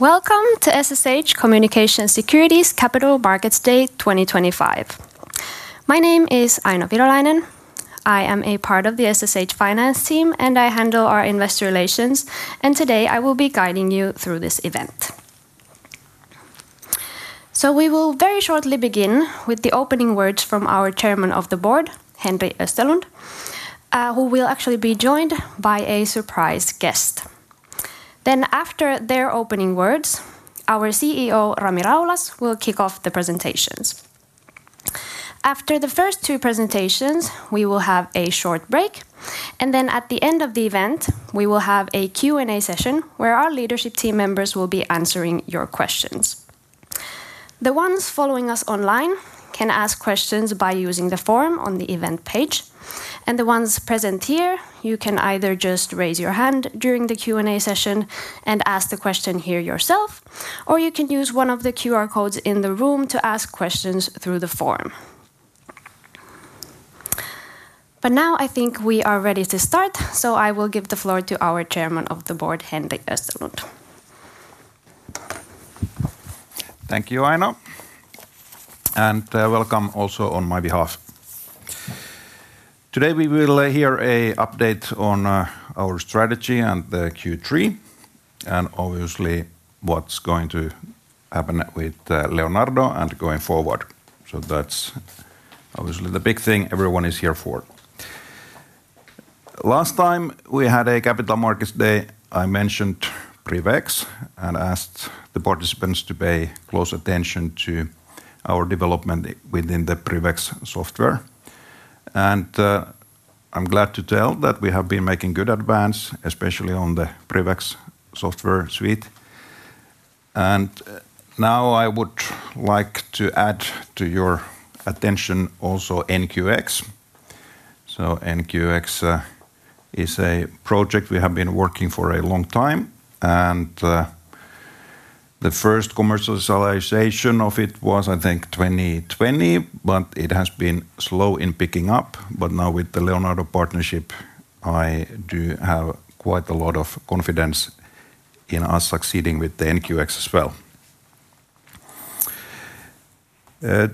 Welcome to SSH Communications Security's Capital Markets Day 2025. My name is Aino Virolainen. I am a part of the SSH Finance team, and I handle our investor relations. Today, I will be guiding you through this event. We will very shortly begin with the opening words from our Chairman of the Board, Henri Österlund, who will actually be joined by a surprise guest. After their opening words, our CEO, Rami Raulas, will kick off the presentations. After the first two presentations, we will have a short break. At the end of the event, we will have a Q&A session where our leadership team members will be answering your questions. The ones following us online can ask questions by using the form on the event page. The ones present here, you can either just raise your hand during the Q&A session and ask the question here yourself, or you can use one of the QR codes in the room to ask questions through the form. I think we are ready to start, so I will give the floor to our Chairman of the Board, Henri Österlund. Thank you, Aino. Welcome also on my behalf. Today, we will hear an update on our strategy and the Q3, and obviously what's going to happen with Leonardo and going forward. That's obviously the big thing everyone is here for. Last time we had a Capital Markets Day, I mentioned PrivX and asked the participants to pay close attention to our development within the PrivX software. I'm glad to tell that we have been making good advance, especially on the PrivX software suite. Now, I would like to add to your attention also NQX. NQX is a project we have been working for a long time. The first commercialization of it was, I think, 2020, but it has been slow in picking up. Now, with the Leonardo partnership, I do have quite a lot of confidence in us succeeding with the NQX as well.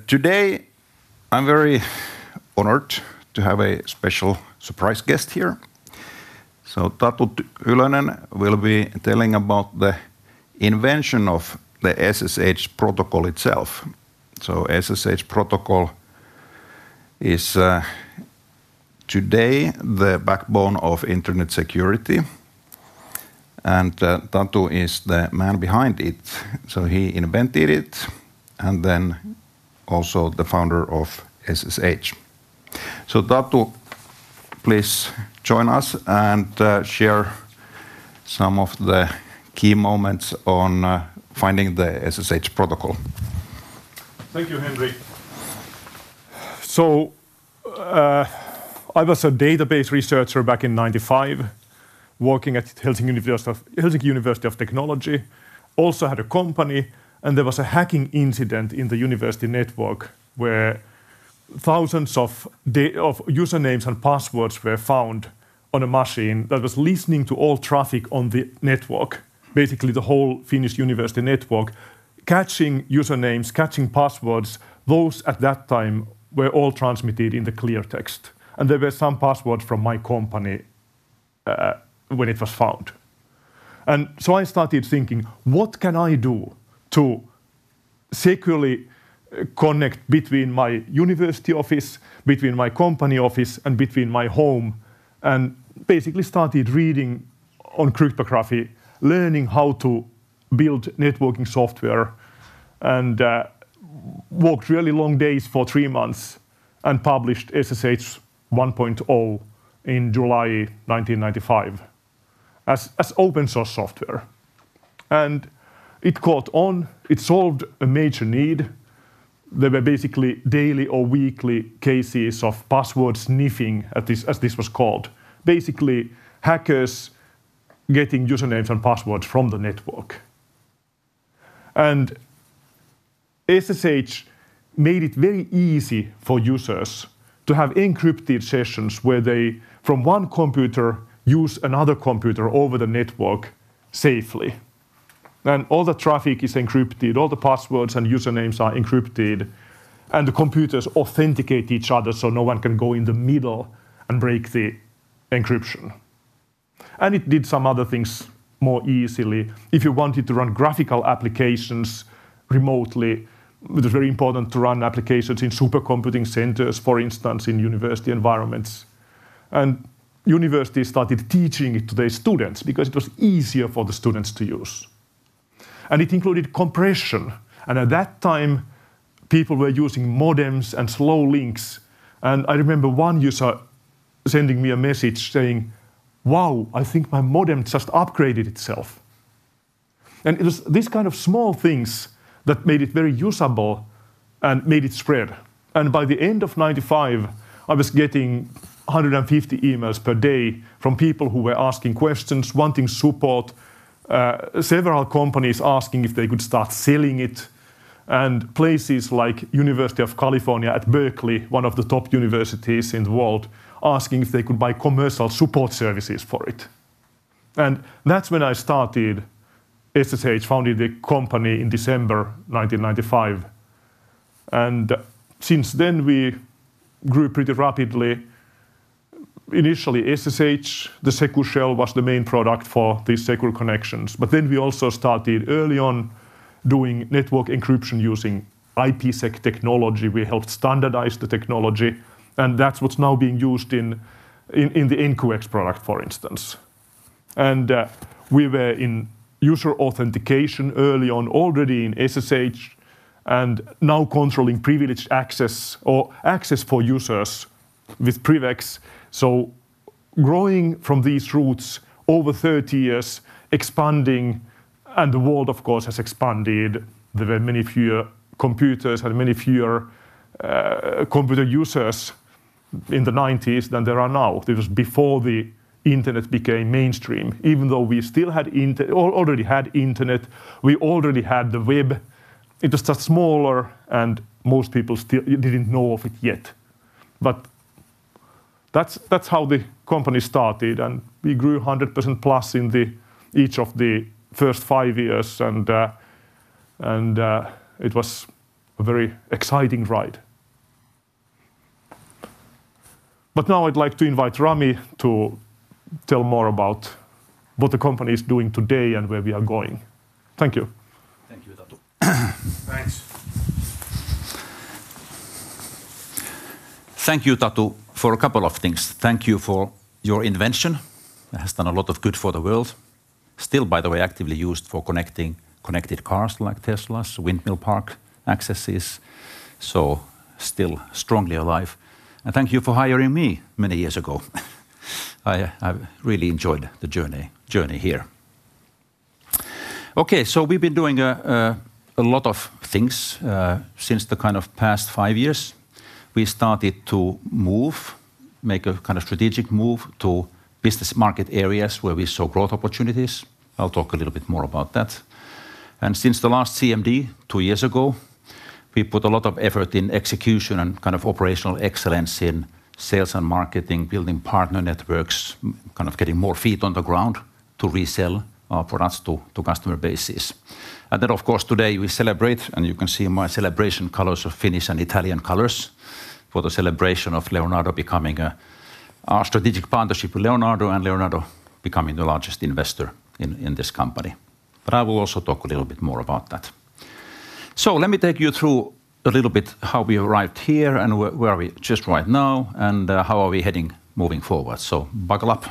Today, I'm very honored to have a special surprise guest here. Tatu Ylönen will be telling about the invention of the SSH protocol itself. SSH protocol is today the backbone of Internet security, and Tatu is the man behind it. He invented it and then also the founder of SSH. Tatu, please join us and share some of the key moments on finding the SSH protocol. Thank you, Henri. I was a database researcher back in 1995, working at the Helsinki University of Technology. I also had a company, and there was a hacking incident in the university network where thousands of usernames and passwords were found on a machine that was listening to all traffic on the network, basically the whole Finnish University Network, catching usernames, catching passwords. Those, at that time, were all transmitted in clear text. There were some passwords from my company when it was found. I started thinking, what can I do to securely connect between my university office, between my company office, and between my home? I basically started reading on cryptography, learning how to build networking software, and walked really long days for three months and published SSH 1.0 in July 1995 as open-source software. It caught on. It solved a major need. There were basically daily or weekly cases of password sniffing, as this was called. Hackers were getting usernames and passwords from the network. SSH made it very easy for users to have encrypted sessions where they, from one computer, use another computer over the network safely. All the traffic is encrypted. All the passwords and usernames are encrypted, and the computers authenticate each other so no one can go in the middle and break the encryption. It did some other things more easily. If you wanted to run graphical applications remotely, it was very important to run applications in supercomputing centers, for instance, in university environments. Universities started teaching it to their students because it was easier for the students to use. It included compression. At that time, people were using modems and slow links. I remember one user sending me a message saying, "Wow, I think my modem just upgraded itself." It was these kind of small things that made it very usable and made it spread. By the end of 1995, I was getting 150 emails per day from people who were asking questions, wanting support, several companies asking if they could start selling it, and places like the University of California at Berkeley, one of the top universities in the world, asking if they could buy commercial support services for it. That's when I started SSH, founded the company in December 1995. Since then, we grew pretty rapidly. Initially, SSH, the Secure Shell, was the main product for these secure connections. We also started early on doing network encryption using IPsec technology. We helped standardize the technology, and that's what's now being used in the NQX product, for instance. We were in user authentication early on already in SSH, and now controlling privileged access or access for users with PrivX. Growing from these roots over 30 years, expanding, and the world, of course, has expanded. There were many fewer computers and many fewer computer users in the 1990s than there are now. It was before the Internet became mainstream. Even though we still already had Internet, we already had the web. It was just smaller, and most people still didn't know of it yet. That's how the company started, and we grew 100%+ in each of the first five years. It was a very exciting ride. Now, I'd like to invite Rami to tell more about what the company is doing today and where we are going. Thank you. Thank you. Thank you, Tatu, for a couple of things. Thank you for your invention. It has done a lot of good for the world. Still, by the way, actively used for connecting connected cars like Teslas, windmill park accesses, still strongly alive. Thank you for hiring me many years ago. I really enjoyed the journey here. We've been doing a lot of things since the kind of past five years. We started to move, make a kind of strategic move to business market areas where we saw growth opportunities. I'll talk a little bit more about that. Since the last CMD, two years ago, we put a lot of effort in execution and kind of operational excellence in sales and marketing, building partner networks, kind of getting more feet on the ground to resell our products to customer bases. That, of course, today we celebrate, and you can see my celebration colors of Finnish and Italian colors for the celebration of Leonardo becoming our strategic partnership with Leonardo and Leonardo becoming the largest investor in this company. I will also talk a little bit more about that. Let me take you through a little bit how we arrived here and where we are just right now and how are we heading moving forward. Buckle up.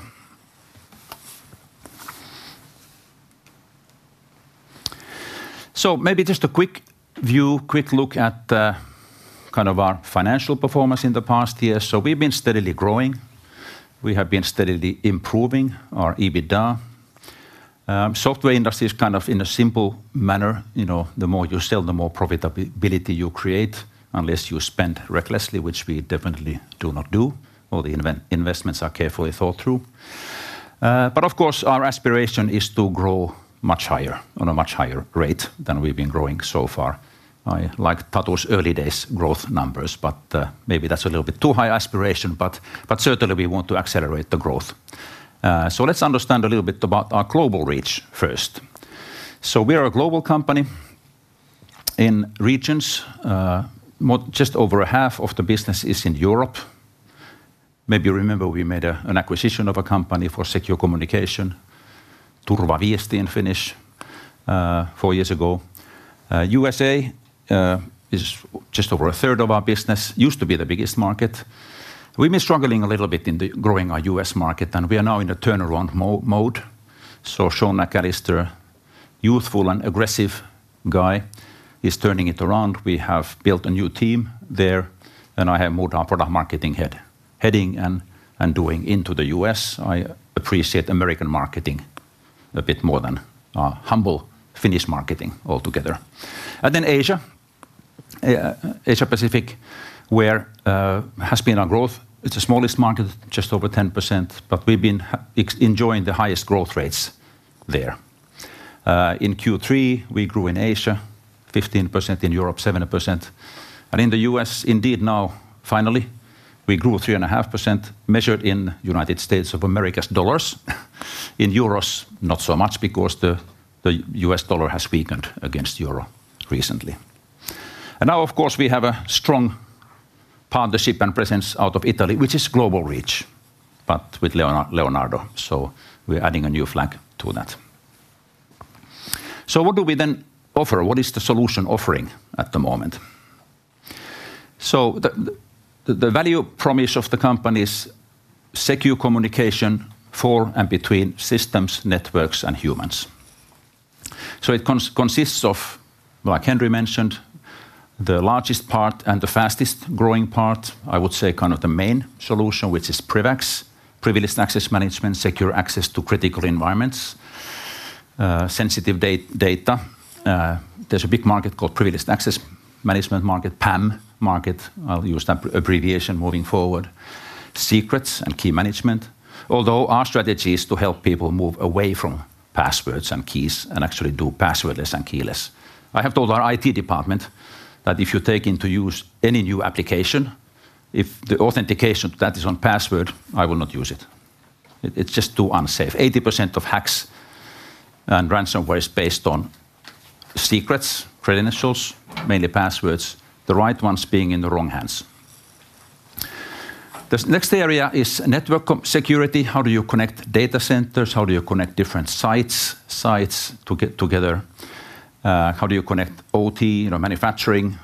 Maybe just a quick view, quick look at kind of our financial performance in the past year. We've been steadily growing. We have been steadily improving our EBITDA. Software industry is kind of in a simple manner. The more you sell, the more profitability you create unless you spend recklessly, which we definitely do not do. All the investments are carefully thought through. Of course, our aspiration is to grow much higher on a much higher rate than we've been growing so far. I like Tatu's early days growth numbers, but maybe that's a little bit too high aspiration, but certainly we want to accelerate the growth. Let's understand a little bit about our global reach first. We are a global company in regions. Just over half of the business is in Europe. Maybe you remember we made an acquisition of a company for secure communication, Turvaviesti in Finnish, four years ago. U.S.A. is just over a third of our business, used to be the biggest market. We've been struggling a little bit in growing our U.S. market, and we are now in a turnaround mode. Shawn McAllister, youthful and aggressive guy, is turning it around. We have built a new team there, and I have moved our product marketing heading and doing into the U.S. I appreciate American marketing a bit more than our humble Finnish marketing altogether. Then Asia, Asia-Pacific, where it has been our growth. It's the smallest market, just over 10%, but we've been enjoying the highest growth rates there. In Q3, we grew in Asia 15%, in Europe 7%, and in the U.S., indeed now finally, we grew 3.5% measured in the United States of America's dollars. In euros, not so much because the U.S. dollar has weakened against euro recently. Now, of course, we have a strong partnership and presence out of Italy, which is global reach, but with Leonardo. We're adding a new flag to that. What do we then offer? What is the solution offering at the moment? The value promise of the company is secure communication for and between systems, networks, and humans. It consists of, like Henri mentioned, the largest part and the fastest growing part, I would say kind of the main solution, which is PrivX, Privileged Access Management, secure access to critical environments, sensitive data. There's a big market called Privileged Access Management market, PAM market. I'll use that abbreviation moving forward, secrets and key management. Although our strategy is to help people move away from passwords and keys and actually do passwordless and keyless. I have told our IT department that if you take into use any new application, if the authentication to that is on password, I will not use it. It's just too unsafe. 80% of hacks and ransomware is based on secrets, credentials, mainly passwords, the right ones being in the wrong hands. The next area is network security. How do you connect data centers? How do you connect different sites together? How do you connect OT, manufacturing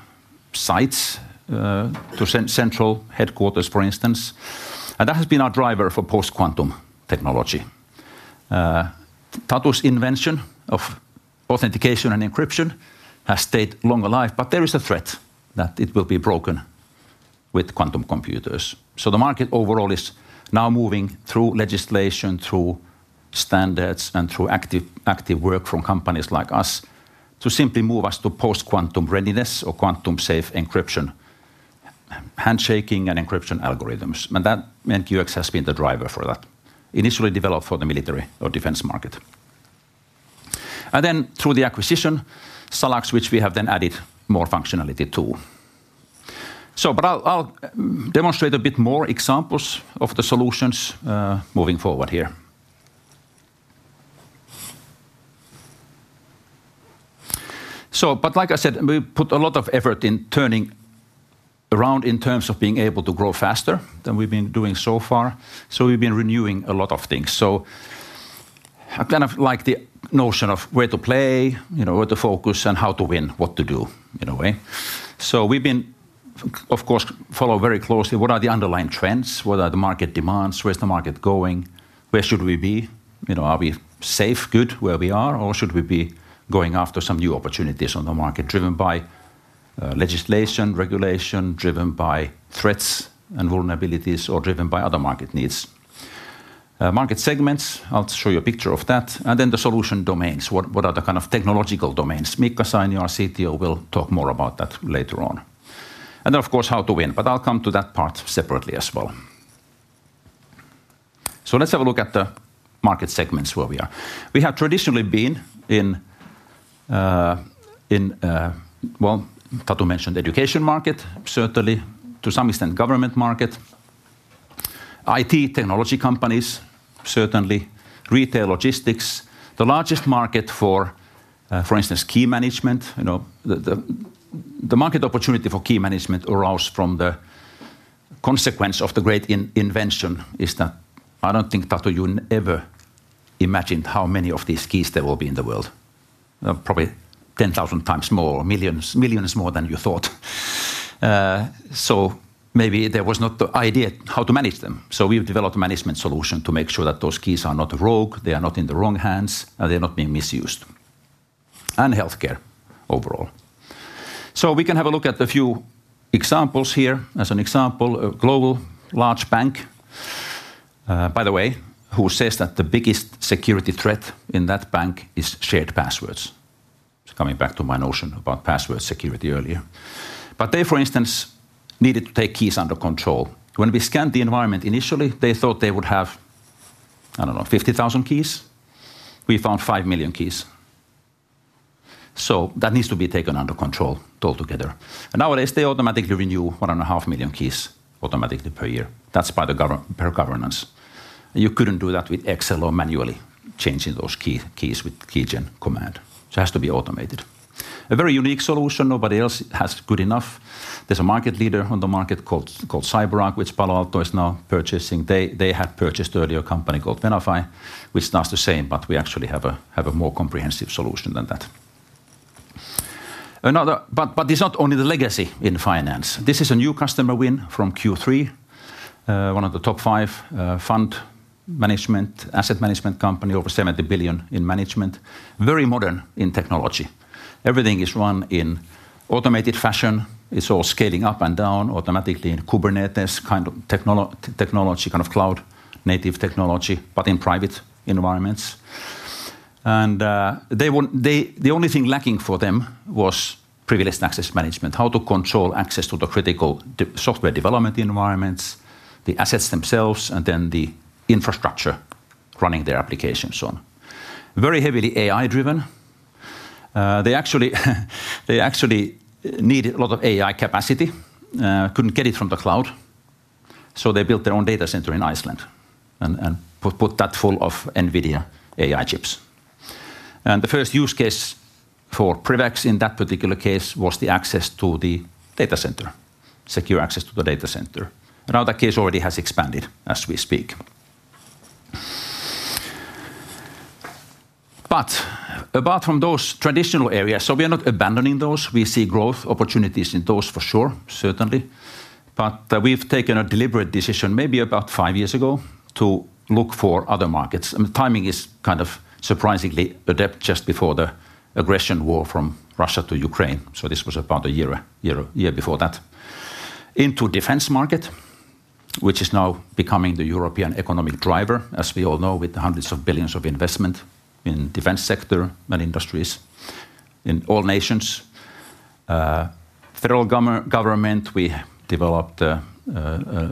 sites to central headquarters, for instance? That has been our driver for post-quantum technology. Tatu's invention of authentication and encryption has stayed long alive, but there is a threat that it will be broken with quantum computers. The market overall is now moving through legislation, through standards, and through active work from companies like us to simply move us to post-quantum readiness or quantum-safe encryption, handshaking and encryption algorithms. That NQX has been the driver for that, initially developed for the military or defense market. Through the acquisition, SalaX, which we have then added more functionality to. I'll demonstrate a bit more examples of the solutions moving forward here. Like I said, we put a lot of effort in turning around in terms of being able to grow faster than we've been doing so far. We've been renewing a lot of things. I kind of like the notion of where to play, where to focus, and how to win, what to do in a way. We've been, of course, following very closely what are the underlying trends, what are the market demands, where's the market going, where should we be? Are we safe, good where we are, or should we be going after some new opportunities on the market driven by legislation, regulation, driven by threats and vulnerabilities, or driven by other market needs? Market segments, I'll show you a picture of that. The solution domains, what are the kind of technological domains? Miikka Sainio, CTO, will talk more about that later on. How to win, I'll come to that part separately as well. Let's have a look at the market segments where we are. We have traditionally been in, Tatu mentioned education market, certainly to some extent government market, IT technology companies, certainly retail logistics, the largest market for, for instance, key management. The market opportunity for key management arose from the consequence of the great invention is that I don't think Tatu ever imagined how many of these keys there will be in the world. Probably 10,000x more, millions more than you thought. Maybe there was not the idea how to manage them. We've developed a management solution to make sure that those keys are not rogue, they are not in the wrong hands, and they're not being misused. Healthcare overall. We can have a look at a few examples here. As an example, a global large bank, by the way, who says that the biggest security threat in that bank is shared passwords. It's coming back to my notion about password security earlier. They, for instance, needed to take keys under control. When we scanned the environment initially, they thought they would have, I don't know, 50,000 keys. We found 5 million keys. That needs to be taken under control altogether. Nowadays, they automatically renew 1.5 million keys automatically per year. That's by the governance. You couldn't do that with Excel or manually changing those keys with keygen command. It has to be automated. A very unique solution, nobody else has good enough. There's a market leader on the market called CyberArk, which Palo Alto is now purchasing. They had purchased earlier a company called Venafi, which does the same, but we actually have a more comprehensive solution than that. This is not only the legacy in finance. This is a new customer win from Q3, one of the top five fund management asset management company, over $70 billion in management, very modern in technology. Everything is run in automated fashion. It's all scaling up and down automatically in Kubernetes, kind of technology, kind of cloud-native technology, but in private environments. The only thing lacking for them was privileged access management, how to control access to the critical software development environments, the assets themselves, and then the infrastructure running their applications on. Very heavily AI-driven. They actually need a lot of AI capacity. Couldn't get it from the cloud. They built their own data center in Iceland and put that full of NVIDIA AI chips. The first use case for PrivX in that particular case was the access to the data center, secure access to the data center. Now that case already has expanded as we speak. Apart from those traditional areas, we are not abandoning those. We see growth opportunities in those for sure, certainly. We've taken a deliberate decision maybe about five years ago to look for other markets. Timing is kind of surprisingly adept just before the aggression war from Russia to U.K.raine. This was about a year before that. Into defense market, which is now becoming the European economic driver, as we all know, with the hundreds of billions of investment in defense sector and industries in all nations. Federal government, we developed the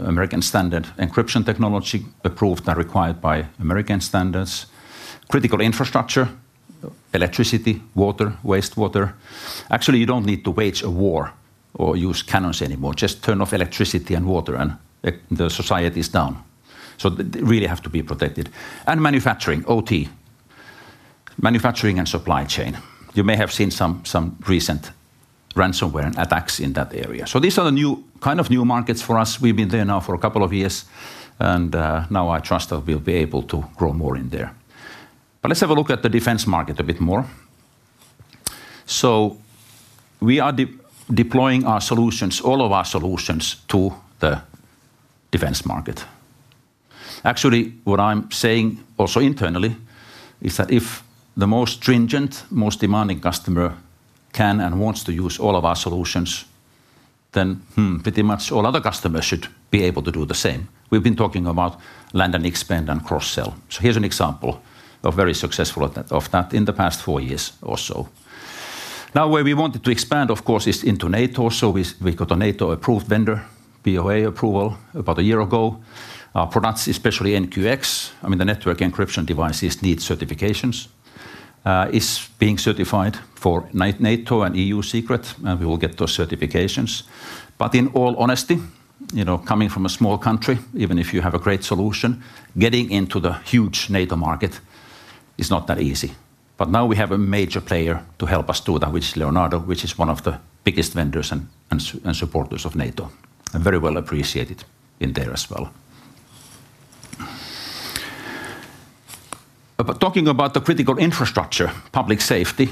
American standard encryption technology approved and required by American standards. Critical infrastructure, electricity, water, wastewater. Actually, you don't need to wage a war or use cannons anymore. Just turn off electricity and water, and the society is down. It really has to be protected. Manufacturing, OT, manufacturing and supply chain. You may have seen some recent ransomware and attacks in that area. These are the kind of new markets for us. We've been there now for a couple of years, and now I trust that we'll be able to grow more in there. Let's have a look at the defense market a bit more. We are deploying all of our solutions to the defense market. Actually, what I'm saying also internally is that if the most stringent, most demanding customer can and wants to use all of our solutions, then pretty much all other customers should be able to do the same. We've been talking about land and expand and cross-sell. Here's an example of very successful of that in the past four years or so. Now where we wanted to expand, of course, is into NATO. We got a NATO-approved vendor, BOA approval about a year ago. Our products, especially NQX, I mean the network encryption devices need certifications, is being certified for NATO and EU secret. We will get those certifications. In all honesty, coming from a small country, even if you have a great solution, getting into the huge NATO market is not that easy. Now we have a major player to help us do that, which is Leonardo, which is one of the biggest vendors and supporters of NATO and very well appreciated in there as well. Talking about the critical infrastructure, public safety,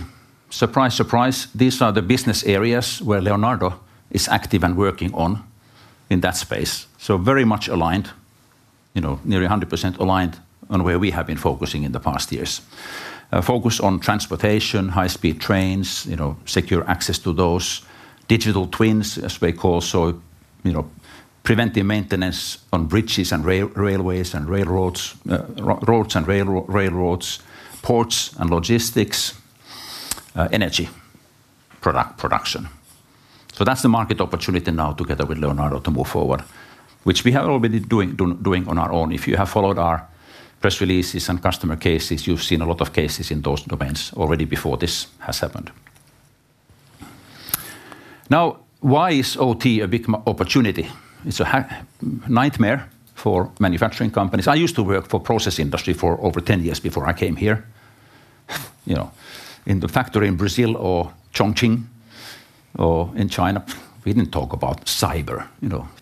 surprise, surprise, these are the business areas where Leonardo is active and working on in that space. Very much aligned, nearly 100% aligned on where we have been focusing in the past years. Focus on transportation, high-speed trains, secure access to those, digital twins, as we call so, preventive maintenance on bridges and railways and railroads, ports and logistics, energy production. That's the market opportunity now together with Leonardo to move forward, which we have already been doing on our own. If you have followed our press releases and customer cases, you've seen a lot of cases in those domains already before this has happened. Now, why is OT a big opportunity? It's a nightmare for manufacturing companies. I used to work for process industry for over 10 years before I came here. In the factory in Brazil or Chongqing or in China, we didn't talk about cyber.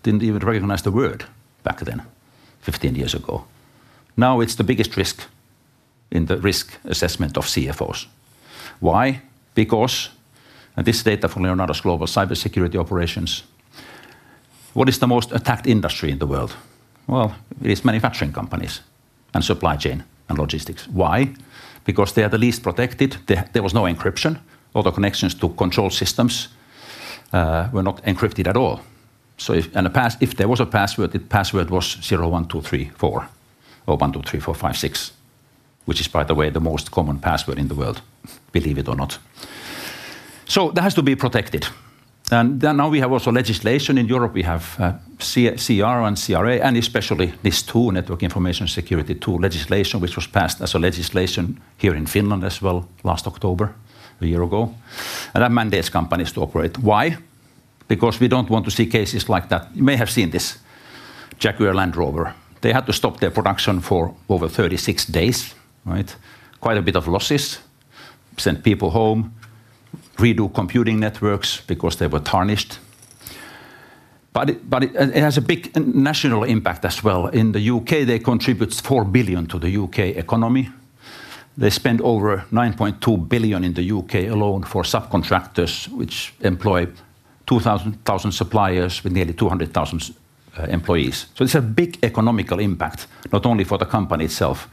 Didn't even recognize the word back then, 15 years ago. Now it's the biggest risk in the risk assessment of CFOs. Why? Because, and this is data from Leonardo's global cybersecurity operations, what is the most attacked industry in the world? It is manufacturing companies and supply chain and logistics. Why? Because they are the least protected. There was no encryption. All the connections to control systems were not encrypted at all. In the past, if there was a password, the password was 01234 or 123456, which is, by the way, the most common password in the world, believe it or not. That has to be protected. Now we have also legislation in Europe. We have CER and CRA, and especially this NIS2, network information security legislation, which was passed as a legislation here in Finland as well last October, a year ago. That mandates companies to operate. Why? Because we don't want to see cases like that. You may have seen this Jaguar Land Rover. They had to stop their production for over 36 days. Quite a bit of losses. Sent people home. Redo computing networks because they were tarnished. It has a big national impact as well. In the U.K., they contribute 4 billion to the U.K. economy. They spend over 9.2 billion in the U.K. alone for subcontractors, which employ 2,000 suppliers with nearly 200,000 employees. This is a big economical impact, not only for the company itself.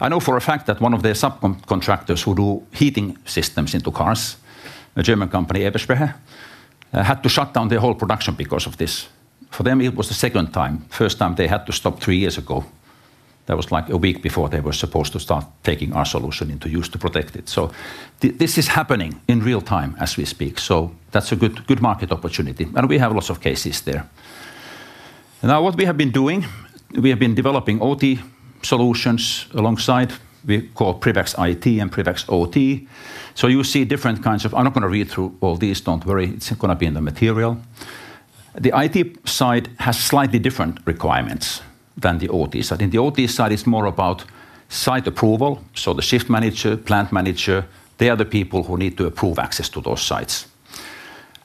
I know for a fact that one of their subcontractors who do heating systems into cars, a German company, Eberspächer, had to shut down their whole production because of this. For them, it was the second time. First time they had to stop three years ago. That was like a week before they were supposed to start taking our solution into use to protect it. This is happening in real time as we speak. That's a good market opportunity. We have lots of cases there. Now, what we have been doing, we have been developing OT solutions alongside what we call PrivX IT and PrivX OT. You see different kinds of, I'm not going to read through all these, don't worry, it's going to be in the material. The IT side has slightly different requirements than the OT side. In the OT side, it's more about site approval. The Shift Manager, Plant Manager, they are the people who need to approve access to those sites.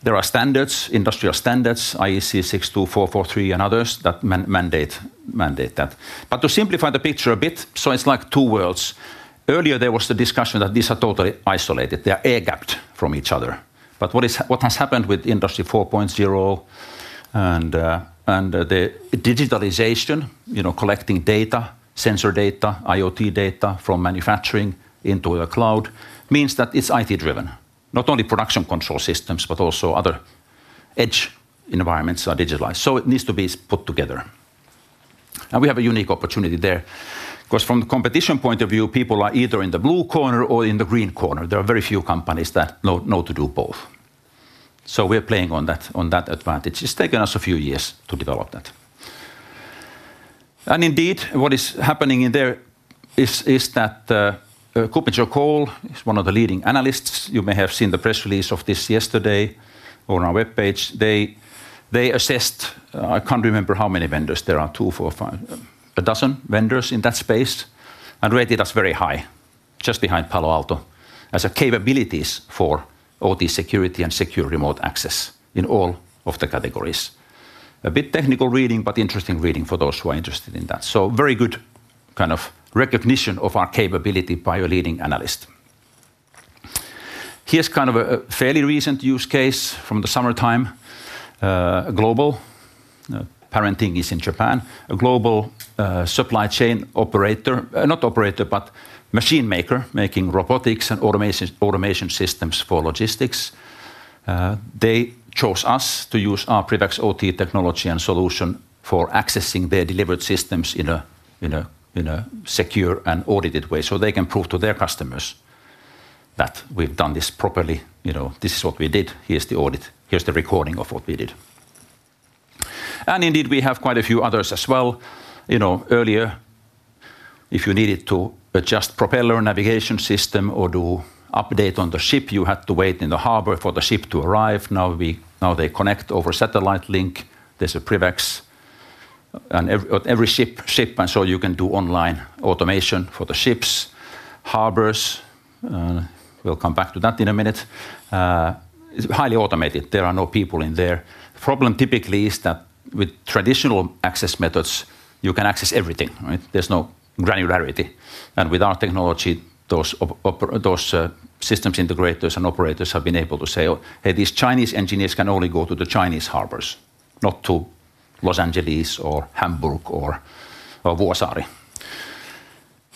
There are standards, industrial standards, IEC 62443 and others that mandate that. To simplify the picture a bit, it's like two worlds. Earlier, there was the discussion that these are totally isolated. They are air-gapped from each other. What has happened with Industry 4.0 and the Digitalization, collecting data, sensor data, IoT data from manufacturing into the cloud means that it's IT-driven. Not only production control systems, but also other edge environments are digitalized. It needs to be put together. We have a unique opportunity there because from the competition point of view, people are either in the blue corner or in the green corner. There are very few companies that know to do both. We're playing on that advantage. It's taken us a few years to develop that. Indeed, what is happening in there is that KuppingerCole, one of the leading analysts, you may have seen the press release of this yesterday on our webpage. They assessed, I can't remember how many vendors there are, two, four, five, a dozen vendors in that space and rated us very high, just behind Palo Alto as a capabilities for OT security and secure remote access in all of the categories. A bit technical reading, but interesting reading for those who are interested in that. Very good kind of recognition of our capability by a leading analyst. Here's kind of a fairly recent use case from the summertime. Global, parenting is in Japan, a global supply chain operator, not operator, but machine maker, making robotics and automation systems for logistics. They chose us to use our PrivX OT technology and solution for accessing their delivered systems in a secure and audited way so they can prove to their customers that we've done this properly. This is what we did. Here's the audit. Here's the recording of what we did. Indeed, we have quite a few others as well. Earlier, if you needed to adjust propeller navigation system or do update on the ship, you had to wait in the harbor for the ship to arrive. Now they connect over satellite link. There's a PrivX on every ship, and so you can do online automation for the ships, harbors. We'll come back to that in a minute. It's highly automated. There are no people in there. The problem typically is that with traditional access methods, you can access everything. There's no granularity. With our technology, those systems integrators and operators have been able to say, hey, these Chinese engineers can only go to the Chinese harbors, not to Los Angeles or Hamburg or Wolseley.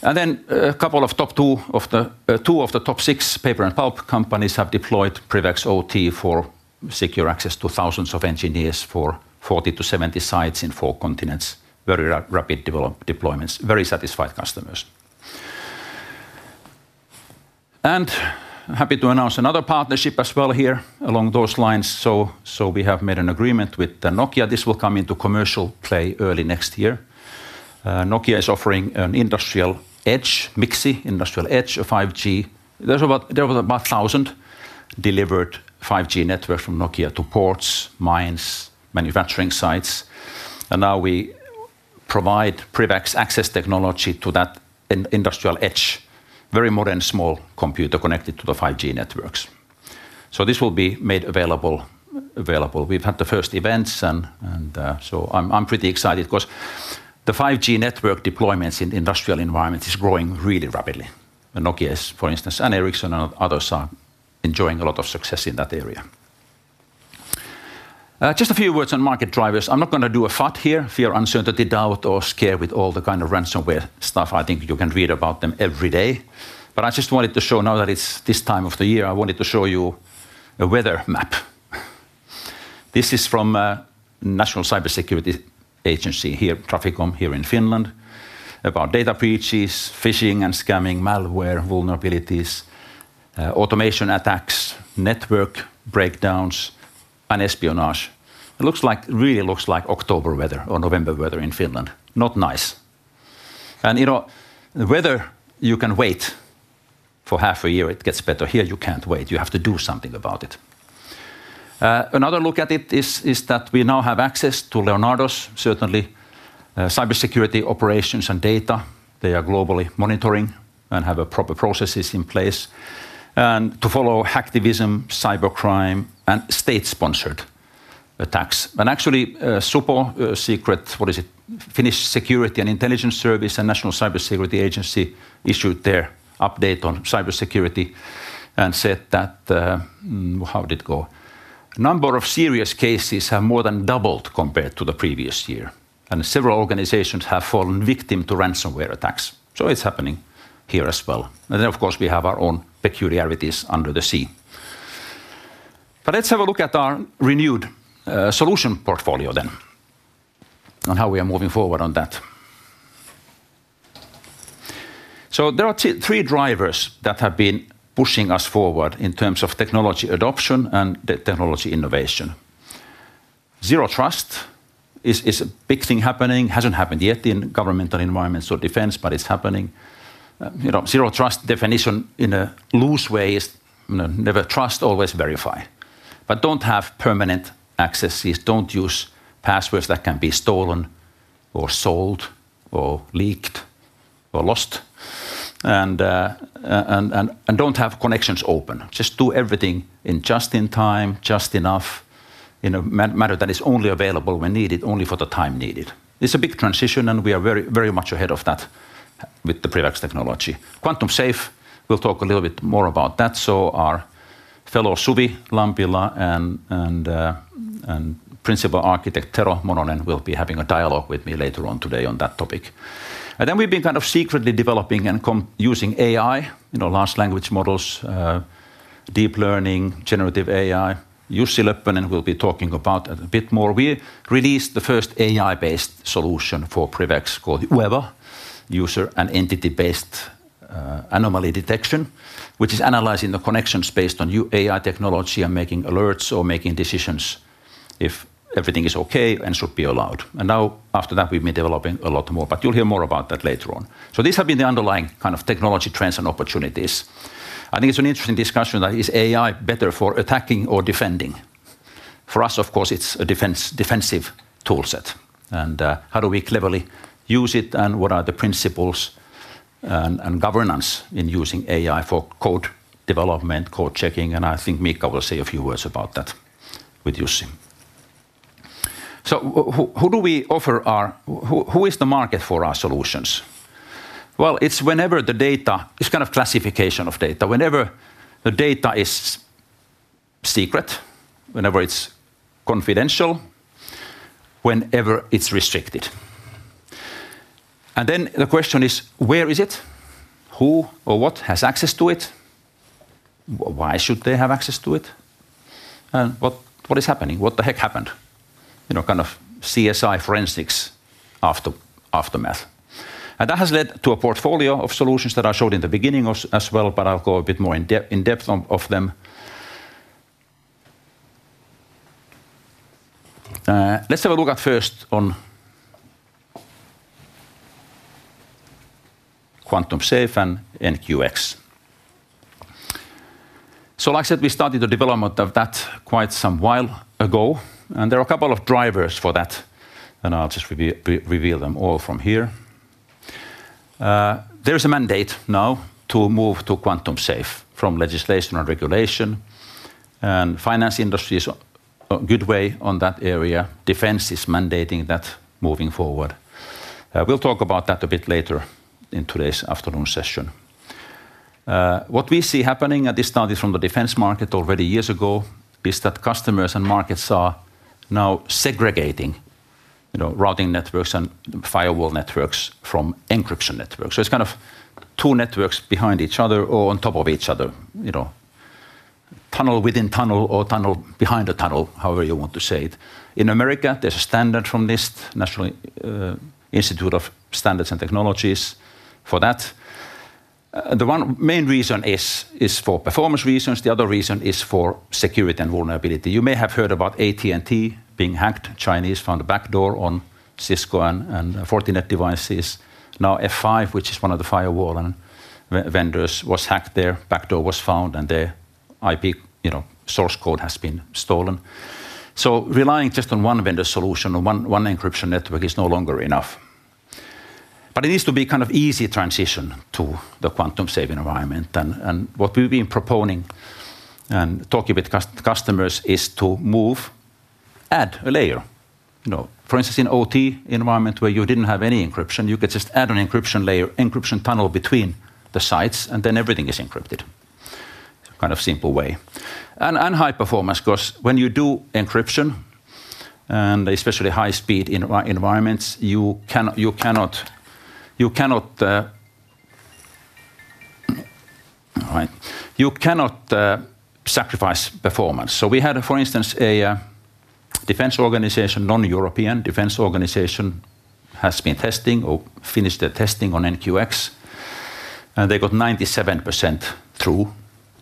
A couple of the top six paper and pulp companies have deployed PrivX OT for secure access to thousands of engineers for 40-70 sites in four continents, very rapid deployments, very satisfied customers. I'm happy to announce another partnership as well here along those lines. We have made an agreement with Nokia. This will come into commercial play early next year. Nokia is offering an industrial edge mixing, industrial edge of 5G. There was about 1,000 delivered 5G networks from Nokia to ports, mines, manufacturing sites. Now we provide PrivX access technology to that industrial edge, very modern small computer connected to the 5G networks. This will be made available. We've had the first events, and so I'm pretty excited because the 5G network deployments in industrial environments are growing really rapidly. Nokia, for instance, and Ericsson and others are enjoying a lot of success in that area. Just a few words on market drivers. I'm not going to do a FUD here, fear, uncertainty, doubt, or scare with all the kind of ransomware stuff. I think you can read about them every day. I just wanted to show now that it's this time of the year, I wanted to show you a weather map. This is from the National Cybersecurity Agency, Traficom here in Finland, about data breaches, phishing and scamming, malware vulnerabilities, automation attacks, network breakdowns, and espionage. It really looks like October weather or November weather in Finland. Not nice. You know the weather, you can wait for half a year, it gets better. Here you can't wait. You have to do something about it. Another look at it is that we now have access to Leonardo's, certainly, cybersecurity operations and data. They are globally monitoring and have proper processes in place to follow hacktivism, cybercrime, and state-sponsored attacks. Actually, Supo Secret, what is it? Finnish Security and Intelligence Service and National Cybersecurity Agency issued their update on cybersecurity and said that, how did it go? A number of serious cases have more than doubled compared to the previous year. Several organizations have fallen victim to ransomware attacks. It's happening here as well. Of course, we have our own peculiarities under the sea. Let's have a look at our renewed solution portfolio then and how we are moving forward on that. There are three drivers that have been pushing us forward in terms of technology adoption and technology innovation. Zero Trust is a big thing happening. It hasn't happened yet in governmental environments or defense, but it's happening. Zero Trust definition in a loose way is never trust, always verify. Don't have permanent accesses. Don't use passwords that can be stolen or sold or leaked or lost. Don't have connections open. Just do everything in just in time, just enough, in a matter that is only available when needed, only for the time needed. It's a big transition, and we are very much ahead of that with the PrivX technology. Quantum-safe, we'll talk a little bit more about that. Our Fellow Suvi Lampila and Principal Architect Tero Mononen will be having a dialogue with me later on today on that topic. We have been kind of secretly developing and using AI, large language models, deep learning, generative AI. Jussi Löppönen will be talking about it a bit more. We released the first AI-based solution for PrivX called Weber, user and entity-based anomaly detection, which is analyzing the connections based on new AI technology and making alerts or making decisions if everything is okay and should be allowed. After that, we have been developing a lot more, but you'll hear more about that later on. These have been the underlying kind of technology trends and opportunities. I think it's an interesting discussion that is AI better for attacking or defending. For us, of course, it's a defensive tool set. How do we cleverly use it and what are the principles and governance in using AI for code development, code checking? I think Miikka will say a few words about that with Jussi. Who do we offer our, who is the market for our solutions? It's whenever the data, it's kind of classification of data, whenever the data is secret, whenever it's confidential, whenever it's restricted. The question is, where is it? Who or what has access to it? Why should they have access to it? What is happening? What the heck happened? Kind of CSI forensics aftermath. That has led to a portfolio of solutions that I showed in the beginning as well, but I'll go a bit more in depth of them. Let's have a look at first on quantum-safe and NQX. Like I said, we started the development of that quite some while ago. There are a couple of drivers for that, and I'll just reveal them all from here. There is a mandate now to move to quantum-safe from legislation and regulation. Finance industry is a good way on that area. Defense is mandating that moving forward. We'll talk about that a bit later in today's afternoon session. What we see happening at this start is from the defense market already years ago, is that customers and markets are now segregating routing networks and firewall networks from encryption networks. It's kind of two networks behind each other or on top of each other. Tunnel within tunnel or tunnel behind the tunnel, however you want to say it. In America, there's a standard from this, National Institute of Standards and Technology for that. The main reason is for performance reasons. The other reason is for security and vulnerability. You may have heard about AT&T being hacked. Chinese found a backdoor on Cisco and Fortinet devices. Now F5, which is one of the firewall vendors, was hacked there. A backdoor was found and the IP source code has been stolen. Relying just on one vendor solution or one encryption network is no longer enough. It needs to be kind of easy transition to the quantum-safe environment. What we've been proponing and talking with customers is to move, add a layer. For instance, in OT environment where you didn't have any encryption, you could just add an encryption layer, encryption tunnel between the sites, and then everything is encrypted. Kind of simple way. High performance because when you do encryption, and especially high-speed environments, you cannot sacrifice performance. We had, for instance, a defense organization, non-European defense organization, has been testing or finished their testing on NQX. They got 97% through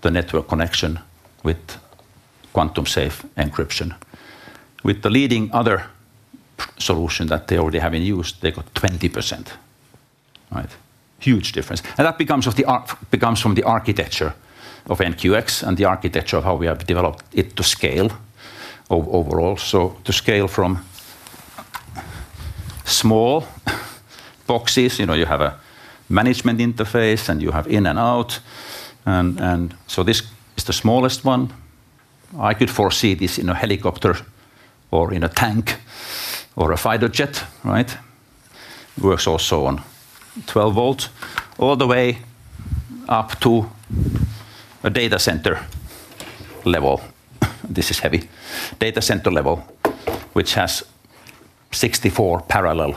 the network connection with quantum-safe encryption. With the leading other solution that they already have in use, they got 20%. Huge difference. That comes from the architecture of NQX and the architecture of how we have developed it to scale overall. To scale from small boxes, you have a management interface and you have in and out. This is the smallest one. I could foresee this in a helicopter or in a tank or a fighter jet. It works also on 12 V all the way up to a data center level. This is heavy. Data center level, which has 64 parallel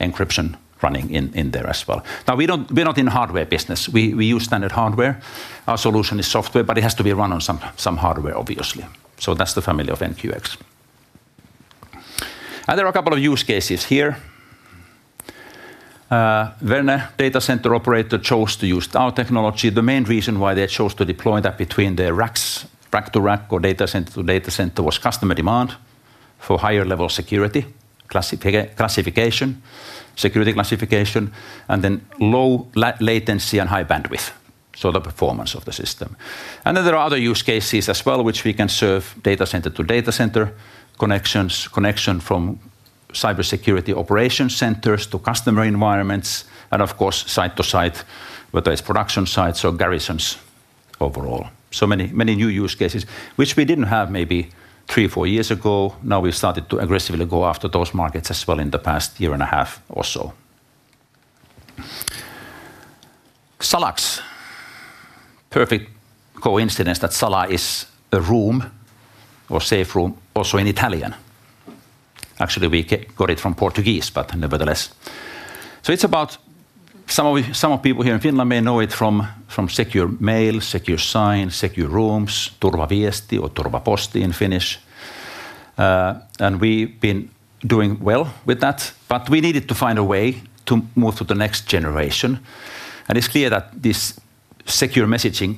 encryption running in there as well. We're not in the hardware business. We use standard hardware. Our solution is software, but it has to be run on some hardware, obviously. That's the family of NQX. There are a couple of use cases here. Werner, data center operator, chose to use our technology. The main reason why they chose to deploy that between their racks, rack to rack or data center to data center, was customer demand for higher level security, classification, security classification, and then low latency and high bandwidth, so the performance of the system. There are other use cases as well, which we can serve data center to data center connections, connection from cybersecurity operation centers to customer environments, and of course, site to site, whether it's production sites or garrisons overall. So many new use cases, which we didn't have maybe three, four years ago. We've started to aggressively go after those markets as well in the past year and a half or so SalaX. Perfect coincidence that SalaX a room or safe room also in Italian. Actually, we got it from Portuguese, but nevertheless. It's about some of the people here in Finland may know it from secure mail, secure sign, secure rooms, turvaviesti or turvaposti in Finnish. We've been doing well with that, but we needed to find a way to move to the next generation. It's clear that this secure messaging,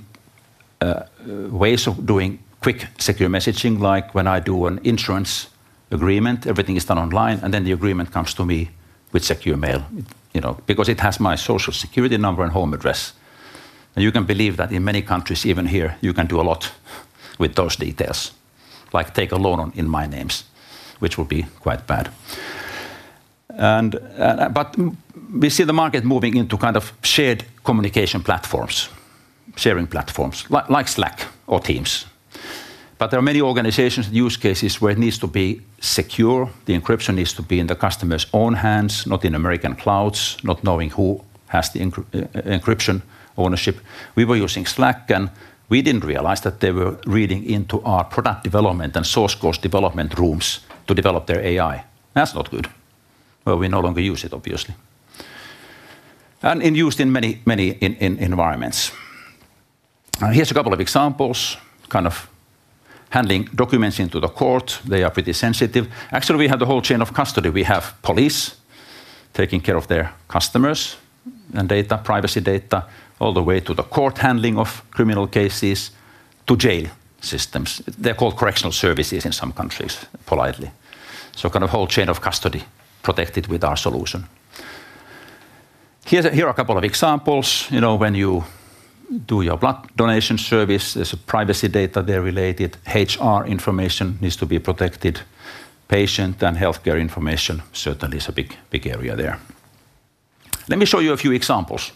ways of doing quick secure messaging, like when I do an insurance agreement, everything is done online, and then the agreement comes to me with secure mail because it has my social security number and home address. You can believe that in many countries, even here, you can do a lot with those details, like take a loan in my names, which will be quite bad. We see the market moving into kind of shared communication platforms, sharing platforms like Slack or Teams. There are many organizations and use cases where it needs to be secure. The encryption needs to be in the customer's own hands, not in American clouds, not knowing who has the encryption ownership. We were using Slack, and we didn't realize that they were reading into our product development and source code development rooms to develop their AI. That's not good. We no longer use it, obviously. Used in many environments. Here's a couple of examples, kind of handling documents into the court. They are pretty sensitive. Actually, we have the whole chain of custody. We have police taking care of their customers and data, privacy data, all the way to the court handling of criminal cases to jail systems. They're called correctional services in some countries, politely. Kind of whole chain of custody protected with our solution. Here are a couple of examples. When you do your blood donation service, there's a privacy data there related. HR information needs to be protected. Patient and healthcare information certainly is a big area there. Let me show you a few examples.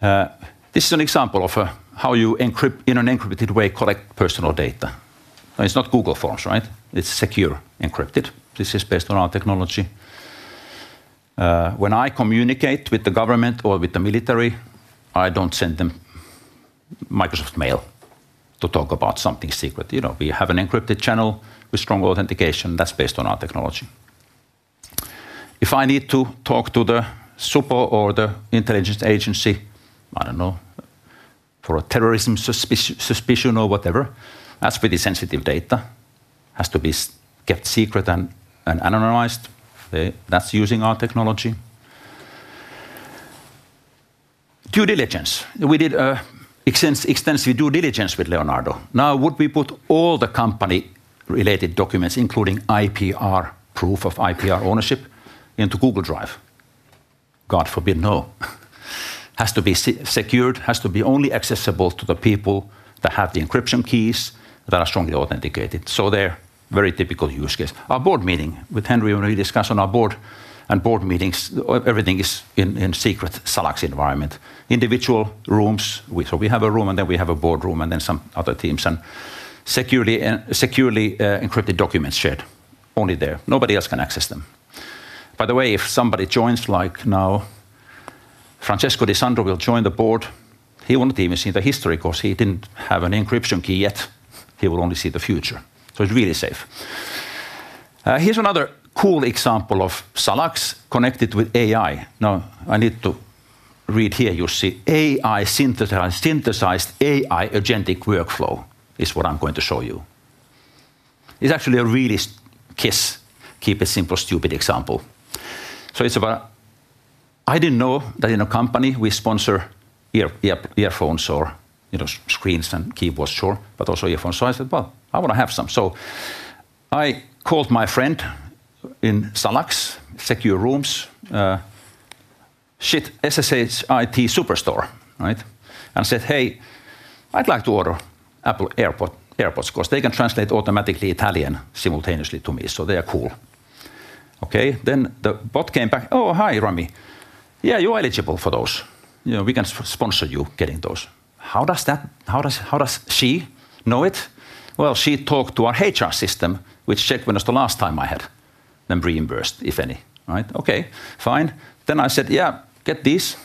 This is an example of how you encrypt in an encrypted way, collect personal data. It's not Google Forms. It's secure encrypted. This is based on our technology. When I communicate with the government or with the military, I don't send them Microsoft Mail to talk about something secret. We have an encrypted channel with strong authentication. That's based on our technology. If I need to talk to the SUPO or the intelligence agency, I don't know, for a terrorism suspicion or whatever, that's pretty sensitive data. It has to be kept secret and anonymized. That's using our technology. Due diligence. We did an extensive due diligence with Leonardo. Now, would we put all the company-related documents, including proof of IPR ownership, into Google Drive? God forbid, no. It has to be secured. It has to be only accessible to the people that have the encryption keys that are strongly authenticated. They're a very typical use case. Our Board Meeting with Henri, when we discuss on our board and board meetings, everything is in a secret SalaX environment. Individual rooms. We have a room, and then we have a board room, and then some other teams. Securely encrypted documents shared only there. Nobody else can access them. By the way, if somebody joins, like now, Francesco DiSandro will join the board. He will not even see the history because he didn't have an encryption key yet. He will only see the future. It's really safe. Here's another cool example of SalaX connected with AI. Now, I need to read here, you see, synthesized AI agentic workflow is what I'm going to show you. It's actually a really KISSE, keep it simple, stupid, example. I didn't know that in a company we sponsor earphones or screens and keyboards, sure, but also earphones. I said, I want to have some. I called my friend in SalaX, secure rooms, SSH IT superstore, and said, hey, I'd like to order Apple AirPods because they can translate automatically Italian simultaneously to me. They are cool. Then the bot came back, oh, hi, Rami. Yeah, you're eligible for those. We can sponsor you getting those. How does she know it? She talked to our HR system, which checked when it was the last time I had been reimbursed, if any. Okay, fine. I said, yeah, get these.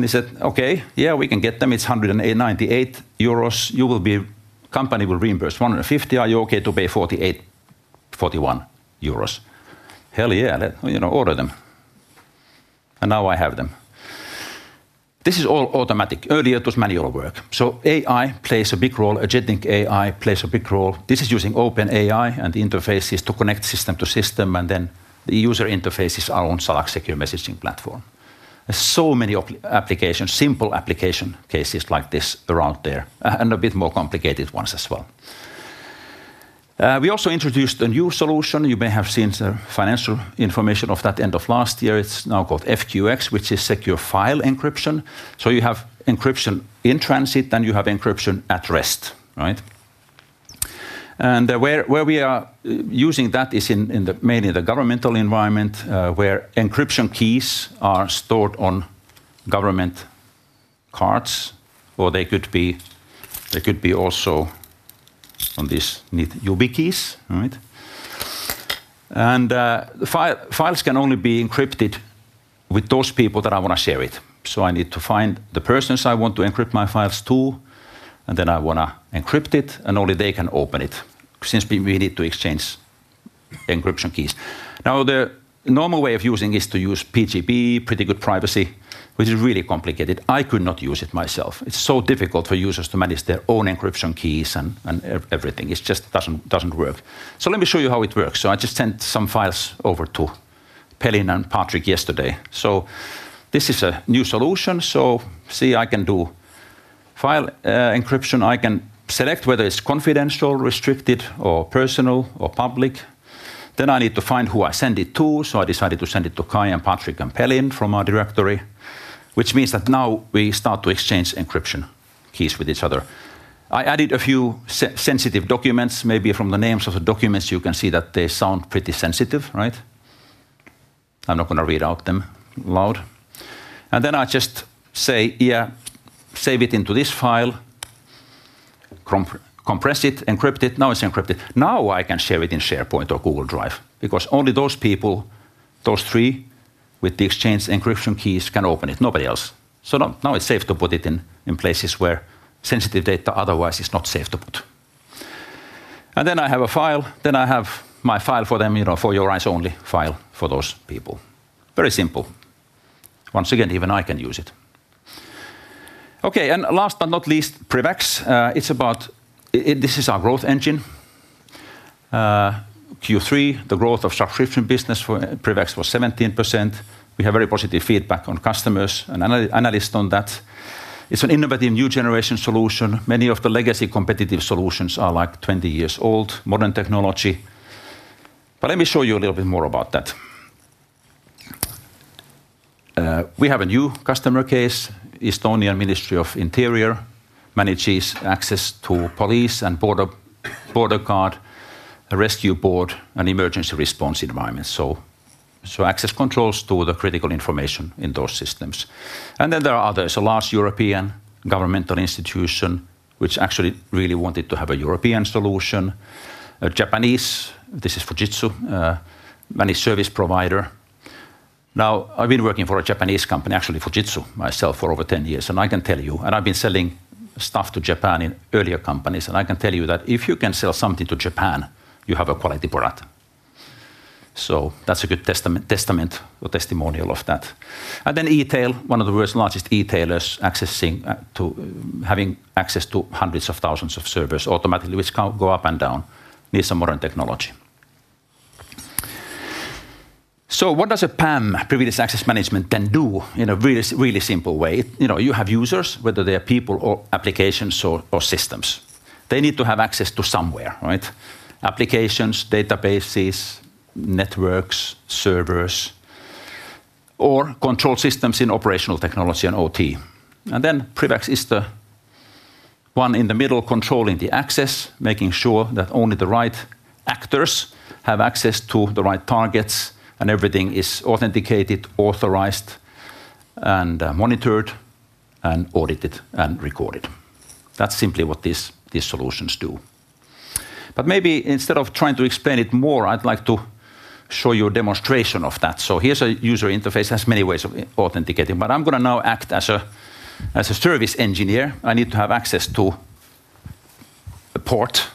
He said, okay, yeah, we can get them. It's 198 euros. Your company will reimburse 150. Are you okay to pay 48? Hell yeah, order them. Now I have them. This is all automatic. Earlier, it was manual work. AI plays a big role. Agentic AI plays a big role. This is using OpenAI and interfaces to connect system to system, and then the user interfaces are on SalaX Secure Messaging platform. There are so many applications, simple application cases like this around there, and a bit more complicated ones as well. We also introduced a new solution. You may have seen the financial information of that end of last year. It's now called FQX, which is secure file encryption. You have encryption in transit and you have encryption at rest. Where we are using that is mainly in the governmental environment where encryption keys are stored on government cards, or they could be also on these new YubiKeys. Files can only be encrypted with those people that I want to share it. I need to find the persons I want to encrypt my files to, and then I want to encrypt it, and only they can open it since we need to exchange encryption keys. The normal way of using is to use PGP, Pretty Good Privacy, which is really complicated. I could not use it myself. It's so difficult for users to manage their own encryption keys and everything. It just doesn't work. Let me show you how it works. I just sent some files over to Pelin and Patrick yesterday. This is a new solution. See, I can do file encryption. I can select whether it's confidential, restricted, or personal, or public. Then I need to find who I send it to. I decided to send it to Kai and Patrick and Pelin from our directory, which means that now we start to exchange encryption keys with each other. I added a few sensitive documents. Maybe from the names of the documents, you can see that they sound pretty sensitive. I'm not going to read out them loud. I just say, yeah, save it into this file, compress it, encrypt it. Now it's encrypted. Now I can share it in SharePoint or Google Drive because only those people, those three with the exchange encryption keys can open it. Nobody else. Now it's safe to put it in places where sensitive data otherwise is not safe to put. I have a file. I have my file for them, for your eyes only file for those people. Very simple. Once again, even I can use it. Last but not least, PrivX. This is our growth engine. Q3, the growth of subscription business for PrivX was 17%. We have very positive feedback on customers and analysts on that. It's an innovative new generation solution. Many of the legacy competitive solutions are like 20 years old, modern technology. Let me show you a little bit more about that. We have a new customer case. Estonian Ministry of Interior manages access to police and border guard, a rescue board, and emergency response environment. Access controls to the critical information in those systems. There are others. A large European governmental institution which actually really wanted to have a European solution. A Japanese, this is Fujitsu, a managed service provider. Now, I've been working for a Japanese company, actually Fujitsu, myself for over 10 years, and I can tell you, and I've been selling stuff to Japan in earlier companies, and I can tell you that if you can sell something to Japan, you have a quality product. That's a good testament or testimonial of that. eTail, one of the world's largest eTailers, having access to hundreds of thousands of servers automatically, which can go up and down, needs some modern technology. What does a PAM, privileged access management, then do in a really simple way? You have users, whether they are people or applications or systems. They need to have access to somewhere. Applications, databases, networks, servers, or control systems in operational technology and OT. PrivX is the one in the middle controlling the access, making sure that only the right actors have access to the right targets and everything is authenticated, authorized, monitored, audited, and recorded. That's simply what these solutions do. Maybe instead of trying to explain it more, I'd like to show you a demonstration of that. Here's a user interface. It has many ways of authenticating, but I'm going to now act as a service engineer. I need to have access to a port.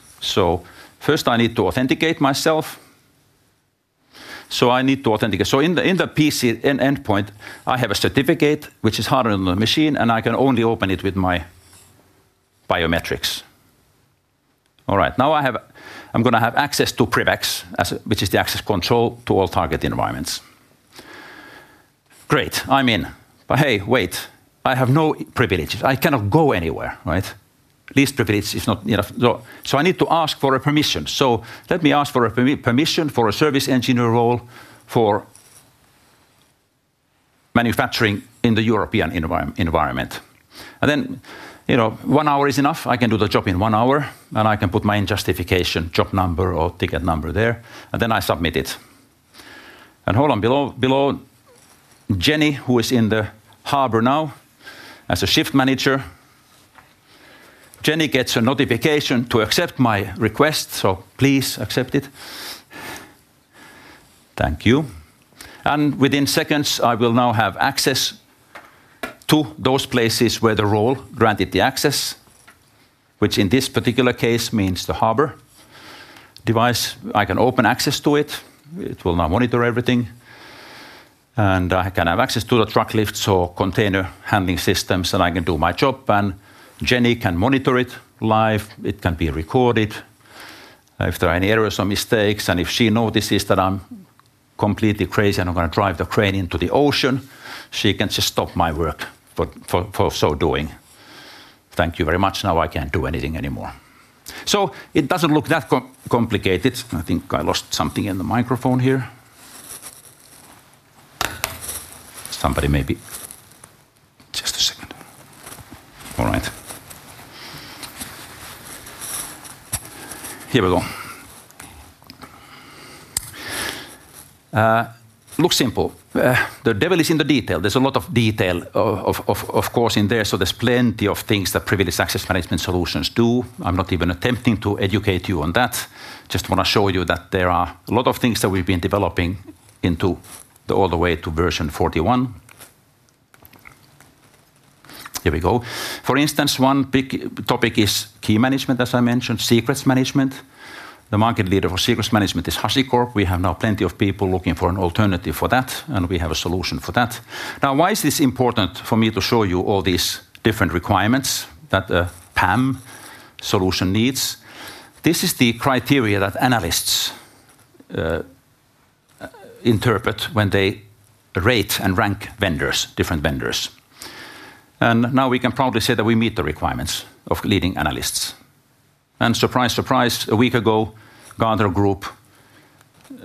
First, I need to authenticate myself. I need to authenticate. In the PC endpoint, I have a certificate which is hardened on the machine, and I can only open it with my biometrics. All right. Now I'm going to have access to PrivX, which is the access control to all target environments. Great. I'm in. Hey, wait, I have no privileges. I cannot go anywhere. Least privilege is not enough. I need to ask for a permission. Let me ask for a permission for a service engineer role for manufacturing in the European environment. One hour is enough. I can do the job in one hour, and I can put my justification, job number, or ticket number there, and then I submit it. Hold on below. Jenny, who is in the harbor now as a Shift Manager, Jenny gets a notification to accept my request. Please accept it. Thank you. Within seconds, I will now have access to those places where the role granted the access, which in this particular case means the harbor device. I can open access to it. It will now monitor everything. I can have access to the truck lifts or container handling systems, and I can do my job, and Jenny can monitor it live. It can be recorded. If there are any errors or mistakes, and if she notices that I'm completely crazy and I'm going to drive the crane into the ocean, she can just stop my work for so doing. Thank you very much. Now I can't do anything anymore. It doesn't look that complicated. I think I lost something in the microphone here. Somebody maybe. Just a second. All right. Here we go. Looks simple. The devil is in the detail. There's a lot of detail, of course, in there. There's plenty of things that privileged access management solutions do. I'm not even attempting to educate you on that. Just want to show you that there are a lot of things that we've been developing all the way to version 41. Here we go. For instance, one big topic is key management, as I mentioned, secrets management. The market leader for secrets management is HashiCorp. We have now plenty of people looking for an alternative for that, and we have a solution for that. Now, why is this important for me to show you all these different requirements that the PAM solution needs? This is the criteria that analysts interpret when they rate and rank different vendors. Now we can proudly say that we meet the requirements of leading analysts. Surprise, surprise, a week ago, Gartner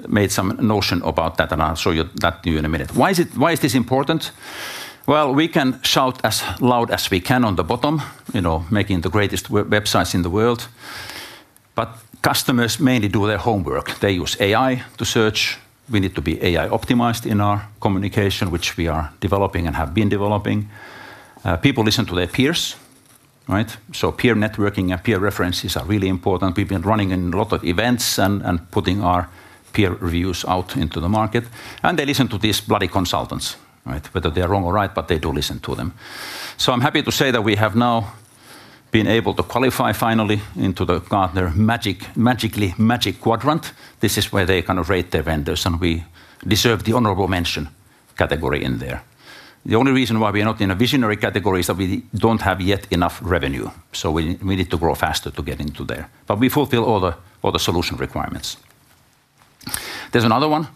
made some notion about that, and I'll show you that to you in a minute. Why is this important? We can shout as loud as we can on the bottom, making the greatest websites in the world, but customers mainly do their homework. They use AI to search. We need to be AI-optimized in our communication, which we are developing and have been developing. People listen to their peers. Peer networking and peer references are really important. We've been running in a lot of events and putting our peer reviews out into the market, and they listen to these bloody consultants, whether they're wrong or right, but they do listen to them. I'm happy to say that we have now been able to qualify finally into the Gartner Magic Quadrant. This is where they kind of rate their vendors, and we deserve the honorable mention category in there. The only reason why we are not in a visionary category is that we don't have yet enough revenue. We need to grow faster to get into there, but we fulfill all the solution requirements. There's another one.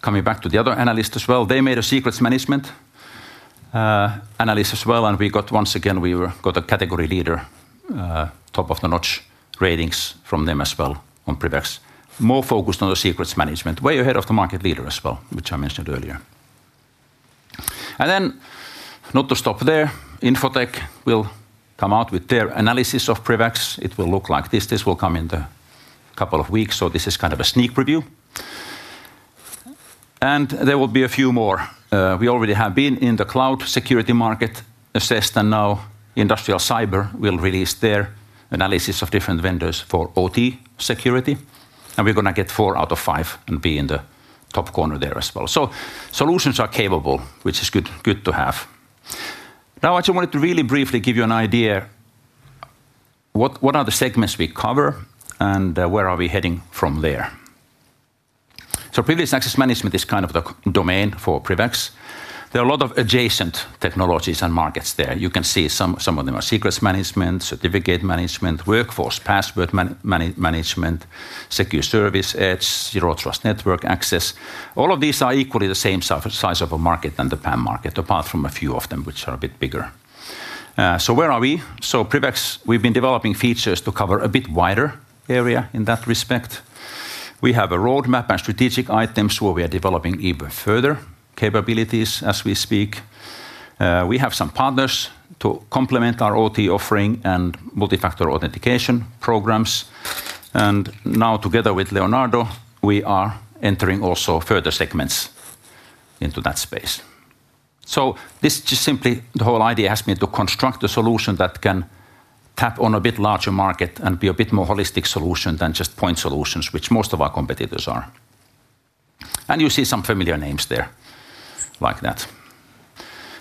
Coming back to the other analysts as well, they made a secrets management analyst as well, and we got once again, we got a category leader, top of the notch ratings from them as well on PrivX, more focused on the secrets management, way ahead of the market leader as well, which I mentioned earlier. Not to stop there, Infotech will come out with their analysis of PrivX. It will look like this. This will come in a couple of weeks, so this is kind of a sneak review. There will be a few more. We already have been in the cloud security market assessed, and now Industrial Cyber will release their analysis of different vendors for OT security, and we're going to get four out of five and be in the top corner there as well. Solutions are capable, which is good to have. I just wanted to really briefly give you an idea of what are the segments we cover and where are we heading from there. Privileged access management is kind of the domain for PrivX. There are a lot of adjacent technologies and markets there. You can see some of them are secrets management, certificate management, workforce password management, secure service edge, zero trust network access. All of these are equally the same size of a market as the PAM market, apart from a few of them which are a bit bigger. Where are we? PrivX, we've been developing features to cover a bit wider area in that respect. We have a roadmap and strategic items where we are developing even further capabilities as we speak. We have some partners to complement our OT offering and multi-factor authentication programs. Now, together with Leonardo, we are entering also further segments into that space. This is just simply the whole idea has been to construct a solution that can tap on a bit larger market and be a bit more holistic solution than just point solutions, which most of our competitors are. You see some familiar names there like that.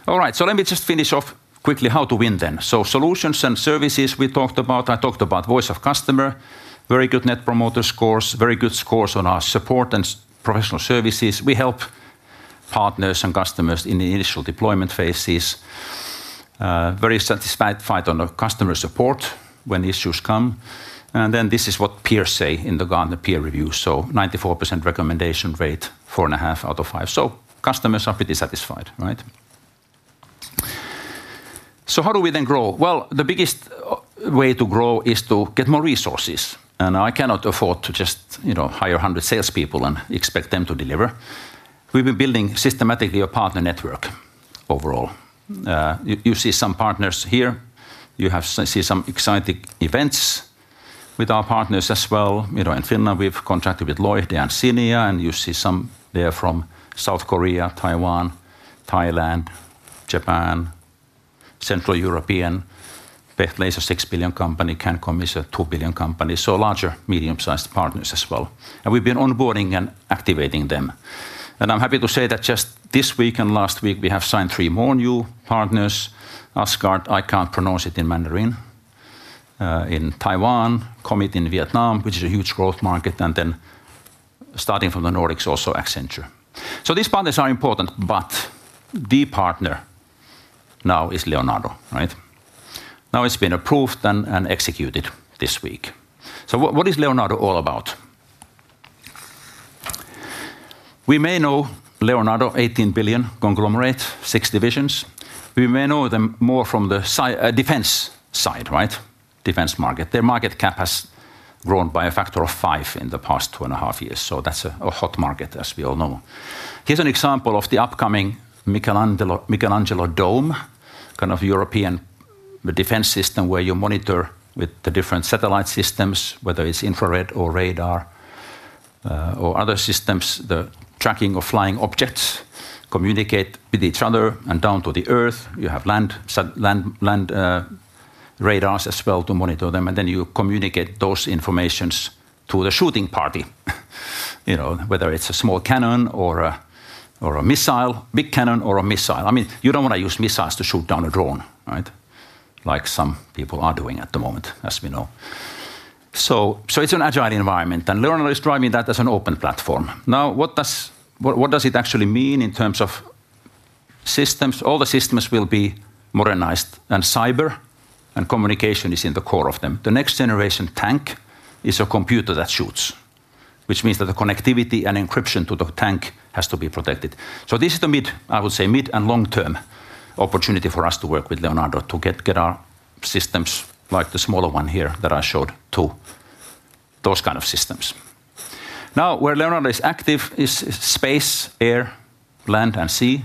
All right, let me just finish off quickly how to win then. Solutions and services we talked about. I talked about voice of customer, very good net promoter scores, very good scores on our support and professional services. We help partners and customers in the initial deployment phases. Very satisfied on customer support when issues come. This is what peers say in the Gartner peer reviews. 94% recommendation rate, four and a half out of five. Customers are pretty satisfied. How do we then grow? The biggest way to grow is to get more resources. I cannot afford to just hire 100 salespeople and expect them to deliver. We've been building systematically a partner network overall. You see some partners here. You see some exciting events with our partners as well. In Finland, we've contracted with Lloyd and Cinia, and you see some there from South Korea, Taiwan, Thailand, Japan, Central Europe. Bethlehem, a $6 billion company, Cancom is a $2 billion company, so larger, medium-sized partners as well. We've been onboarding and activating them. I'm happy to say that just this week and last week, we have signed three more new partners. Asgard, I can't pronounce it in Mandarin, in Taiwan, Comet in Vietnam, which is a huge growth market, and then starting from the Nordics, also Accenture. These partners are important, but the partner now is Leonardo. Now it's been approved and executed this week. What is Leonardo all about? We may know Leonardo, $18 billion conglomerate, six divisions. We may know them more from the defense side, defense market. Their market cap has grown by a factor of five in the past two and a half years. That's a hot market, as we all know. Here's an example of the upcoming Michelangelo Dome, kind of European defense system where you monitor with the different satellite systems, whether it's infrared or radar or other systems, the tracking of flying objects, communicate with each other and down to the earth. You have land radars as well to monitor them, and then you communicate those informations to the shooting party, whether it's a small cannon or a missile, big cannon or a missile. I mean, you don't want to use missiles to shoot down a drone, like some people are doing at the moment, as we know. It's an agile environment, and Leonardo is driving that as an open platform. Now, what does it actually mean in terms of systems? All the systems will be modernized, and cyber and communication is in the core of them. The next generation tank is a computer that shoots, which means that the connectivity and encryption to the tank has to be protected. This is the mid, I would say, mid and long-term opportunity for us to work with Leonardo to get our systems, like the smaller one here that I showed to those kind of systems. Now, where Leonardo is active is space, air, land, and sea.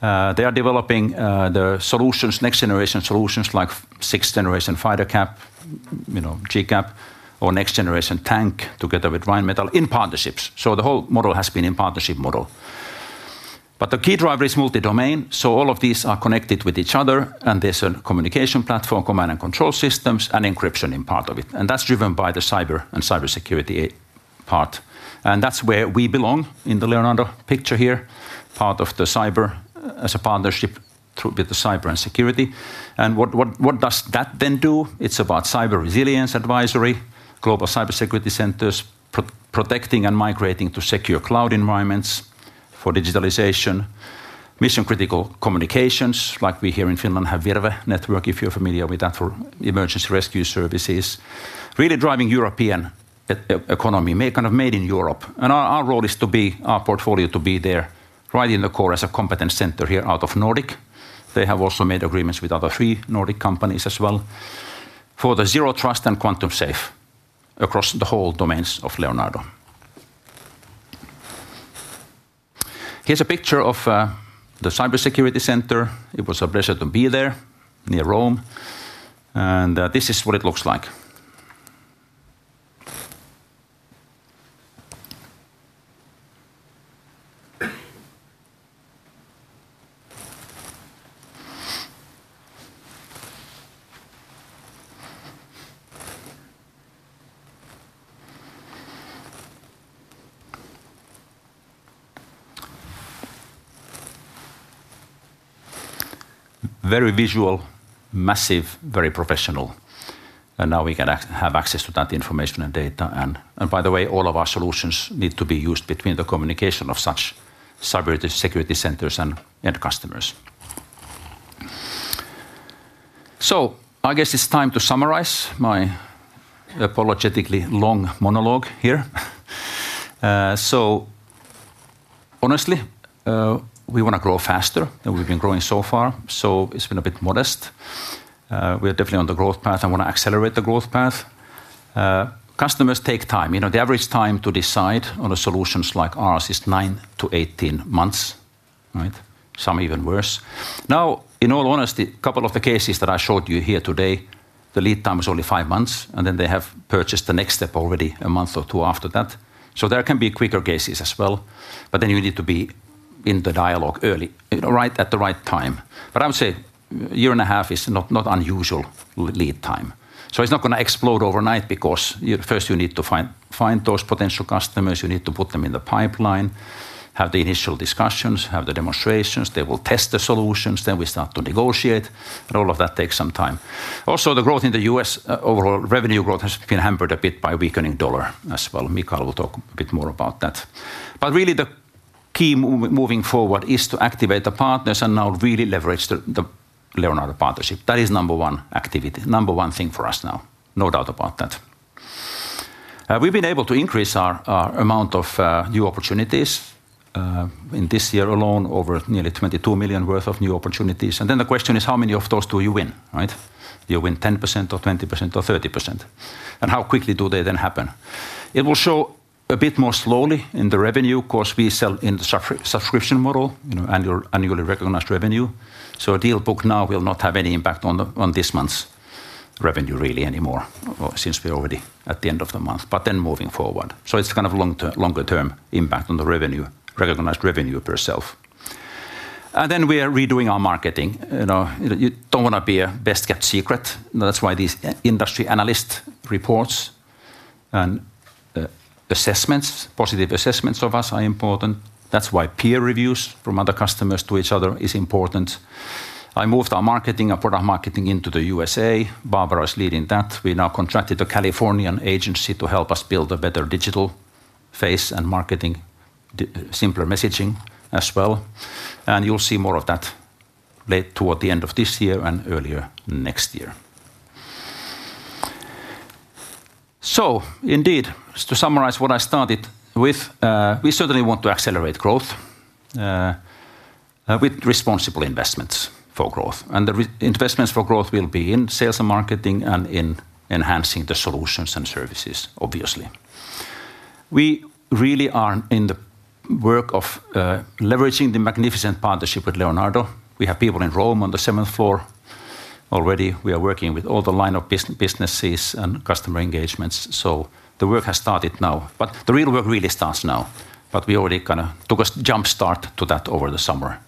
They are developing the next generation solutions like sixth generation fighter cap, GCAP, or next generation tank together with Rheinmetall in partnerships. The whole model has been in partnership model. The key driver is multi-domain, so all of these are connected with each other, and there's a communication platform, command and control systems, and encryption in part of it. That is driven by the cyber and cybersecurity part. That is where we belong in the Leonardo picture here, part of the cyber as a partnership with the cyber and security. What does that then do? It's about cyber resilience advisory, global cybersecurity centers, protecting and migrating to secure cloud environments for digitalization, mission-critical communications, like we here in Finland have Virve network, if you're familiar with that for emergency rescue services. Really driving European economy, kind of made in Europe. Our role is to be our portfolio to be there right in the core as a competent center here out of Nordic. They have also made agreements with other three Nordic companies as well for the Zero Trust and quantum-safe across the whole domains of Leonardo. Here's a picture of the cybersecurity center. It was a pleasure to be there near Rome. This is what it looks like. Very visual, massive, very professional. Now we can have access to that information and data. By the way, all of our solutions need to be used between the communication of such cybersecurity centers and customers. I guess it's time to summarize my apologetically long monologue here. Honestly, we want to grow faster than we've been growing so far, so it's been a bit modest. We are definitely on the growth path and want to accelerate the growth path. Customers take time. The average time to decide on solutions like ours is nine to 18 months, some even worse. In all honesty, a couple of the cases that I showed you here today, the lead time is only five months, and then they have purchased the next step already a month or two after that. There can be quicker cases as well, but you need to be in the dialogue early, right at the right time. I would say a year and a half is not unusual lead time. It is not going to explode overnight because first you need to find those potential customers, you need to put them in the pipeline, have the initial discussions, have the demonstrations, they will test the solutions, then we start to negotiate, and all of that takes some time. Also, the growth in the U.S., overall revenue growth has been hampered a bit by weakening dollar as well. Miikka will talk a bit more about that. But really, the key moving forward is to activate the partners and now really leverage the Leonardo partnership. That is number one activity, number one thing for us now, no doubt about that. We've been able to increase our amount of new opportunities in this year alone, over nearly $22 million worth of new opportunities. The question is, how many of those do you win? Do you win 10% or 20% or 30%? How quickly do they then happen? It will show a bit more slowly in the revenue because we sell in the subscription model, annually recognized revenue. A deal book now will not have any impact on this month's revenue really anymore since we're already at the end of the month, but then moving forward. It's kind of a longer-term impact on the revenue, recognized revenue per self. We are redoing our marketing. You don't want to be a best-kept secret. That's why these industry analyst reports and positive assessments of us are important. That's why peer reviews from other customers to each other are important. I moved our marketing and product marketing into the U.S.A. Barbara is leading that. We now contracted a Californian agency to help us build a better digital face and marketing, simpler messaging as well. You'll see more of that late toward the end of this year and earlier next year. Indeed, to summarize what I started with, we certainly want to accelerate growth with responsible investments for growth. The investments for growth will be in sales and marketing and in enhancing the solutions and services, obviously. We really are in the work of leveraging the magnificent partnership with Leonardo. We have people in Rome on the seventh floor already. We are working with all the line of businesses and customer engagements. The work has started now, but the real work really starts now. We already kind of took a jump start to that over the summer.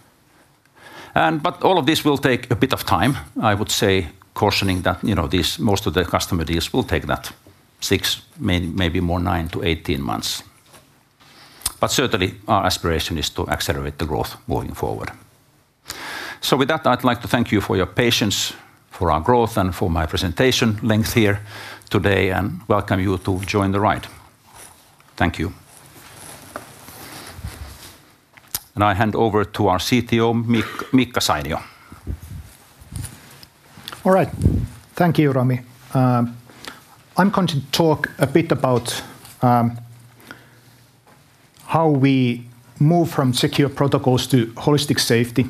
All of this will take a bit of time. I would say cautioning that most of the customer deals will take that six, maybe more nine to 18 months. Certainly, our aspiration is to accelerate the growth moving forward. With that, I'd like to thank you for your patience for our growth and for my presentation length here today and welcome you to join the ride. Thank you. I hand over to our CTO, Miikka Sainio. Thank you, Rami. I'm going to talk a bit about how we move from secure protocols to holistic safety.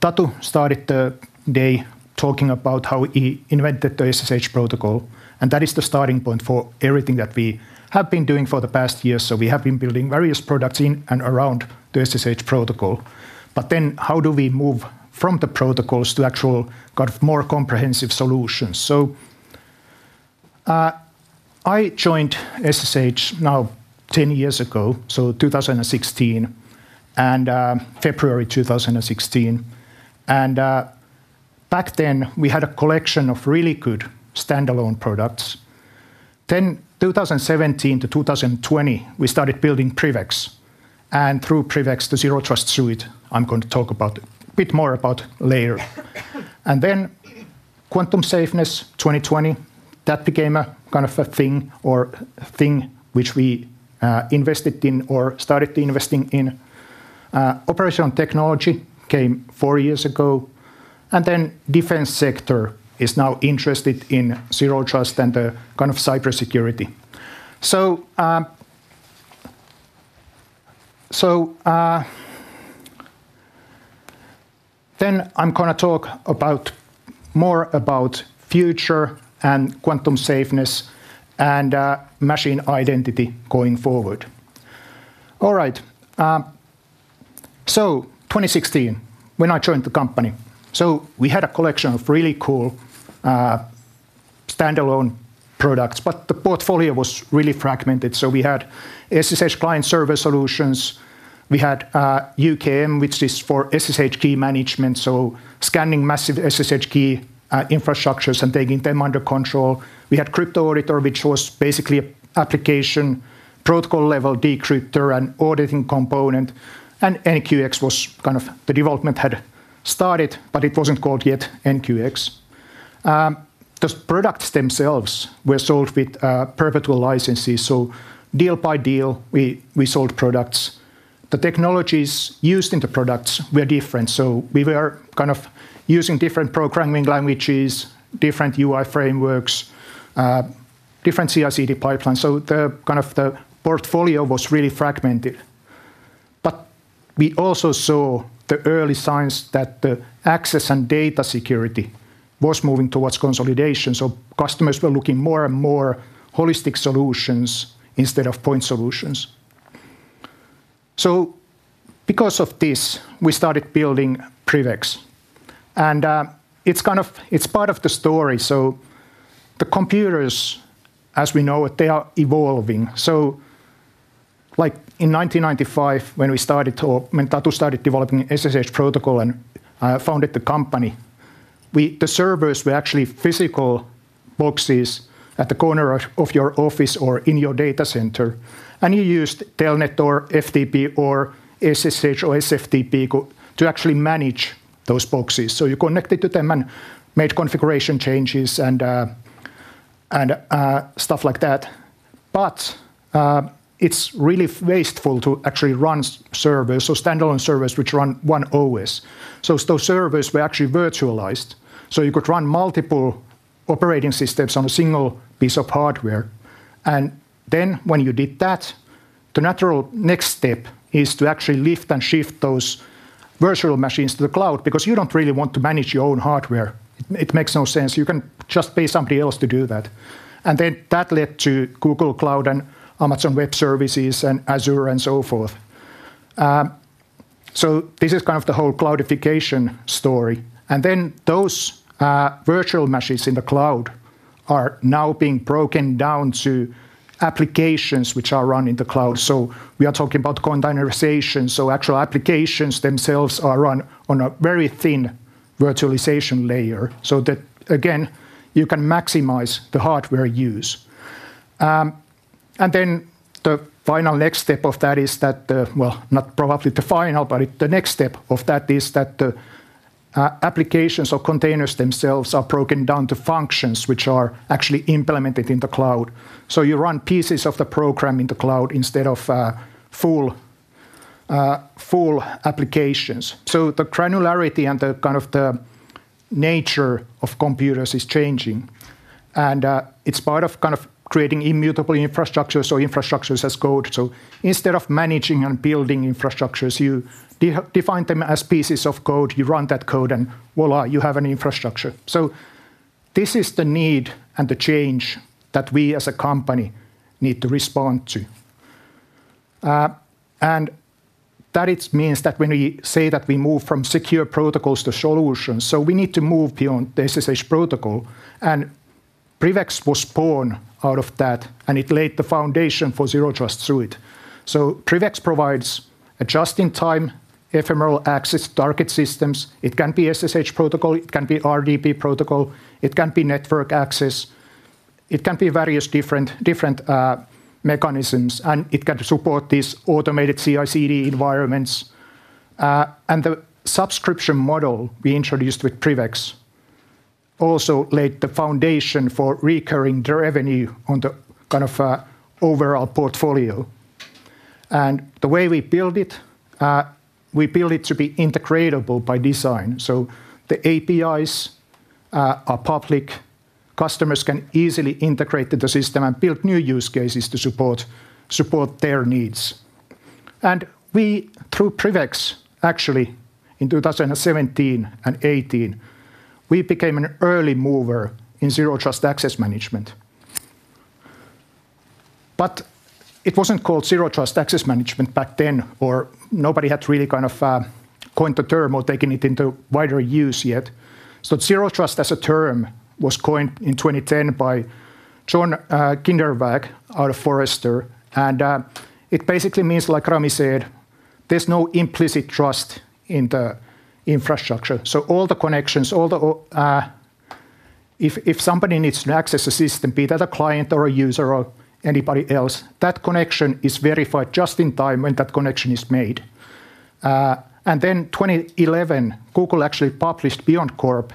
Tatu started the day talking about how he invented the SSH protocol, and that is the starting point for everything that we have been doing for the past years. We have been building various products in and around the SSH protocol. How do we move from the protocols to actual more comprehensive solutions? I joined SSH now 10 years ago, so 2016, and February 2016. Back then, we had a collection of really good standalone products. From 2017 to 2020, we started building PrivX. Through PrivX to Zero Trust Suite, I'm going to talk a bit more about later. Quantum safeness, 2020, that became a kind of a thing or thing which we invested in or started investing in. Operational technology came four years ago. The defense sector is now interested in Zero Trust and the kind of cybersecurity. I'm going to talk more about future and quantum safeness and machine identity going forward. In 2016, when I joined the company, we had a collection of really cool standalone products, but the portfolio was really fragmented. We had SSH client server solutions. We had U.K.M, which is for SSH key management, scanning massive SSH key infrastructures and taking them under control. We had CryptoAuditor, which was basically an application protocol level decryptor and auditing component. NQX was kind of the development had started, but it wasn't called yet NQX. Those products themselves were sold with Virtual Licenses. Deal by deal, we sold products. The technologies used in the products were different. We were kind of using different programming languages, different UI frameworks, different CI/CD pipelines. The portfolio was really fragmented. We also saw the early signs that the access and data security was moving towards consolidation. Customers were looking more and more for holistic solutions instead of point solutions. Because of this, we started building PrivX. It's part of the story. The computers, as we know it, are evolving. In 1995, when we started or when Tatu Ylönen started developing the SSH protocol and founded the company, the servers were actually physical boxes at the corner of your office or in your data center. You used Telnet or FTP or SSH or SFTP to actually manage those boxes. You connected to them and made configuration changes and stuff like that. It's really wasteful to actually run servers or standalone servers which run one OS. Those servers were actually virtualized. You could run multiple operating systems on a single piece of hardware. When you did that, the natural next step is to actually lift and shift those virtual machines to the cloud because you don't really want to manage your own hardware. It makes no sense. You can just pay somebody else to do that. That led to Google Cloud and Amazon Web Services and Azure and so forth. This is the whole cloudification story. Those virtual machines in the cloud are now being broken down to applications which are running in the cloud. We are talking about containerization. Actual applications themselves are run on a very thin virtualization layer so that, again, you can maximize the hardware use. The next step of that is that the applications or containers themselves are broken down to functions which are actually implemented in the cloud. You run pieces of the program in the cloud instead of full applications. The granularity and the nature of computers is changing. It's part of creating immutable infrastructures or infrastructures as code. Instead of managing and building infrastructures, you define them as pieces of code. You run that code and voila, you have an infrastructure. This is the need and the change that we as a company need to respond to. That means that when we say that we move from secure protocols to solutions, we need to move beyond SSH protocol. PrivX was born out of that, and it laid the foundation for Zero Trust Suite. PrivX provides a just-in-time ephemeral access to target systems. It can be SSH protocol, it can be RDP protocol, it can be network access, it can be various different mechanisms, and it can support these automated CI/CD environments. The subscription model we introduced with PrivX also laid the foundation for recurring revenue on the overall portfolio. The way we build it, we build it to be integratable by design. The APIs are public, customers can easily integrate to the system and build new use cases to support their needs. Through PrivX, actually in 2017 and 2018, we became an early mover in Zero Trust Access Management. It wasn't called Zero Trust Access Management back then, or nobody had really coined the term or taken it into wider use yet. Zero Trust as a term was coined in 2010 by John Kindervag out of Forrester. It basically means, like Rami said, there's no implicit trust in the infrastructure. All the connections, if somebody needs to access a system, be that a client or a user or anybody else, that connection is verified just in time when that connection is made. In 2011, Google actually published BeyondCorp,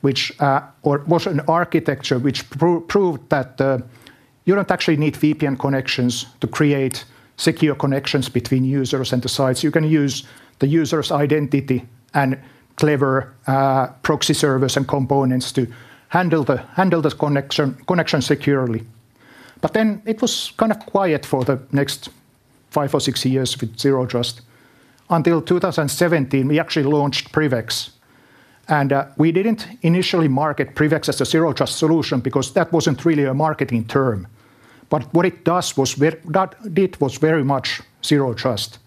which was an architecture that proved you don't actually need VPN connections to create secure connections between users and the sites. You can use the user's identity and clever proxy servers and components to handle the connection securely. It was quiet for the next five or six years with Zero Trust until 2017. We actually launched PrivX, and we didn't initially market PrivX as a Zero Trust solution because that wasn't really a marketing term. What it did was very much Zero Trust.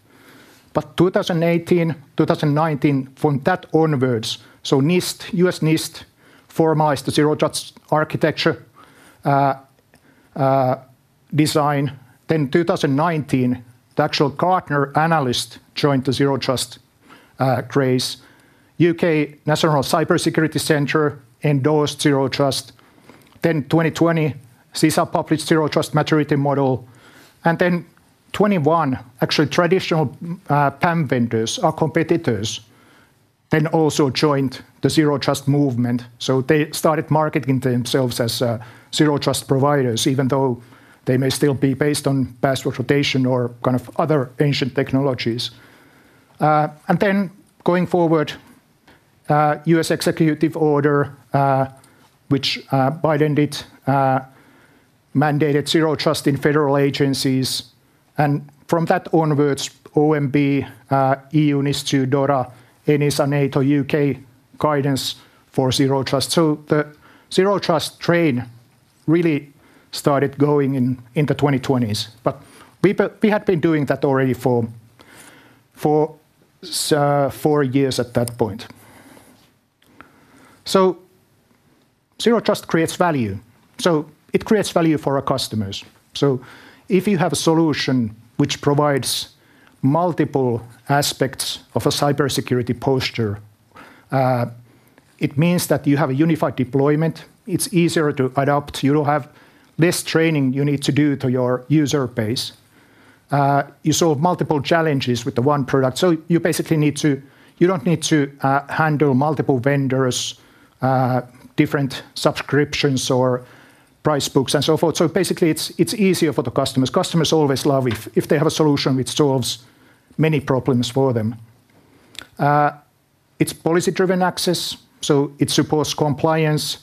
In 2018 and 2019, from that onwards, U.S. NIST formalized the Zero Trust architecture design. In 2019, the actual Gartner analyst joined the Zero Trust craze. U.K. National Cyber Security Center endorsed Zero Trust. In 2020, CISA published Zero Trust maturity model. In 2021, traditional PAM vendors, our competitors, also joined the Zero Trust movement. They started marketing themselves as Zero Trust providers, even though they may still be based on password rotation or other ancient technologies. Going forward, U.S. Executive Order, which Biden did, mandated Zero Trust in federal agencies. From that onwards, OMB, EU NIST, DORA, and NISA NATO U.K. guidance for Zero Trust. The Zero Trust train really started going in the 2020s. We had been doing that already for four years at that point. Zero Trust creates value. It creates value for our customers. If you have a solution which provides multiple aspects of a cybersecurity posture, it means that you have a unified deployment. It's easier to adopt. You have less training you need to do to your user base. You solve multiple challenges with one product. You basically don't need to handle multiple vendors, different subscriptions, or price books, and so forth. Basically, it's easier for the customers. Customers always love if they have a solution which solves many problems for them. It's policy-driven access. It supports compliance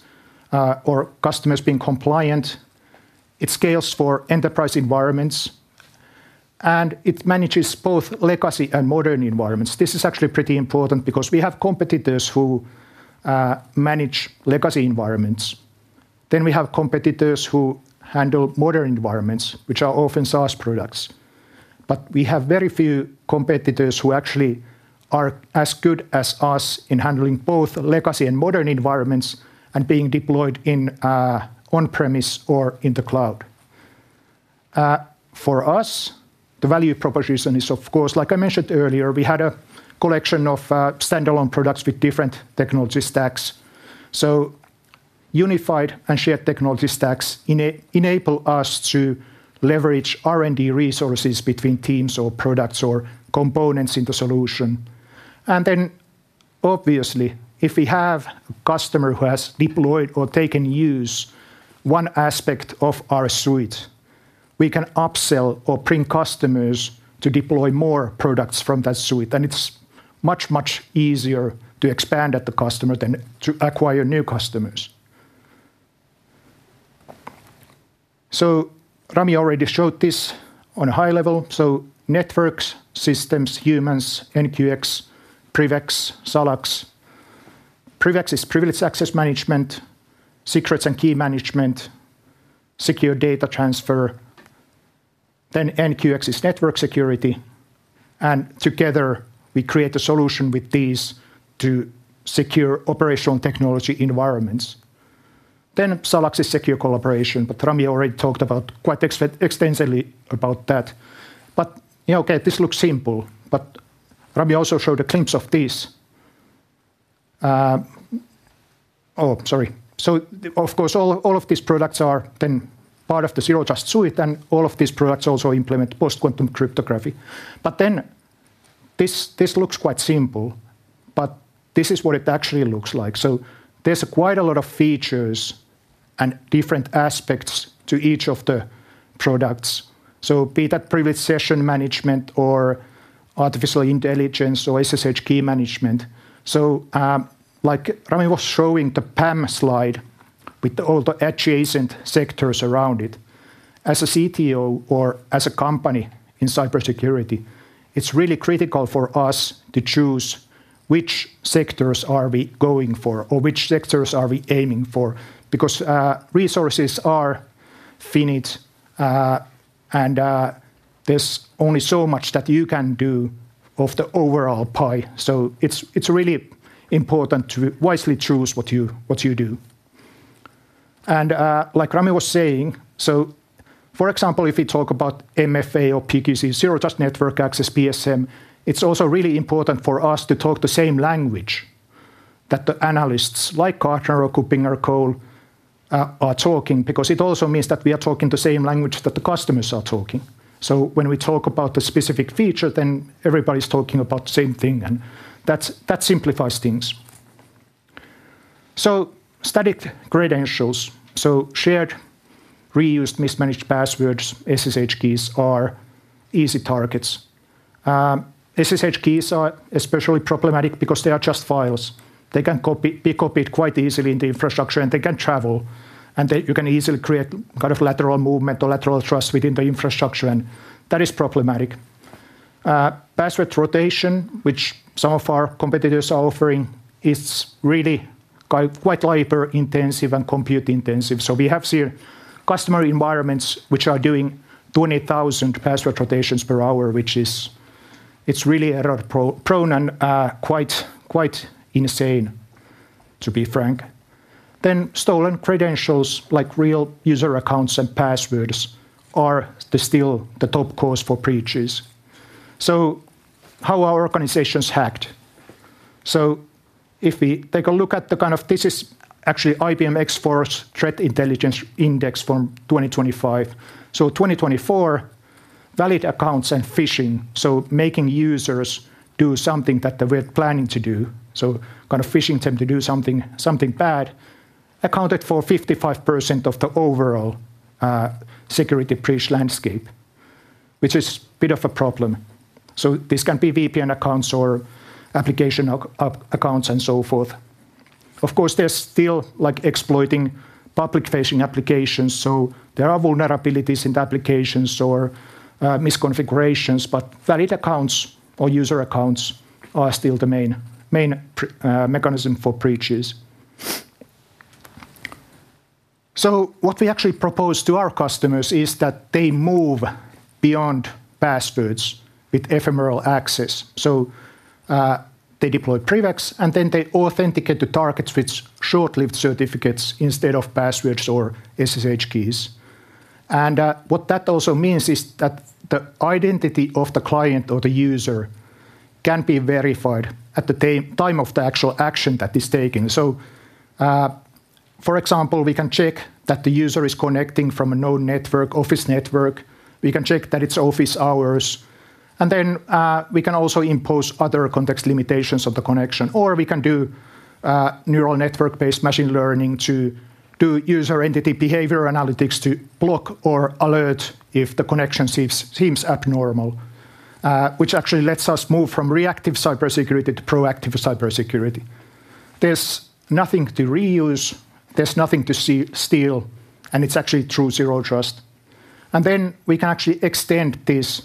or customers being compliant. It scales for enterprise environments. It manages both legacy and modern environments. This is actually pretty important because we have competitors who manage legacy environments. We have competitors who handle modern environments, which are open source products. We have very few competitors who actually are as good as us in handling both legacy and modern environments and being deployed on-premise or in the cloud. For us, the value proposition is, of course, like I mentioned earlier, we had a collection of standalone products with different technology stacks. Unified and shared technology stacks enable us to leverage R&D resources between teams or products or components in the solution. Obviously, if we have a customer who has deployed or taken use of one aspect of our suite, we can upsell or bring customers to deploy more products from that suite. It's much, much easier to expand at the customer than to acquire new customers. Rami already showed this on a high level. Networks, systems, humans, NQX, PrivX, SalaX. PrivX is Privileged Access Management, Secrets and Key Management, Secure Data Transfer. NQX is Network Security. Together, we create a solution with these to secure operational technology environments. SalaX is Secure Collaboration. Rami already talked quite extensively about that. This looks simple. Rami also showed a glimpse of these. Oh, sorry. Of course, all of these products are then part of the Zero Trust Suite. All of these products also implement post-quantum cryptography. This looks quite simple, but this is what it actually looks like. There are quite a lot of features and different aspects to each of the products, be that Privileged Session Management or artificial intelligence or SSH key management. Like Rami was showing the PAM slide with all the adjacent sectors around it, as a CTO or as a company in cybersecurity, it's really critical for us to choose which sectors are we going for or which sectors are we aiming for because resources are finite. There's only so much that you can do of the overall pie. It's really important to wisely choose what you do. Like Rami was saying, for example, if we talk about MFA or PQC, Zero Trust Network Access, PSM, it's also really important for us to talk the same language that the analysts like Gartner or KuppingerCole are talking because it also means that we are talking the same language that the customers are talking. When we talk about the specific feature, then everybody's talking about the same thing, and that simplifies things. Static credentials, shared, reused, mismanaged passwords, SSH keys are easy targets. SSH keys are especially problematic because they are just files. They can be copied quite easily in the infrastructure, and they can travel. You can easily create kind of lateral movement or lateral trust within the infrastructure, and that is problematic. Password rotation, which some of our competitors are offering, is really quite labor-intensive and compute-intensive. We have seen customer environments which are doing 20,000 password rotations per hour, which is really error-prone and quite insane, to be frank. Stolen credentials, like real user accounts and passwords, are still the top cause for breaches. How are organizations hacked? If we take a look at the kind of, this is actually IBM X-Force Threat Intelligence Index from 2025. In 2024, valid accounts and phishing, making users do something that they were planning to do, so kind of phishing them to do something bad, accounted for 55% of the overall security breach landscape, which is a bit of a problem. This can be VPN accounts or application accounts and so forth. Of course, there's still exploiting public-facing applications, so there are vulnerabilities in the applications or misconfigurations. Valid accounts or user accounts are still the main mechanism for breaches. What we actually propose to our customers is that they move beyond passwords with ephemeral access. They deploy PrivX, and then they authenticate the targets with short-lived certificates instead of passwords or SSH keys. What that also means is that the identity of the client or the user can be verified at the time of the actual action that is taken. For example, we can check that the user is connecting from a known network, office network. We can check that it's office hours. We can also impose other context limitations of the connection. We can do neural network-based machine learning to do user entity behavior analytics to block or alert if the connection seems abnormal, which actually lets us move from reactive cybersecurity to proactive cybersecurity. There's nothing to reuse. There's nothing to steal. It's actually true Zero Trust. We can actually extend this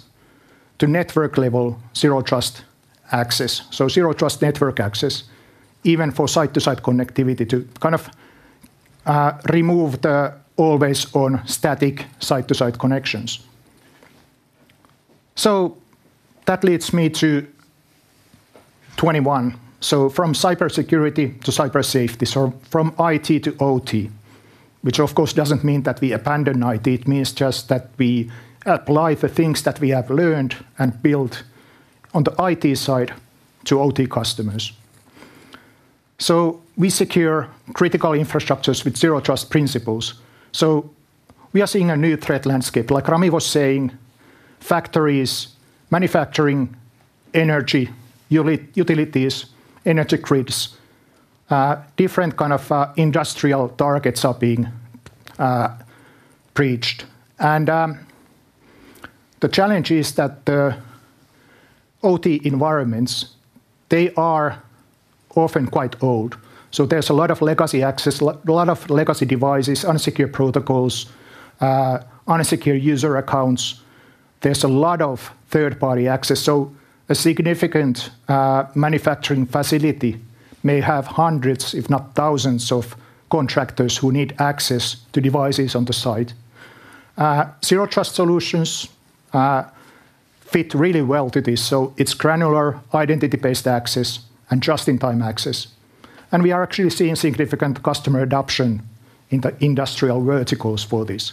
to network-level Zero Trust access. Zero Trust network access, even for site-to-site connectivity, to kind of remove the always-on static site-to-site connections. That leads me to 2021. From cybersecurity to cybersafety, from IT to OT, which, of course, doesn't mean that we abandon IT. It means just that we apply the things that we have learned and build on the IT side to OT customers. We secure critical infrastructures with Zero Trust principles. We are seeing a new threat landscape. Like Rami was saying, factories, manufacturing, energy, utilities, energy grids, different kinds of industrial targets are being breached. The challenge is that the OT environments are often quite old. There's a lot of legacy access, a lot of legacy devices, unsecured protocols, unsecured user accounts. There's a lot of third-party access. A significant manufacturing facility may have hundreds, if not thousands, of contractors who need access to devices on the site. Zero Trust solutions fit really well to this. It's granular, identity-based access, and just-in-time access. We are actually seeing significant customer adoption in the industrial verticals for this.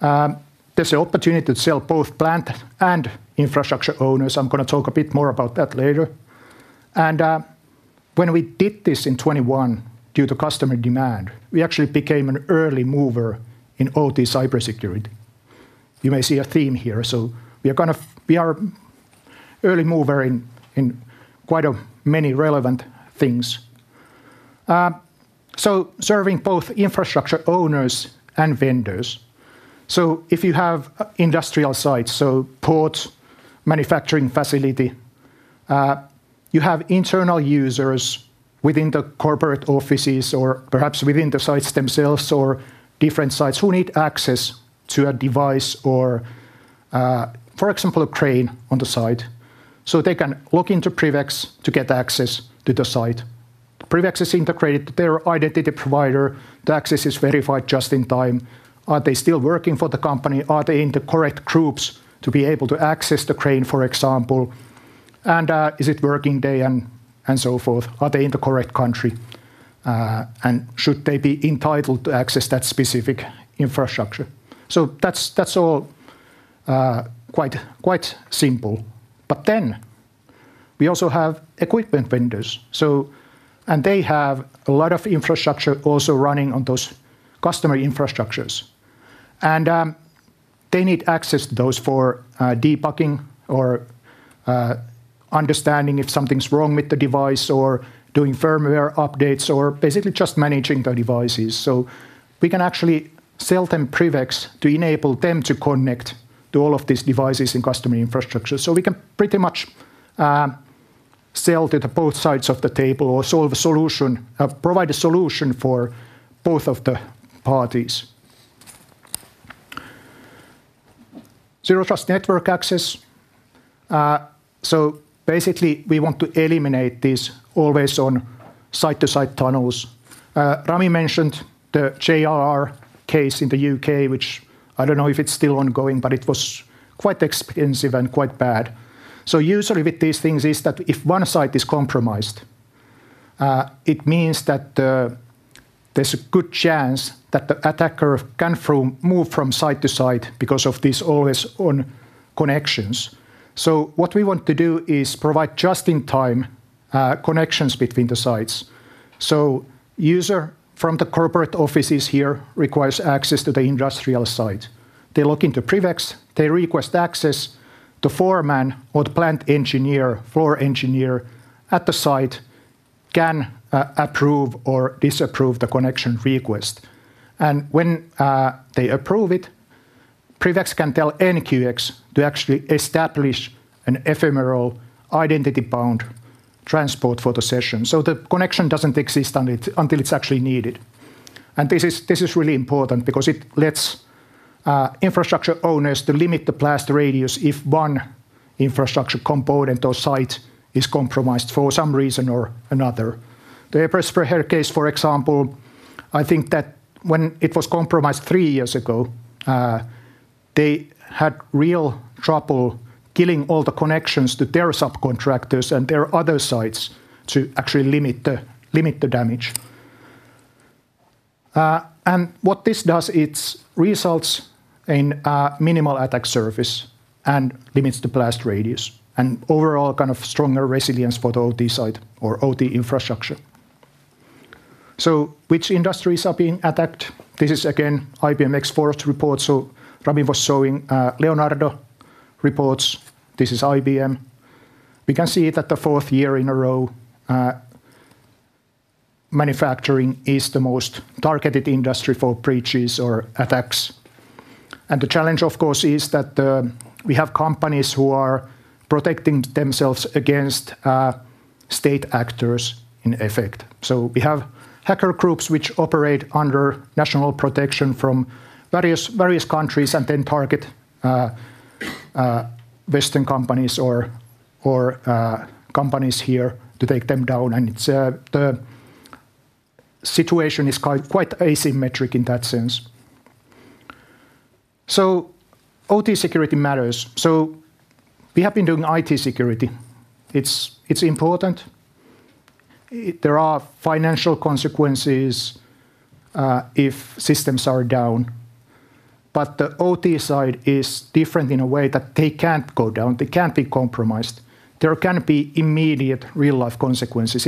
There's an opportunity to sell both plant and infrastructure owners. I'm going to talk a bit more about that later. When we did this in 2021, due to customer demand, we actually became an early mover in OT cybersecurity. You may see a theme here. We are kind of an early mover in quite many relevant things, serving both infrastructure owners and vendors. If you have industrial sites, ports, manufacturing facilities, you have internal users within the corporate offices or perhaps within the sites themselves or different sites who need access to a device or, for example, a crane on the site, they can log into PrivX to get access to the site. PrivX is integrated to their identity provider. The access is verified just in time. Are they still working for the company? Are they in the correct groups to be able to access the crane, for example? Is it a working day and so forth? Are they in the correct country? Should they be entitled to access that specific infrastructure? That is all quite simple. We also have equipment vendors, and they have a lot of infrastructure also running on those customer infrastructures. They need access to those for debugging or understanding if something's wrong with the device or doing firmware updates or basically just managing the devices. We can actually sell them PrivX to enable them to connect to all of these devices and customer infrastructure. We can pretty much sell to both sides of the table or provide a solution for both of the parties. Zero Trust network access. Basically, we want to eliminate these always-on site-to-site tunnels. Rami mentioned the JR case in the U.K., which I don't know if it's still ongoing, but it was quite expensive and quite bad. Usually with these things, if one site is compromised, it means that there's a good chance that the attacker can move from site to site because of these always-on connections. What we want to do is provide just-in-time connections between the sites. A user from the corporate offices here requires access to the industrial site. They log into PrivX. They request access. The foreman or the plant engineer, floor engineer at the site can approve or disapprove the connection request. When they approve it, PrivX can tell NQX to actually establish an ephemeral identity-bound transport for the session. The connection doesn't exist until it's actually needed. This is really important because it lets infrastructure owners limit the blast radius if one infrastructure component or site is compromised for some reason or another. The Aperture Sparehair case, for example, I think that when it was compromised three years ago, they had real trouble killing all the connections to their subcontractors and their other sites to actually limit the damage. What this does, it results in minimal attack surface and limits the blast radius and overall kind of stronger resilience for the OT site or OT infrastructure. Which industries are being attacked? This is, again, IBM X-Force report. Rami was showing Leonardo reports. This is IBM. We can see that the fourth year in a row, manufacturing is the most targeted industry for breaches or attacks. The challenge, of course, is that we have companies who are protecting themselves against state actors in effect. We have hacker groups which operate under national protection from various countries and then target Western companies or companies here to take them down. The situation is quite asymmetric in that sense. OT security matters. We have been doing IT security. It's important. There are financial consequences if systems are down. The OT side is different in a way that they can't go down. They can't be compromised. There can be immediate real-life consequences.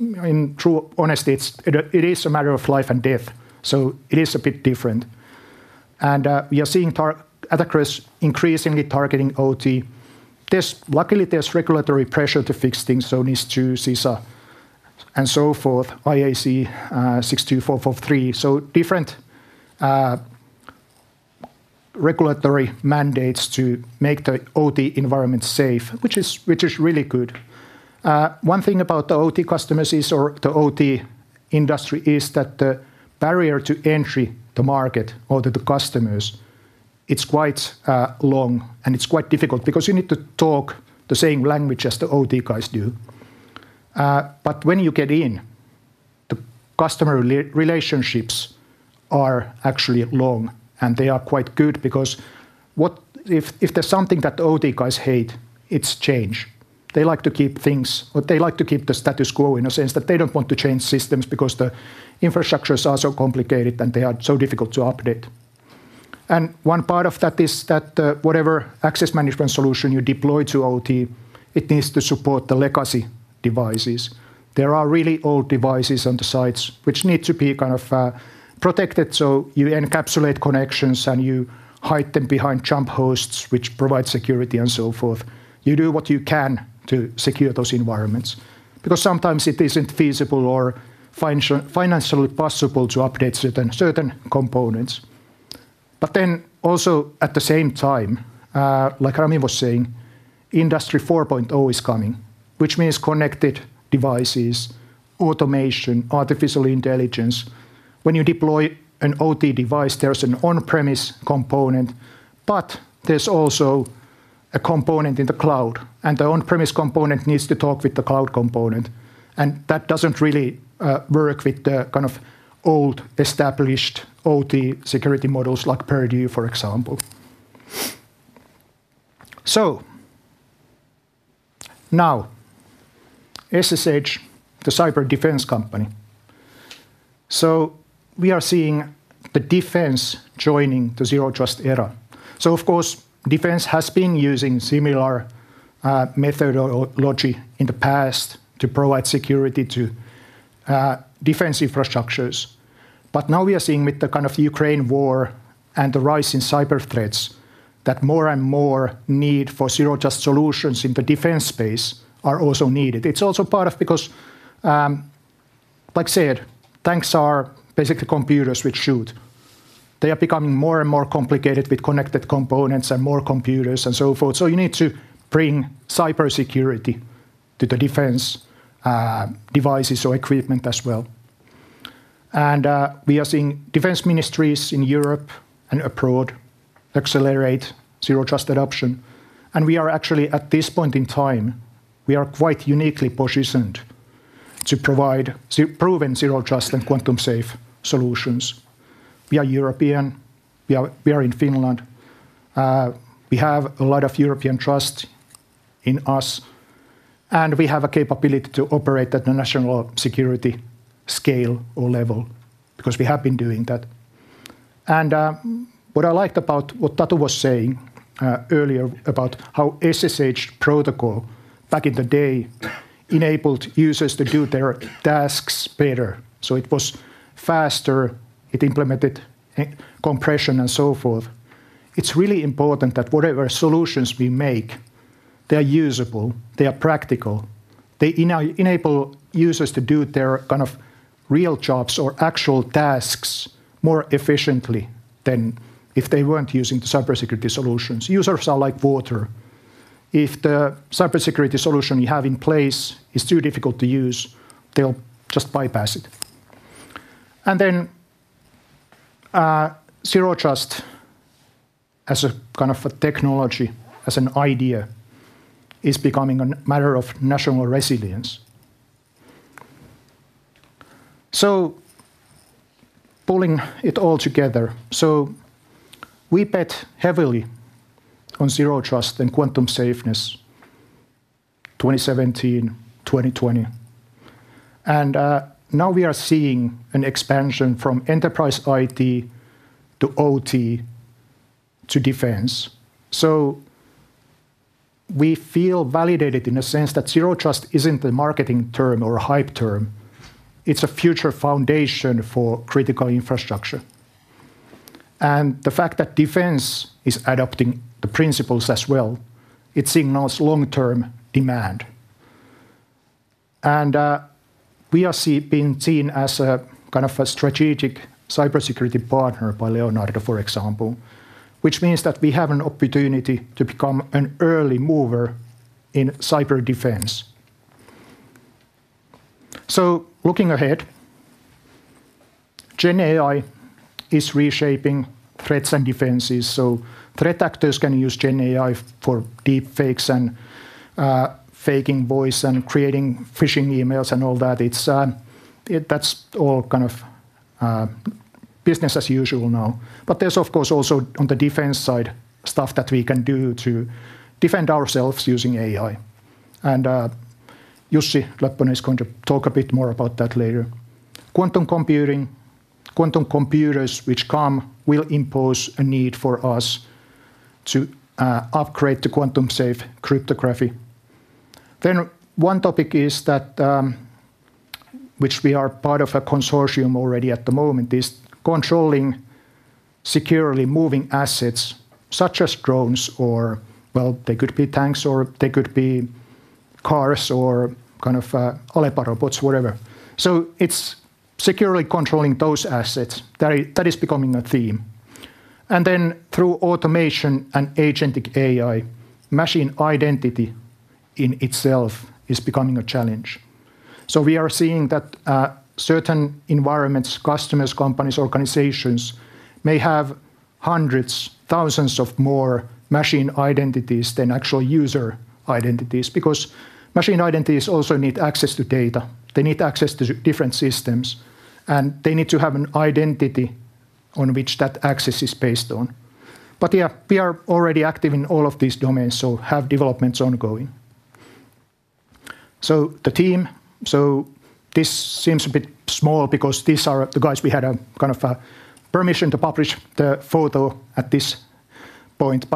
In true honesty, it is a matter of life and death. It is a bit different. We are seeing attackers increasingly targeting OT. Luckily, there's regulatory pressure to fix things, so NIST, CISA, and so forth, IEC 62443. Different regulatory mandates to make the OT environment safe, which is really good. One thing about the OT customers or the OT industry is that the barrier to entry the market or the customers, it's quite long. It's quite difficult because you need to talk the same language as the OT guys do. When you get in, the customer relationships are actually long. They are quite good because if there's something that the OT guys hate, it's change. They like to keep things or they like to keep the status quo in a sense that they don't want to change systems because the infrastructures are so complicated and they are so difficult to update. One part of that is that whatever access management solution you deploy to OT, it needs to support the legacy devices. There are really old devices on the sites which need to be kind of protected. You encapsulate connections and you hide them behind jump hosts, which provide security and so forth. You do what you can to secure those environments because sometimes it isn't feasible or financially possible to update certain components. At the same time, like Rami was saying, Industry 4.0 is coming, which means connected devices, automation, artificial intelligence. When you deploy an OT device, there's an on-premise component, but there's also a component in the cloud. The on-premise component needs to talk with the cloud component, and that doesn't really work with the kind of old established OT security models like Purdue, for example. Now SSH, the Cyber Defense company, is seeing the defense joining the Zero Trust era. Of course, defense has been using similar methodology in the past to provide security to defense infrastructures. Now we are seeing with the kind of Ukraine war and the rising cyber threats that more and more need for Zero Trust solutions in the Defense space are also needed. It's also part of because, like I said, tanks are basically computers with shoot. They are becoming more and more complicated with connected components and more computers and so forth. You need to bring cybersecurity to the defense devices or equipment as well. We are seeing Defense Ministries in Europe and abroad accelerate Zero Trust adoption. At this point in time, we are quite uniquely positioned to provide proven Zero Trust and quantum-safe solutions. We are European. We are in Finland. We have a lot of European trust in us, and we have a capability to operate at the national security scale or level because we have been doing that. What I liked about what Tatu was saying earlier about how SSH protocol back in the day enabled users to do their tasks better. It was faster. It implemented compression and so forth. It's really important that whatever solutions we make, they are usable. They are practical. They enable users to do their kind of real jobs or actual tasks more efficiently than if they weren't using the cybersecurity solutions. Users are like water. If the cybersecurity solution you have in place is too difficult to use, they'll just bypass it. Zero Trust as a kind of technology, as an idea, is becoming a matter of national resilience. Pulling it all together, we bet heavily on Zero Trust and quantum safeness in 2017, 2020. Now we are seeing an expansion from enterprise IT to OT to Defense. We feel validated in a sense that Zero Trust isn't a marketing term or a hype term. It's a future foundation for critical infrastructure. The fact that defense is adopting the principles as well signals long-term demand. We are being seen as a kind of a strategic cybersecurity partner by Leonardo, for example, which means that we have an opportunity to become an early mover in cyber defense. Looking ahead, Gen AI is reshaping threats and defenses. Threat actors can use Gen AI for deep fakes and faking voice and creating phishing emails and all that. That's all kind of business as usual now. There is, of course, also on the defense side stuff that we can do to defend ourselves using AI. Jussi Löppönen is going to talk a bit more about that later. Quantum computing, quantum computers which come will impose a need for us to upgrade to quantum-safe cryptography. One topic is that which we are part of a consortium already at the moment is controlling securely moving assets such as drones or, they could be tanks or they could be cars or kind of alpha robots, whatever. It's securely controlling those assets. That is becoming a theme. Through automation and agentic AI, machine identity in itself is becoming a challenge. We are seeing that certain environments, customers, companies, organizations may have hundreds, thousands of more machine identities than actual user identities because machine identities also need access to data. They need access to different systems. They need to have an identity on which that access is based on. We are already active in all of these domains. We have developments ongoing. The team, this seems a bit small because these are the guys. We had a kind of permission to publish the photo at this point.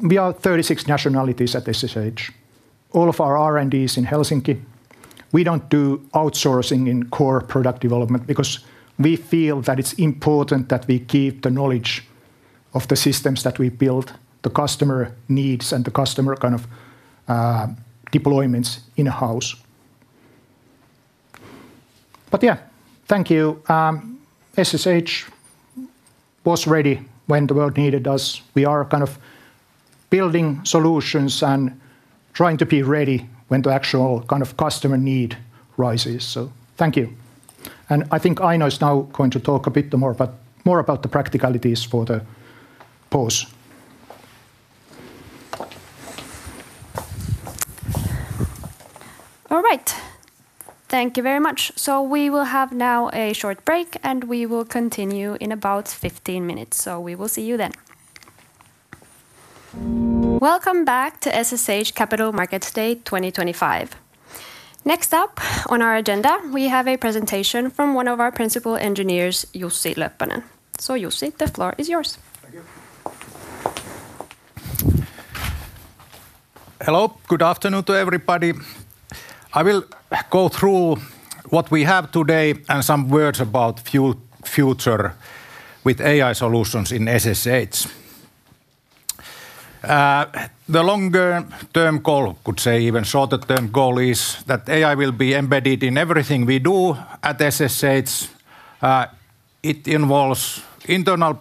We are 36 nationalities at SSH. All of our R&D is in Helsinki. We don't do outsourcing in core product development because we feel that it's important that we keep the knowledge of the systems that we build, the customer needs, and the customer kind of deployments in-house. Thank you. SSH was ready when the world needed us. We are kind of building solutions and trying to be ready when the actual kind of customer need rises. Thank you. I think Aino is now going to talk a bit more about the practicalities for the pause. All right. Thank you very much. We will have now a short break, and we will continue in about 15 minutes. We will see you then. Welcome back to SSH Capital Markets Day 2025. Next up on our agenda, we have a presentation from one of our Principal Engineers, Jussi Löppönen. Jussi, the floor is yours. Hello. Good afternoon to everybody. I will go through what we have today and some words about the future with AI solutions in SSH. The longer-term goal, I could say even shorter-term goal, is that AI will be embedded in everything we do at SSH. It involves internal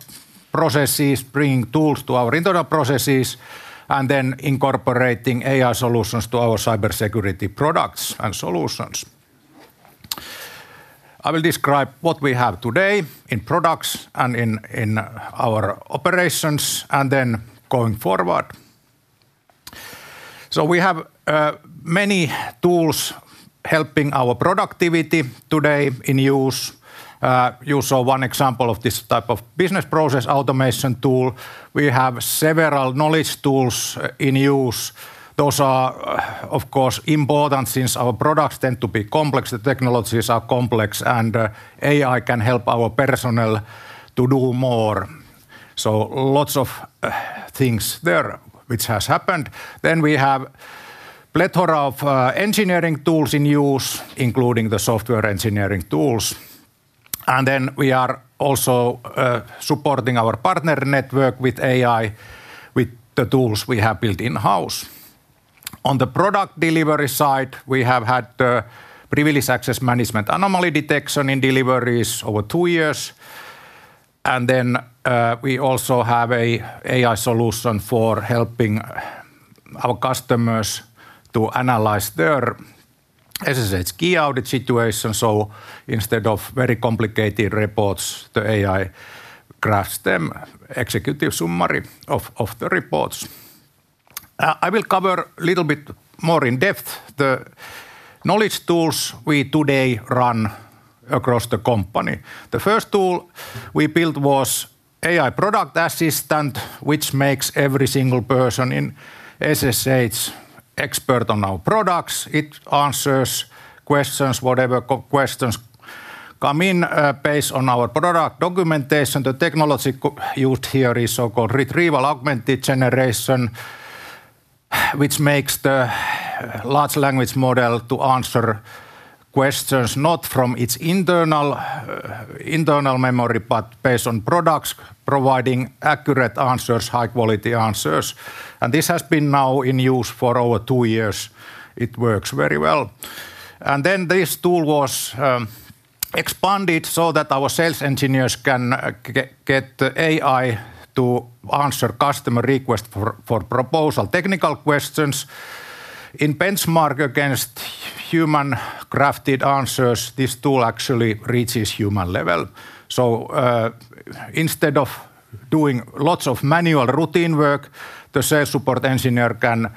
processes, bringing tools to our internal processes, and then incorporating AI solutions to our cybersecurity products and solutions. I will describe what we have today in products and in our operations and then going forward. We have many tools helping our productivity today in use. You saw one example of this type of business process automation tool. We have several knowledge tools in use. Those are, of course, important since our products tend to be complex. The technologies are complex. AI can help our personnel to do more. Lots of things there which have happened. We have a plethora of engineering tools in use, including the software engineering tools. We are also supporting our partner network with AI with the tools we have built in-house. On the product delivery side, we have had the PrivX anomaly detection in deliveries over two years. We also have an AI solution for helping our customers to analyze their SSH key audit situations. Instead of very complicated reports, the AI crafts them executive summary of the reports. I will cover a little bit more in depth the knowledge tools we today run across the company. The first tool we built was AI Product Assistant, which makes every single person in SSH expert on our products. It answers questions, whatever questions come in based on our product documentation. The technology used here is so-called retrieval augmented generation, which makes the large language model to answer questions not from its internal memory, but based on products, providing accurate answers, high-quality answers. This has been now in use for over two years. It works very well. This tool was expanded so that our sales engineers can get the AI to answer customer requests for proposal technical questions. In benchmark against human-crafted answers, this tool actually reaches human level. Instead of doing lots of manual routine work, the sales support engineer can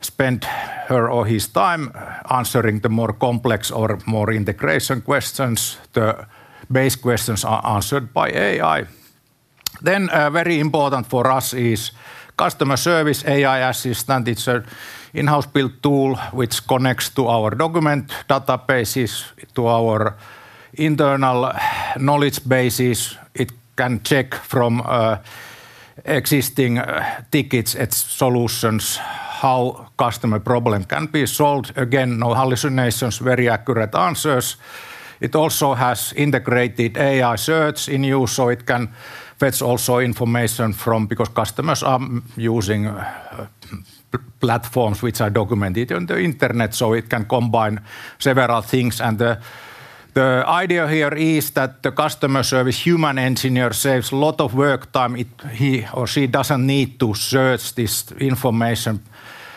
spend her or his time answering the more complex or more integration questions. The base questions are answered by AI. Very important for us is customer service AI assistant. It's an in-house built tool which connects to our document databases, to our internal knowledge bases. It can check from existing tickets at solutions how customer problem can be solved. Again, no hallucinations, very accurate answers. It also has integrated AI search in use. It can fetch also information from because customers are using platforms which are documented on the internet. It can combine several things. The idea here is that the customer service human engineer saves a lot of work time. He or she doesn't need to search this information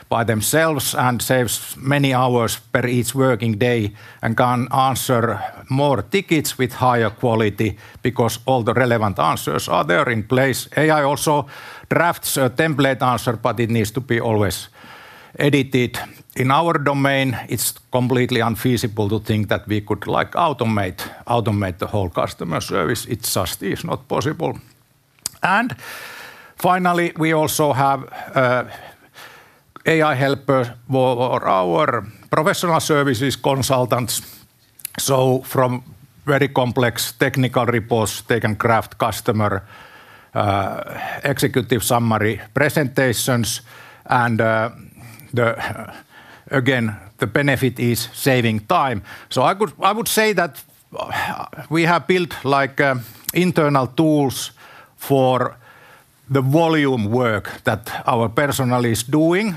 by themselves and saves many hours per each working day and can answer more tickets with higher quality because all the relevant answers are there in place. AI also drafts a template answer, but it needs to be always edited. In our domain, it's completely unfeasible to think that we could automate the whole customer service. It just is not possible. Finally, we also have AI helpers for our professional services consultants. From very complex technical reports, they can craft customer executive summary presentations. The benefit is saving time. I would say that we have built like internal tools for the volume work that our personnel is doing.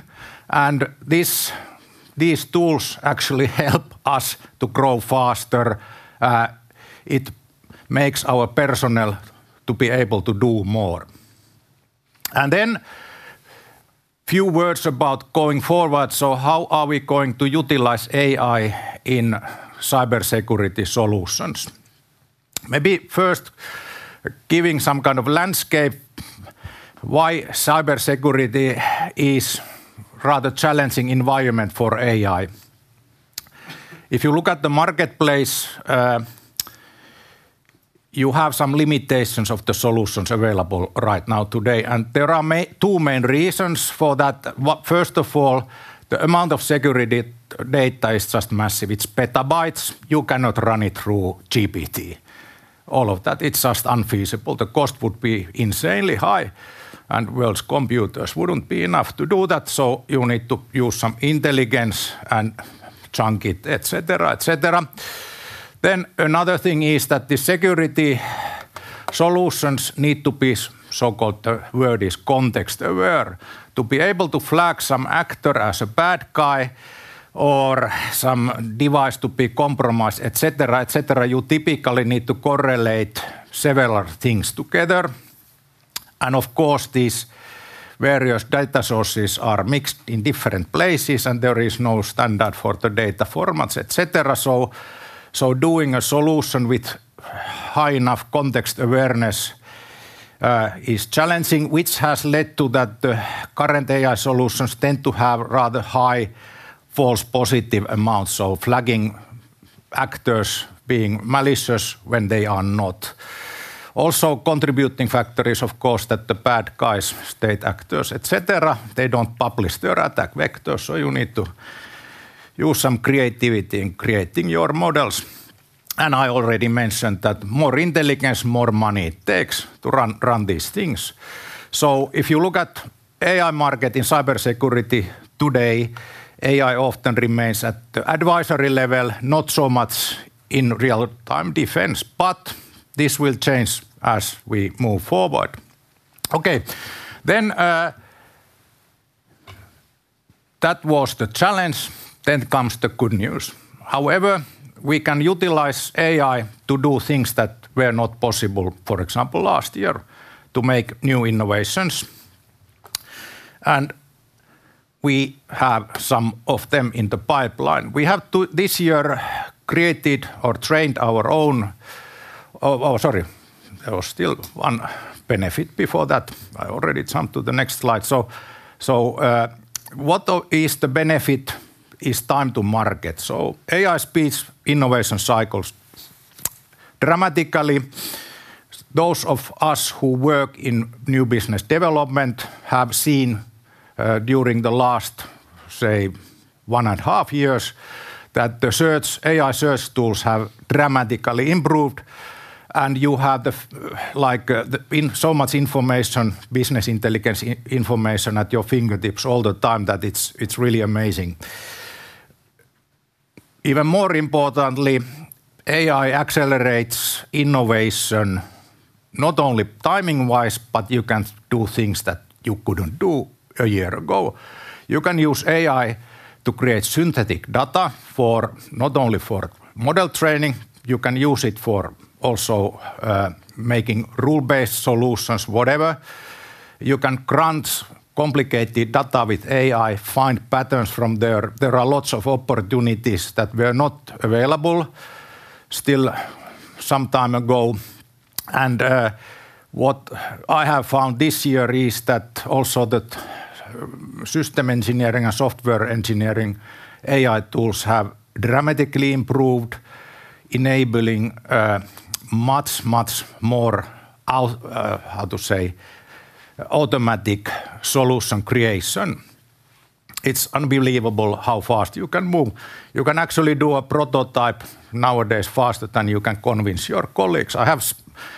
These tools actually help us to grow faster. It makes our personnel to be able to do more. A few words about going forward. How are we going to utilize AI in cybersecurity solutions? Maybe first giving some kind of landscape why cybersecurity is a rather challenging environment for AI. If you look at the marketplace, you have some limitations of the solutions available right now today. There are two main reasons for that. First of all, the amount of security data is just massive. It's petabytes. You cannot run it through GPT. All of that, it's just unfeasible. The cost would be insanely high. World's computers wouldn't be enough to do that. You need to use some intelligence and chunk it, et cetera. Another thing is that the security solutions need to be so-called the word is context-aware to be able to flag some actor as a bad guy or some device to be compromised, et cetera. You typically need to correlate several things together. Of course, these various data sources are mixed in different places. There is no standard for the data formats, et cetera. Doing a solution with high enough context awareness is challenging, which has led to the current AI solutions tending to have rather high false positive amounts, flagging actors as being malicious when they are not. A contributing factor is, of course, that the bad guys, state actors, etc., do not publish their attack vectors, so you need to use some creativity in creating your models. I already mentioned that more intelligence means more money it takes to run these things. If you look at the AI market in cybersecurity today, AI often remains at the advisory level, not so much in real-time defense. This will change as we move forward. That was the challenge. Here comes the good news. We can utilize AI to do things that were not possible, for example, last year, to make new innovations, and we have some of them in the pipeline. We have this year created or trained our own—sorry, there was still one benefit before that. I already jumped to the next slide. The benefit is time to market. AI speeds innovation cycles dramatically. Those of us who work in new business development have seen during the last, say, one and a half years that the AI search tools have dramatically improved, and you have so much information, business intelligence information at your fingertips all the time that it is really amazing. Even more importantly, AI accelerates innovation not only timing-wise, but you can do things that you could not do a year ago. You can use AI to create synthetic data not only for model training, you can use it for also making rule-based solutions, whatever. You can grant complicated data with AI, find patterns from there. There are lots of opportunities that were not available still some time ago. What I have found this year is that also the system engineering and software engineering AI tools have dramatically improved, enabling much, much more, how to say, automatic solution creation. It is unbelievable how fast you can move. You can actually do a prototype nowadays faster than you can convince your colleagues. I have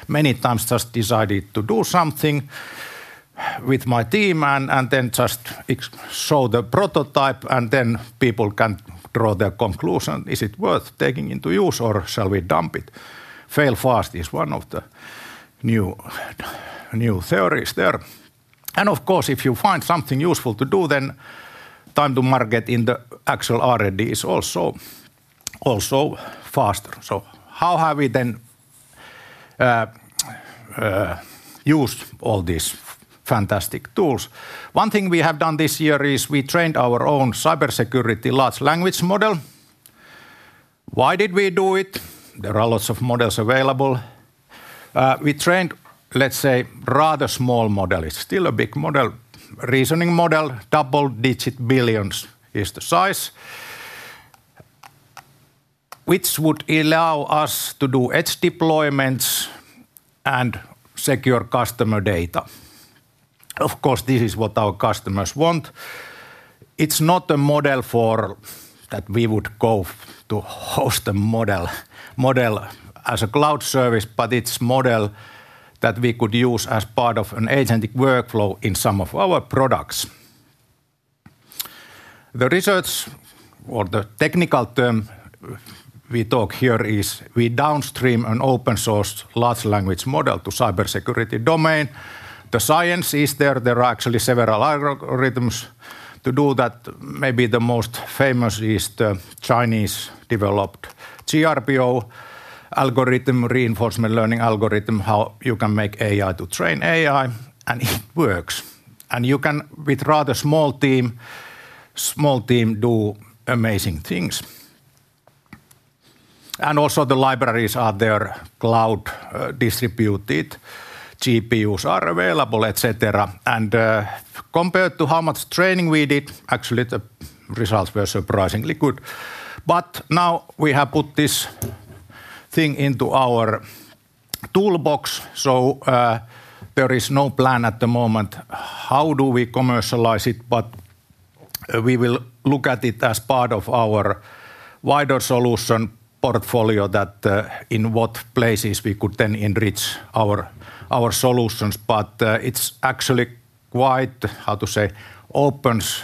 many times just decided to do something with my team and then just show the prototype, and then people can draw their conclusion. Is it worth taking into use or shall we dump it? Fail fast is one of the new theories there. If you find something useful to do, then time to market in the actual R&D is also faster. How have we then used all these fantastic tools? One thing we have done this year is we trained our own cybersecurity large language model. Why did we do it? There are lots of models available. We trained, let's say, rather small model. It's still a big model, reasoning model. Double digit billions is the size, which would allow us to do edge deployments and secure customer data. Of course, this is what our customers want. It's not a model for that we would go to host a model as a cloud service. It's a model that we could use as part of an agentic workflow in some of our products. The research or the technical term we talk here is we downstream an open-source large language model to cybersecurity domain. The science is there. There are actually several algorithms to do that. Maybe the most famous is the Chinese-developed GRPO, algorithm reinforcement learning algorithm, how you can make AI to train AI. It works. You can, with a rather small team, do amazing things. Also, the libraries are there. Cloud distributed GPUs are available, et cetera. Compared to how much training we did, actually, the results were surprisingly good. Now we have put this thing into our toolbox. There is no plan at the moment. How do we commercialize it? We will look at it as part of our wider solution portfolio that in what places we could then enrich our solutions. It's actually quite, how to say, opens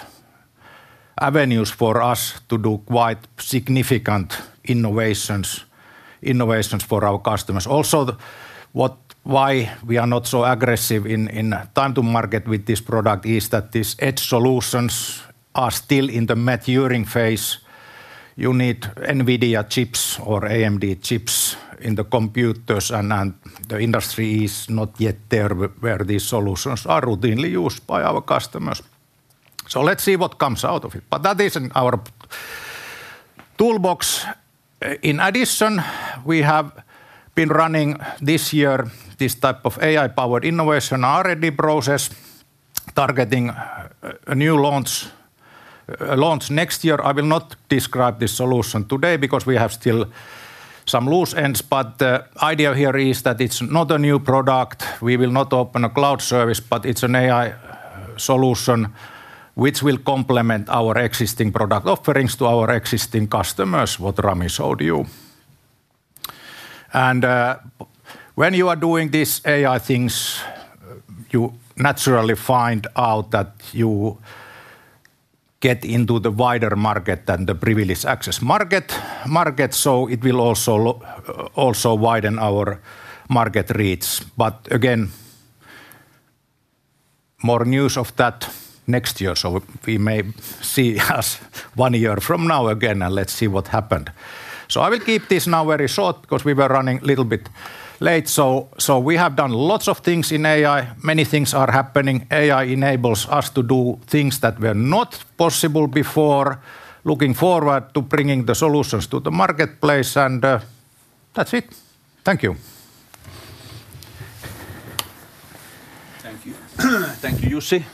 avenues for us to do quite significant innovations for our customers. Also, why we are not so aggressive in time to market with this product is that these edge solutions are still in the maturing phase. You need NVIDIA chips or AMD chips in the computers. The industry is not yet there where these solutions are routinely used by our customers. Let's see what comes out of it. That is in our toolbox. In addition, we have been running this year this type of AI-powered innovation R&D process targeting new launch next year. I will not describe this solution today because we have still some loose ends. The idea here is that it's not a new product. We will not open a cloud service. It's an AI solution which will complement our existing product offerings to our existing customers, what Rami showed you. When you are doing these AI things, you naturally find out that you get into the wider market than the privileged access market. It will also widen our market reach. Again, more news of that next year. We may see us one year from now again. Let's see what happened. I will keep this now very short because we were running a little bit late. We have done lots of things in AI. Many things are happening. AI enables us to do things that were not possible before. Looking forward to bringing the solutions to the marketplace. That's it. Thank you. Thank you. Thank you, Jussi.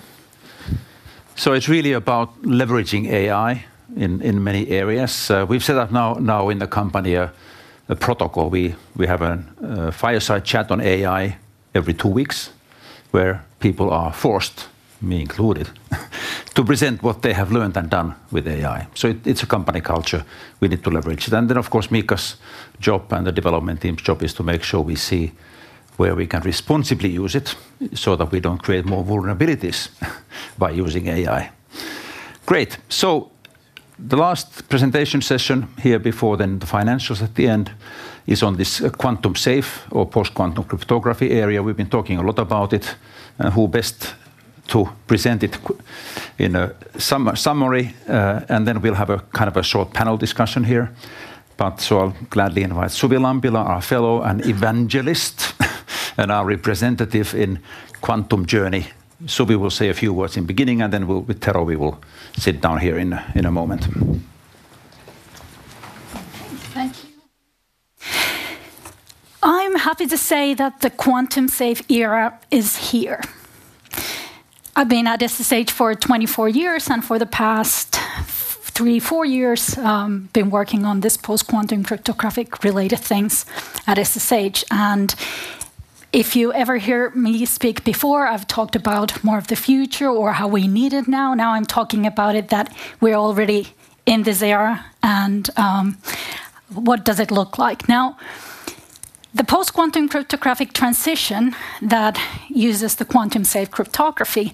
It's really about leveraging AI in many areas. We've set up now in the company a protocol. We have a fireside chat on AI every two weeks where people are forced, me included, to present what they have learned and done with AI. It's a company culture. We need to leverage it. Of course, Miikka's job and the development team's job is to make sure we see where we can responsibly use it so that we don't create more vulnerabilities by using AI. Great. The last presentation session here before the financials at the end is on this quantum-safe or post-quantum cryptography area. We've been talking a lot about it and who best to present it in a summary. We'll have a kind of a short panel discussion here. I'll gladly invite Suvi Lampila, our Fellow and Evangelist and our representative in Quantum Journey. Suvi will say a few words in the beginning. Then with Tero, we will sit down here in a moment. I'm happy to say that the quantum-safe era is here. I've been at SSH for 24 years, and for the past three, four years, I've been working on this post-quantum cryptography related things at SSH. If you've ever heard me speak before, I've talked about more of the future or how we need it now. Now I'm talking about it that we're already in this era. What does it look like now? The post-quantum cryptographic transition that uses the quantum-safe cryptography,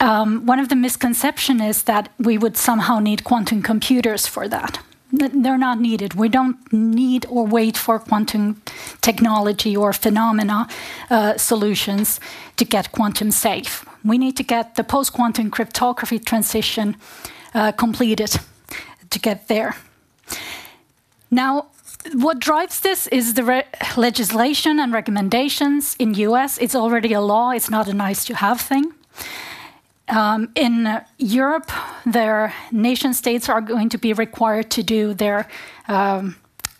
one of the misconceptions is that we would somehow need quantum computers for that. They're not needed. We don't need or wait for quantum technology or phenomena solutions to get quantum-safe. We need to get the post-quantum cryptography transition completed to get there. What drives this is the legislation and recommendations in the U.S. It's already a law. It's not a nice-to-have thing. In Europe, their nation-states are going to be required to do their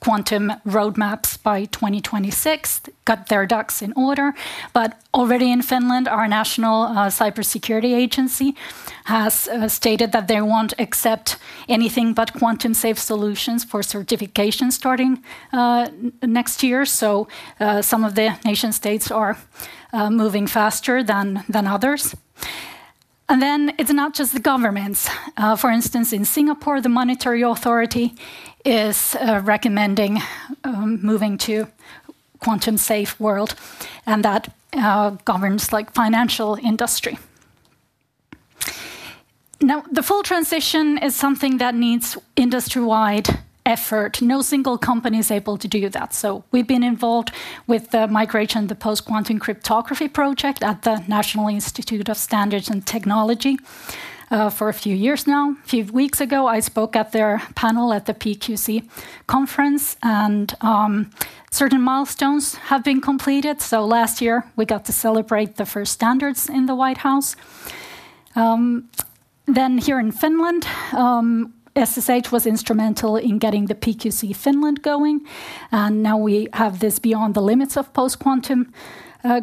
quantum roadmaps by 2026, got their ducks in order. Already in Finland, our national cybersecurity agency has stated that they won't accept anything but quantum-safe solutions for certification starting next year. Some of the nation-states are moving faster than others. It's not just the governments. For instance, in Singapore, the Monetary Authority is recommending moving to a quantum-safe world, and that governs like the financial industry. The full transition is something that needs industry-wide effort. No single company is able to do that. We've been involved with the migration of the post-quantum cryptography project at the National Institute of Standards and Technology for a few years now. A few weeks ago, I spoke at their panel at the PQC conference, and certain milestones have been completed. Last year, we got to celebrate the first standards in the White House. Here in Finland, SSH was instrumental in getting the PQC Finland going. Now we have this Beyond the Limits of Post-Quantum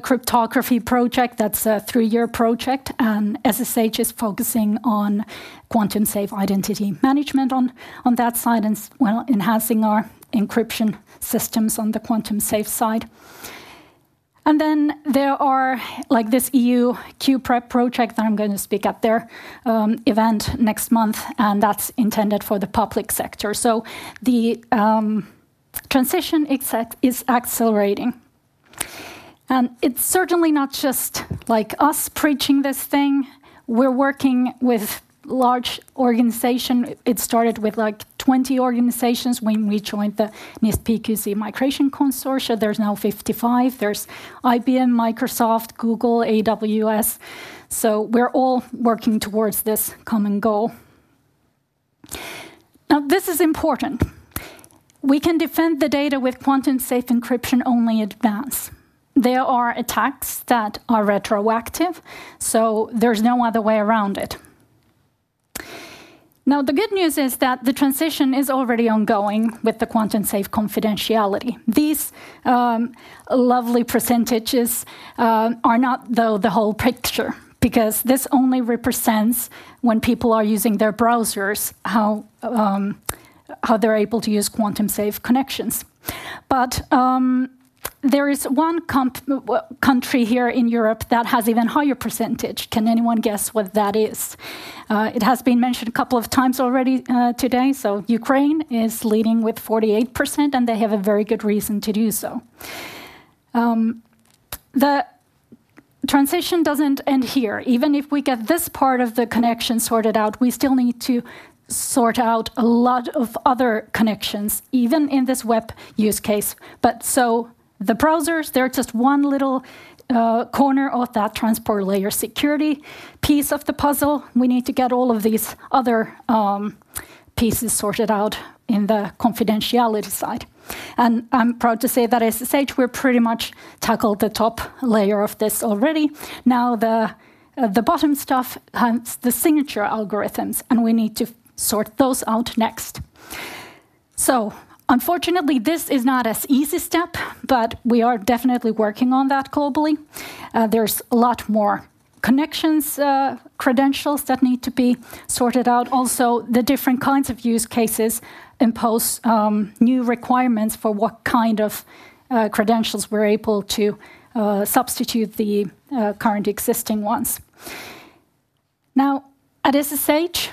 Cryptography project. That's a three-year project, and SSH Communications Security is focusing on quantum-safe identity management on that side and enhancing our encryption systems on the quantum-safe side. There are projects like this EU Q-Prep project that I'm going to speak at their event next month, and that's intended for the public sector. The transition is accelerating. It's certainly not just like us preaching this thing. We're working with large organizations. It started with like 20 organizations when we joined the NIST PQC Migration Consortium. There's now 55. There's IBM, Microsoft, Google, AWS. We're all working towards this common goal. This is important. We can defend the data with quantum-safe encryption only in advance. There are attacks that are retroactive. There's no other way around it. The good news is that the transition is already ongoing with the quantum-safe confidentiality. These lovely percentages are not, though, the whole picture because this only represents when people are using their browsers, how they're able to use quantum-safe connections. There is one country here in Europe that has an even higher percentage. Can anyone guess what that is? It has been mentioned a couple of times already today. Ukraine is leading with 48%. They have a very good reason to do so. The transition doesn't end here. Even if we get this part of the connection sorted out, we still need to sort out a lot of other connections, even in this web use case. The browsers are just one little corner of that transport layer security piece of the puzzle. We need to get all of these other pieces sorted out in the confidentiality side. I'm proud to say that at SSH, we've pretty much tackled the top layer of this already. The bottom stuff, hence the signature algorithms, we need to sort those out next. Unfortunately, this is not an easy step. We are definitely working on that globally. There's a lot more connections, credentials that need to be sorted out. Also, the different kinds of use cases impose new requirements for what kind of credentials we're able to substitute the current existing ones. At SSH,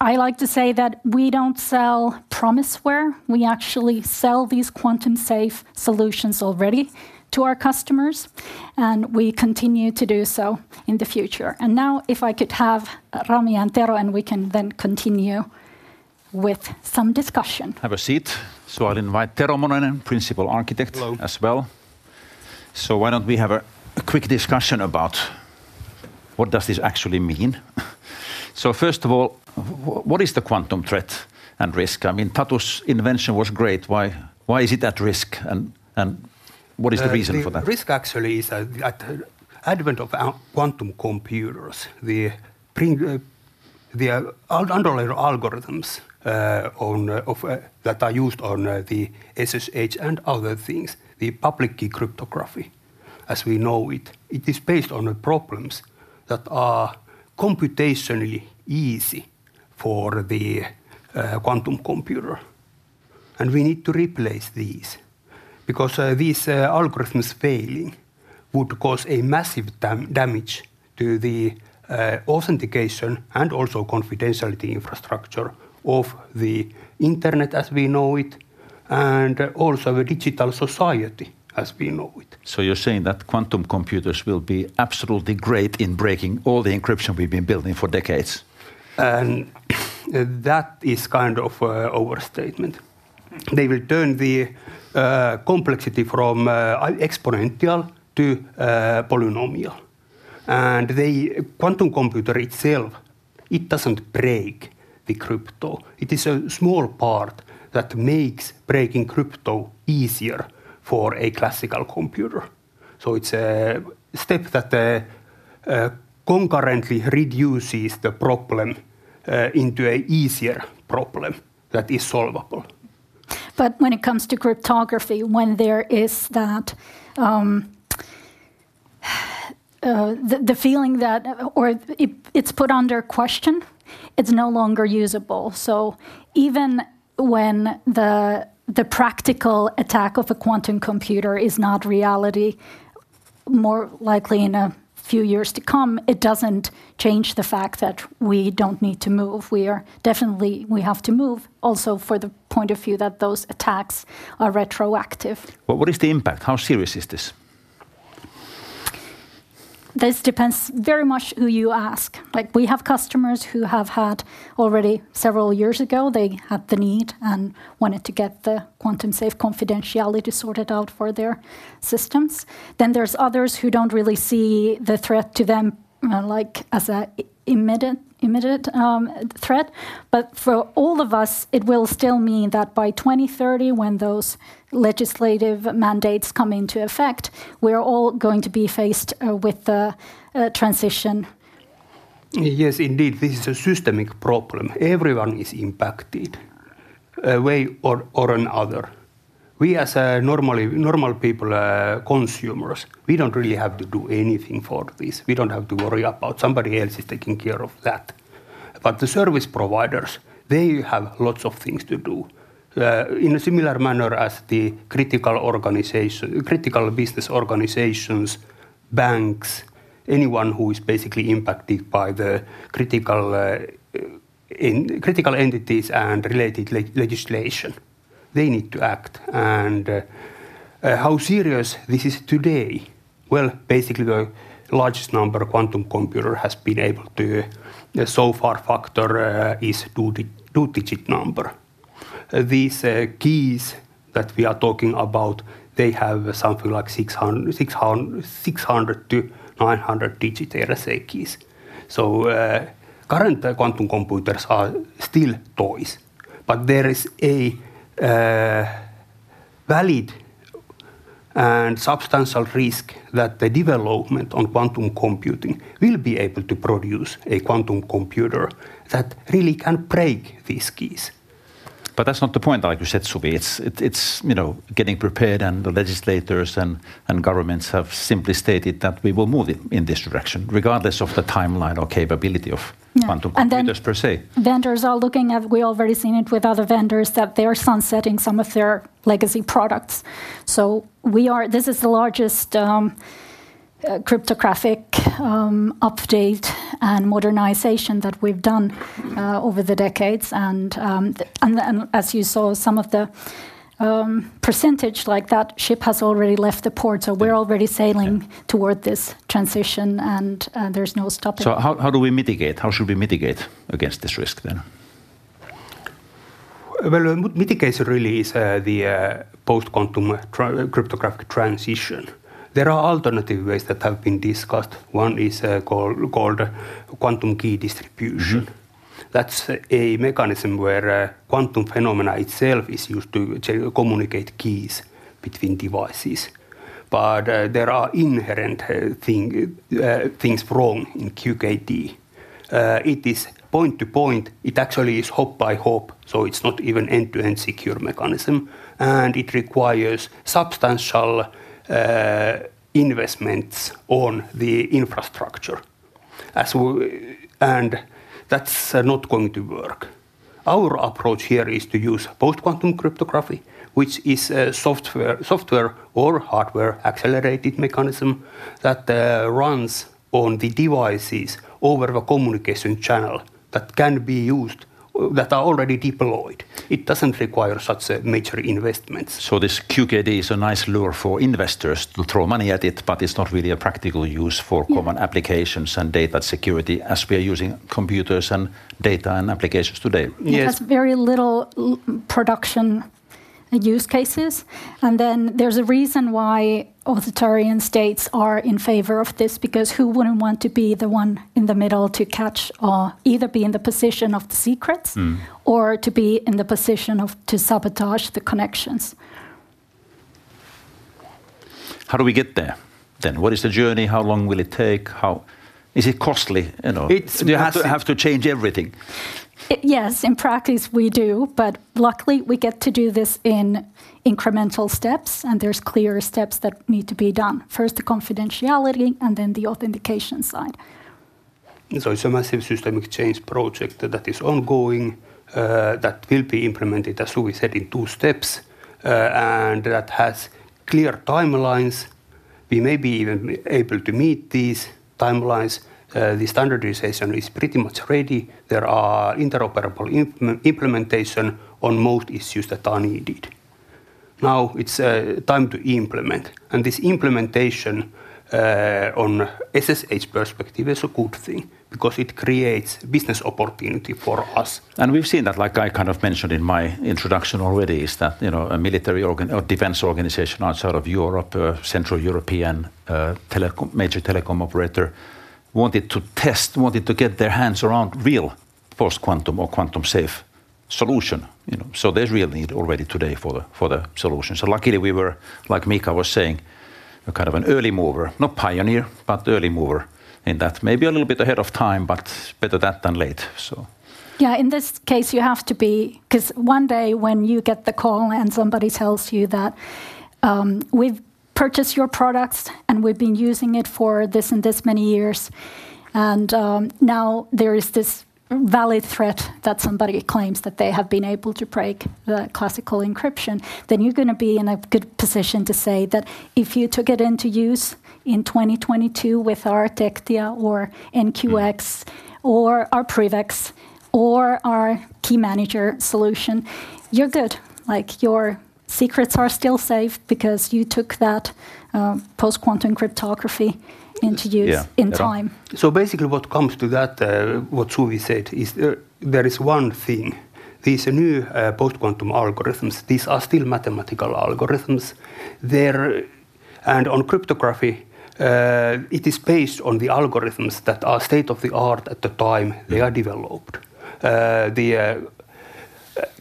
I like to say that we don't sell promiseware. We actually sell these quantum-safe solutions already to our customers. We continue to do so in the future. Now, if I could have Rami and Tero, we can then continue with some discussion. Have a seat. I'll invite Tero Mononen, Principal Architect, as well. Why don't we have a quick discussion about what does this actually mean? First of all, what is the quantum threat and risk? I mean, Tatu's invention was great. Why is it at risk? What is the reason for that? Risk actually is the advent of quantum computers. The underlying algorithms that are used on the SSH and other things, the public key cryptography as we know it, it is based on the problems that are computationally easy for the quantum computer. We need to replace these because these algorithms failing would cause massive damage to the authentication and also confidentiality infrastructure of the internet as we know it, and also the digital society as we know it. You're saying that quantum computers will be absolutely great in breaking all the encryption we've been building for decades. That is kind of an overstatement. They will turn the complexity from exponential to polynomial. The quantum computer itself doesn't break the crypto. It is a small part that makes breaking crypto easier for a classical computer. It's a step that concurrently reduces the problem into an easier problem that is solvable. When it comes to cryptography, when there is that feeling that or it's put under question, it's no longer usable. Even when the practical attack of a quantum computer is not reality, more likely in a few years to come, it doesn't change the fact that we don't need to move. We definitely have to move also from the point of view that those attacks are retroactive. What is the impact? How serious is this? This depends very much who you ask. We have customers who have had already several years ago, they had the need and wanted to get the quantum-safe confidentiality sorted out for their systems. There are others who don't really see the threat to them as an immediate threat. For all of us, it will still mean that by 2030, when those legislative mandates come into effect, we're all going to be faced with the transition. Yes, indeed. This is a systemic problem. Everyone is impacted in a way or another. We as normal people, consumers, we don't really have to do anything for this. We don't have to worry about somebody else taking care of that. The service providers, they have lots of things to do in a similar manner as the critical business organizations, banks, anyone who is basically impacted by the critical entities and related legislation. They need to act. How serious is this today? Basically, the largest number of quantum computers has been able to so far factor is a two-digit number. These keys that we are talking about, they have something like 600-900-digit RSA keys. Current quantum computers are still toys. There is a valid and substantial risk that the development on quantum computing will be able to produce a quantum computer that really can break these keys. That's not the point, like you said, Suvi. It's getting prepared. The legislators and governments have simply stated that we will move in this direction regardless of the timeline or capability of quantum computers per se. Vendors are looking at, we've already seen it with other vendors, that they are sunsetting some of their legacy products. This is the largest cryptographic update and modernization that we've done over the decades. As you saw, some of the percentage-like that ship has already left the port. We're already sailing toward this transition, and there's no stopping us. How do we mitigate? How should we mitigate against this risk then? The mitigation really is the post-quantum cryptographic transition. There are alternative ways that have been discussed. One is called quantum key distribution. That's a mechanism where quantum phenomena itself is used to communicate keys between devices. There are inherent things wrong in QKD. It is point to point. It actually is hop by hop, so it's not even an end-to-end secure mechanism. It requires substantial investments in the infrastructure, and that's not going to work. Our approach here is to use post-quantum cryptography, which is a software or hardware accelerated mechanism that runs on the devices over the communication channel that can be used that are already deployed. It doesn't require such major investments. QKD is a nice lure for investors to throw money at it, but it's not really a practical use for common applications and data security as we are using computers and data and applications today. It has very little production use cases. There's a reason why authoritarian states are in favor of this, because who wouldn't want to be the one in the middle to catch or either be in the position of the secrets or to be in the position to sabotage the connections. How do we get there then? What is the journey? How long will it take? Is it costly? You have to change everything? Yes, in practice, we do. Luckily, we get to do this in incremental steps, and there are clear steps that need to be done. First, the confidentiality and then the authentication side. It is a massive systemic change project that is ongoing that will be implemented, as Suvi said, in two steps. That has clear timelines. We may be even able to meet these timelines. The standardization is pretty much ready. There are interoperable implementations on most issues that are needed. Now, it is time to implement. This implementation from SSH's perspective is a good thing because it creates business opportunity for us. We've seen that, like I kind of mentioned in my introduction already, a military or defense organization outside of Europe, a Central European major telecom operator, wanted to test, wanted to get their hands around real post-quantum or quantum-safe solution. There's real need already today for the solution. Luckily, we were, like Mika was saying, kind of an early mover, not pioneer, but early mover in that, maybe a little bit ahead of time, but better that than late. Yeah, in this case, you have to be because one day when you get the call and somebody tells you that we've purchased your products and we've been using it for this and this many years, and now there is this valid threat that somebody claims that they have been able to break the classical encryption, you're going to be in a good position to say that if you took it into use in 2022 with our NQX or our PrivX or our key manager solution, you're good. Your secrets are still safe because you took that post-quantum cryptography into use in time. What comes to that, what Suvi said, is there is one thing. These new post-quantum algorithms, these are still mathematical algorithms. In cryptography, it is based on the algorithms that are state of the art at the time they are developed. The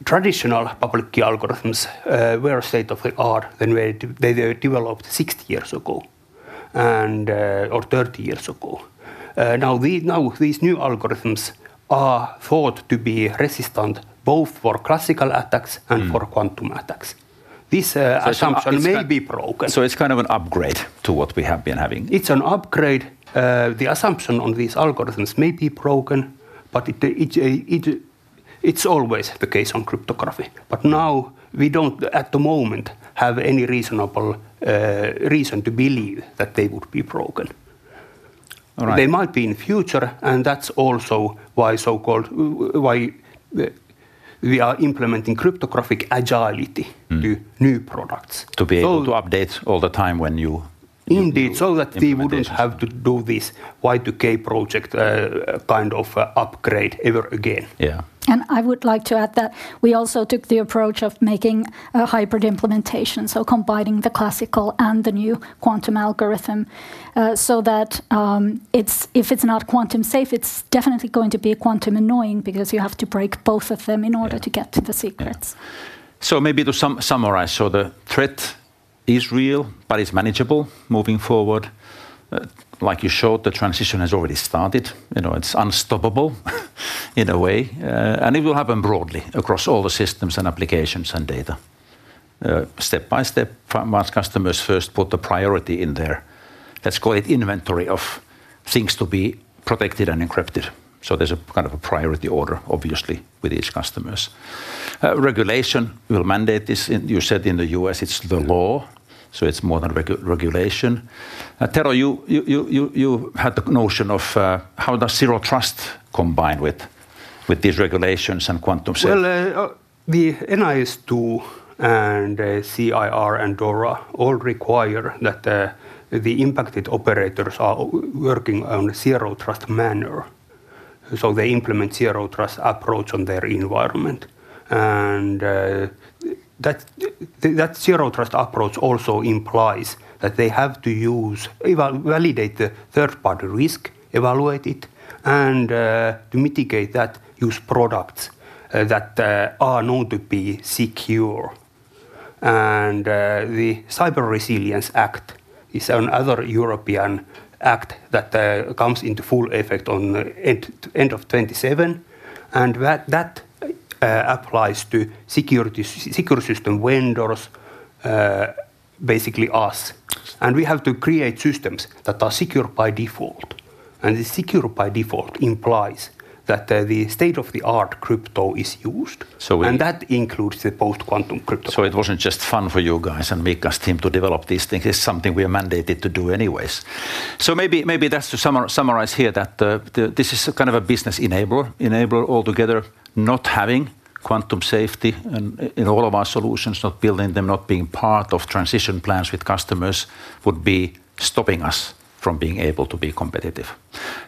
traditional public key algorithms were state of the art when they were developed 60 years ago or 30 years ago. Now, these new algorithms are thought to be resistant both for classical attacks and for quantum attacks. This assumption may be broken. It is kind of an upgrade to what we have been having. It's an upgrade. The assumption on these algorithms may be broken. It's always the case on cryptography. Right now, we don't, at the moment, have any reasonable reason to believe that they would be broken. They might be in the future. That's also why we are implementing cryptographic agility to new products. To be able to update all the time when you. Indeed, so that we wouldn't have to do this Y2K project kind of upgrade ever again. I would like to add that we also took the approach of making a hybrid implementation, combining the classical and the new quantum algorithm, so that if it's not quantum-safe, it's definitely going to be quantum annoying because you have to break both of them in order to get to the secrets. Maybe to summarize, the threat is real, but it's manageable moving forward. Like you showed, the transition has already started. It's unstoppable in a way. It will happen broadly across all the systems and applications and data, step by step, once customers first put the priority in there. Let's call it inventory of things to be protected and encrypted. There's a kind of a priority order, obviously, with each customer. Regulation will mandate this. You said in the U.S., it's the law. It's more than regulation. Tero, you had the notion of how does Zero Trust combine with these regulations and quantum safety? The NIS2 tool and CER and DORA all require that the impacted operators are working on a Zero Trust manner. They implement a Zero Trust approach on their environment. That Zero Trust approach also implies that they have to validate the third-party risk, evaluate it, and to mitigate that, use products that are known to be secure. The Cyber Resilience Act is another European act that comes into full effect at the end of 2027. That applies to secure system vendors, basically us. We have to create systems that are secure by default. The secure by default implies that the state-of-the-art crypto is used. That includes the post-quantum crypto. It wasn't just fun for you guys and Miikka Sainio's team to develop these things. It's something we are mandated to do anyways. Maybe that's to summarize here that this is kind of a business enabler altogether. Not having quantum safety in all of our solutions, not building them, not being part of transition plans with customers would be stopping us from being able to be competitive.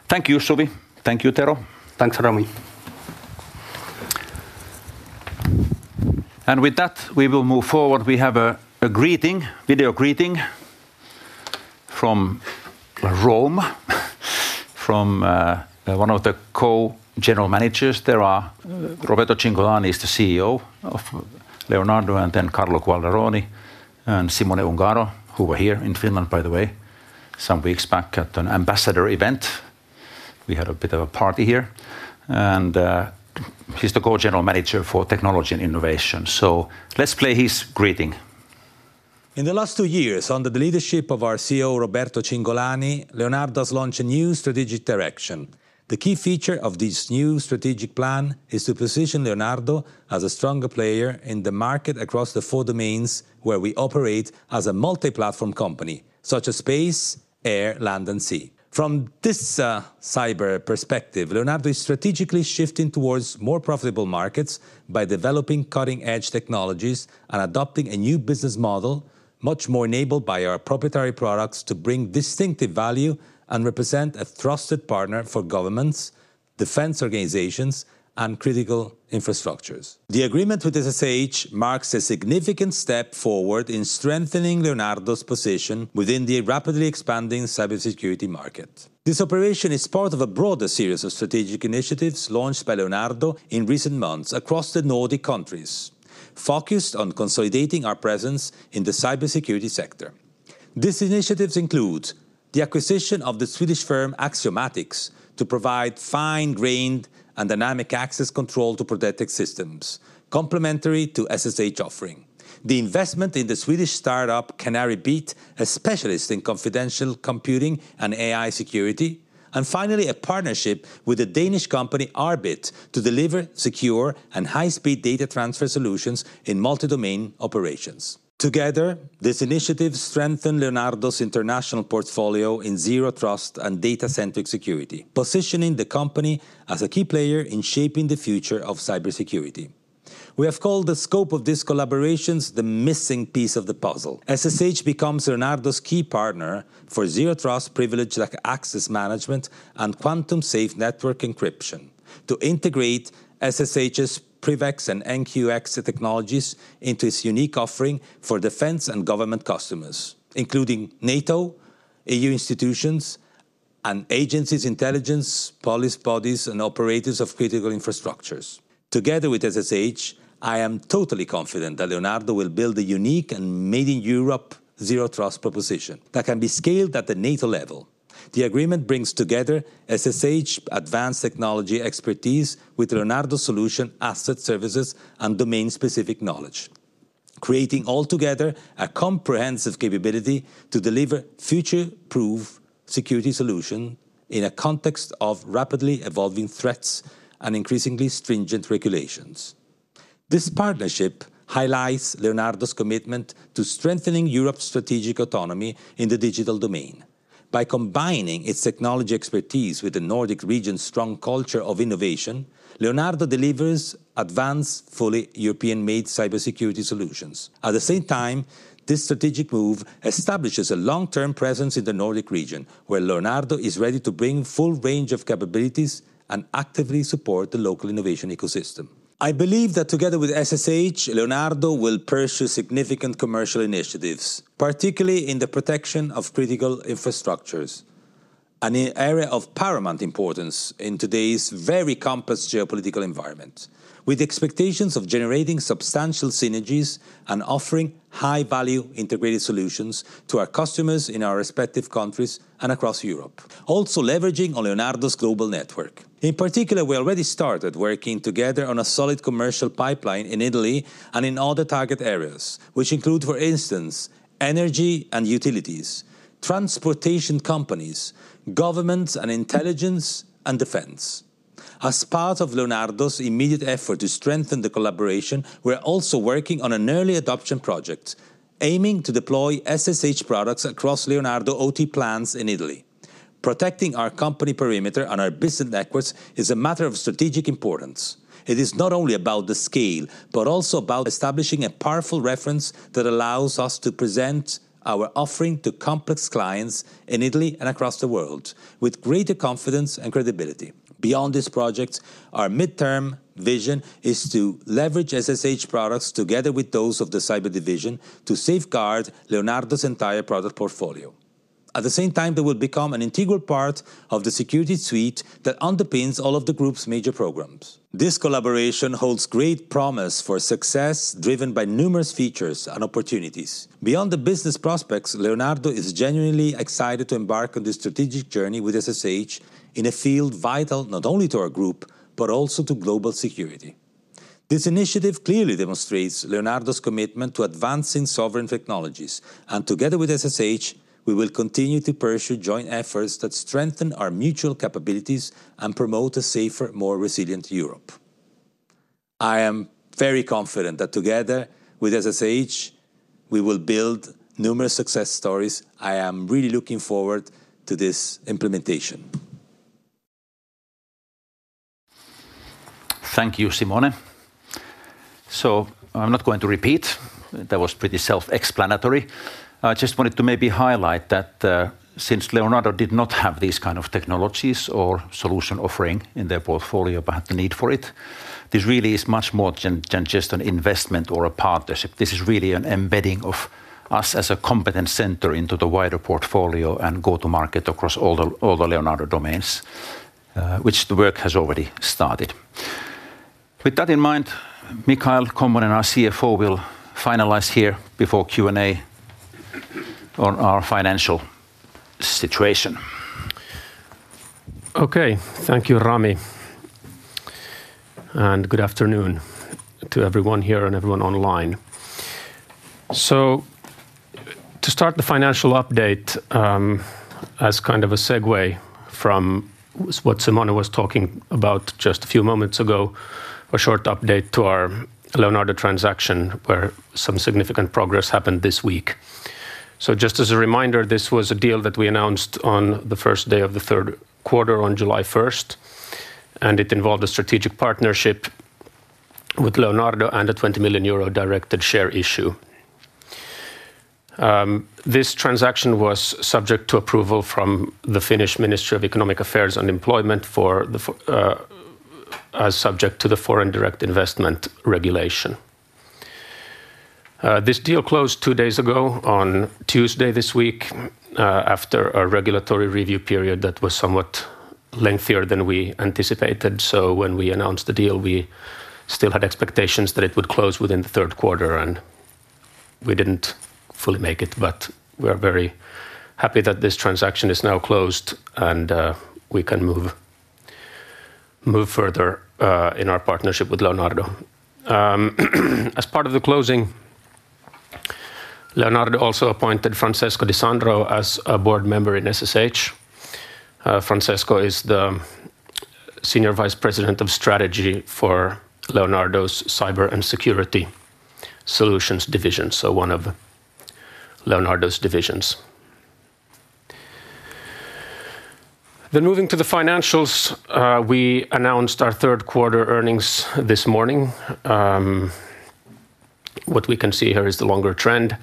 Thank you, Suvi. Thank you, Tero. Thanks, Rami. With that, we will move forward. We have a video greeting from Rome, from one of the Co-General Managers. Roberto Cingolani is the CEO of Leonardo, and then Carlo Quadroni and Simone Ungaro, who were here in Finland, by the way, some weeks back at an ambassador event. We had a bit of a party here. He is the Co-General Manager for Technology and Innovation. Let's play his greeting. In the last two years, under the leadership of our CEO, Roberto Cingolani, Leonardo has launched a new strategic direction. The key feature of this new strategic plan is to position Leonardo as a stronger player in the market across the four domains where we operate as a multi-platform company, such as Space, Air, Land, and Sea. From this cyber perspective, Leonardo is strategically shifting towards more profitable markets by developing cutting-edge technologies and adopting a new business model, much more enabled by our proprietary products to bring distinctive value and represent a trusted partner for governments, defense organizations, and critical infrastructures. The agreement with SSH marks a significant step forward in strengthening Leonardo's position within the rapidly expanding cybersecurity market. This operation is part of a broader series of strategic initiatives launched by Leonardo in recent months across the Nordic countries, focused on consolidating our presence in the cybersecurity sector. These initiatives include the acquisition of the Swedish firm Axiomatics to provide fine-grained and dynamic access control to protected systems, complementary to SSH's offering, the investment in the Swedish startup Canary Bit, a specialist in confidential computing and AI security, and finally, a partnership with the Danish company Arbit to deliver secure and high-speed data transfer solutions in multi-domain operations. Together, these initiatives strengthen Leonardo's international portfolio in Zero Trust and data-centric security, positioning the company as a key player in shaping the future of cybersecurity. We have called the scope of these collaborations the missing piece of the puzzle. SSH becomes Leonardo's key partner for Zero Trust privileged access management and quantum-safe network encryption, to integrate SSH's PrivX and NQX technologies into its unique offering for defense and government customers, including NATO, EU institutions and agencies, intelligence police bodies, and operators of critical infrastructures. Together with SSH, I am totally confident that Leonardo will build a unique and made-in-Europe Zero Trust proposition that can be scaled at the NATO level. The agreement brings together SSH's advanced technology expertise with Leonardo's solution asset services and domain-specific knowledge, creating altogether a comprehensive capability to deliver future-proof security solutions in a context of rapidly evolving threats and increasingly stringent regulations. This partnership highlights Leonardo's commitment to strengthening Europe's strategic autonomy in the digital domain. By combining its technology expertise with the Nordic region's strong culture of innovation, Leonardo delivers advanced, fully European-made cybersecurity solutions. At the same time, this strategic move establishes a long-term presence in the Nordic region, where Leonardo is ready to bring a full range of capabilities and actively support the local innovation ecosystem. I believe that together with SSH, Leonardo will pursue significant commercial initiatives, particularly in the protection of critical infrastructures, an area of paramount importance in today's very complex geopolitical environment, with expectations of generating substantial synergies and offering high-value integrated solutions to our customers in our respective countries and across Europe, also leveraging on Leonardo's global network. In particular, we already started working together on a solid commercial pipeline in Italy and in other target areas, which include, for instance, energy and utilities, transportation companies, governments, intelligence, and defense. As part of Leonardo's immediate effort to strengthen the collaboration, we are also working on an early adoption project, aiming to deploy SSH products across Leonardo OT plants in Italy. Protecting our company perimeter and our business networks is a matter of strategic importance. It is not only about the scale but also about establishing a powerful reference that allows us to present our offering to complex clients in Italy and across the world with greater confidence and credibility. Beyond this project, our midterm vision is to leverage SSH products together with those of the Cyber Division to safeguard Leonardo's entire product portfolio. At the same time, they will become an integral part of the security suite that underpins all of the group's major programs. This collaboration holds great promise for success driven by numerous features and opportunities. Beyond the business prospects, Leonardo is genuinely excited to embark on this strategic journey with SSH in a field vital not only to our group but also to global security. This initiative clearly demonstrates Leonardo's commitment to advancing sovereign technologies, and together with SSH, we will continue to pursue joint efforts that strengthen our mutual capabilities and promote a safer, more resilient Europe. I am very confident that together with SSH, we will build numerous success stories. I am really looking forward to this implementation. Thank you, Simone. I'm not going to repeat. That was pretty self-explanatory. I just wanted to maybe highlight that since Leonardo did not have these kinds of technologies or solution offering in their portfolio, but the need for it, this really is much more than just an investment or a partnership. This is really an embedding of us as a competent center into the wider portfolio and go-to-market across all the Leonardo domains, which the work has already started. With that in mind, Michael Kommonen, our CFO, will finalize here before Q&A on our financial situation. OK, thank you, Rami. Good afternoon to everyone here and everyone online. To start the financial update as kind of a segue from what Simone was talking about just a few moments ago, a short update to our Leonardo transaction where some significant progress happened this week. Just as a reminder, this was a deal that we announced on the first day of the third quarter, on July 1st, and it involved a strategic partnership with Leonardo and a 20 million euro directed share issue. This transaction was subject to approval from the Finnish Ministry of Economic Affairs and Employment as subject to the foreign direct investment regulation. This deal closed two days ago, on Tuesday this week, after a regulatory review period that was somewhat lengthier than we anticipated. When we announced the deal, we still had expectations that it would close within the third quarter, and we didn't fully make it. We are very happy that this transaction is now closed, and we can move further in our partnership with Leonardo. As part of the closing, Leonardo also appointed Francesco DiSandro as a board member in SSH. Francesco is the Senior Vice President of Strategy for Leonardo's Cyber and Security Solutions Division, one of Leonardo's divisions. Moving to the financials, we announced our third quarter earnings this morning. What we can see here is the longer trend.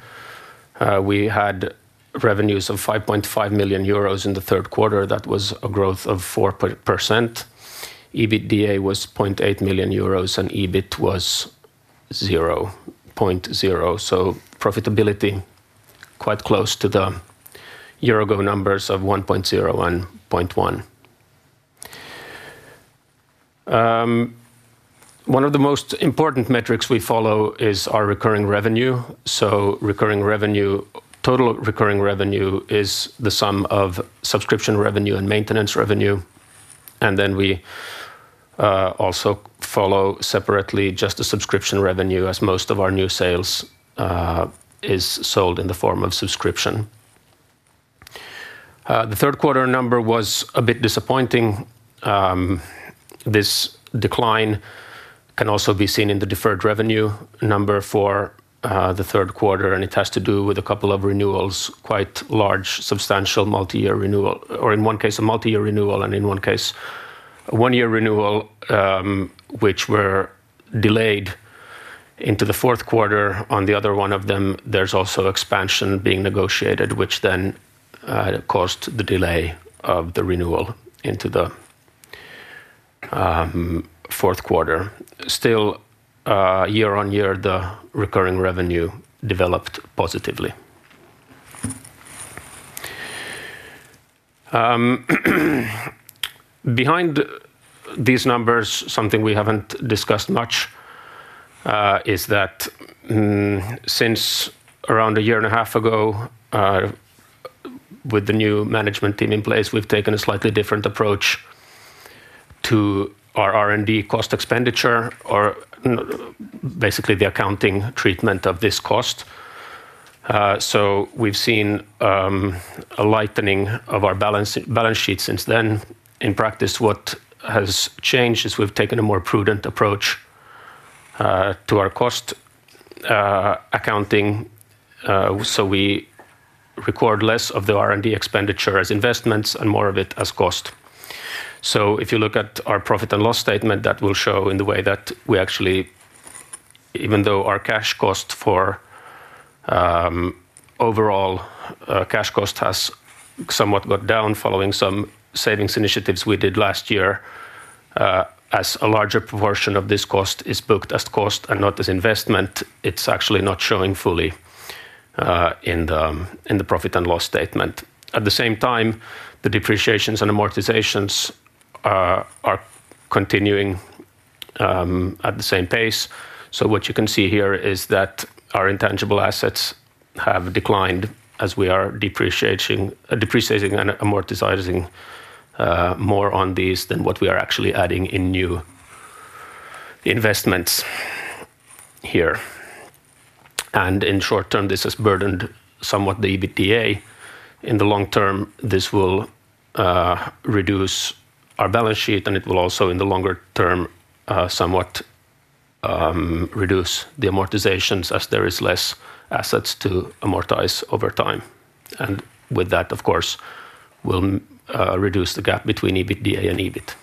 We had revenues of 5.5 million euros in the third quarter. That was a growth of 4%. EBITDA was 0.8 million euros, and EBIT was 0.0 million. Profitability was quite close to the year-ago numbers of 1.0 million and 0.1 million. One of the most important metrics we follow is our recurring revenue. Total recurring revenue is the sum of subscription revenue and maintenance revenue. We also follow separately just the subscription revenue, as most of our new sales are sold in the form of subscription. The third quarter number was a bit disappointing. This decline can also be seen in the deferred revenue number for the third quarter, and it has to do with a couple of renewals, quite large, substantial, multi-year renewals, or in one case, a multi-year renewal, and in one case, a one-year renewal, which were delayed into the fourth quarter. On the other one of them, there's also expansion being negotiated, which then caused the delay of the renewal into the fourth quarter. Still, year-on-year, the recurring revenue developed positively. Behind these numbers, something we haven't discussed much is that since around a year and a half ago, with the new management team in place, we've taken a slightly different approach to our R&D cost expenditure, or basically the accounting treatment of this cost. We've seen a lightening of our balance sheet since then. In practice, what has changed is we've taken a more prudent approach to our cost accounting. We record less of the R&D expenditure as investments and more of it as cost. If you look at our profit and loss statement, that will show in the way that we actually, even though our cash cost for overall cash cost has somewhat gone down following some savings initiatives we did last year, as a larger proportion of this cost is booked as cost and not as investment, it's actually not showing fully in the profit and loss statement. At the same time, the depreciations and amortizations are continuing at the same pace. What you can see here is that our intangible assets have declined as we are depreciating and amortizing more on these than what we are actually adding in new investments here. In the short-term, this has burdened somewhat the EBITDA. In the long term, this will reduce our balance sheet, and it will also, in the longer-term, somewhat reduce the amortizations as there are less assets to amortize over time. With that, of course, we'll reduce the gap between EBITDA and EBIT.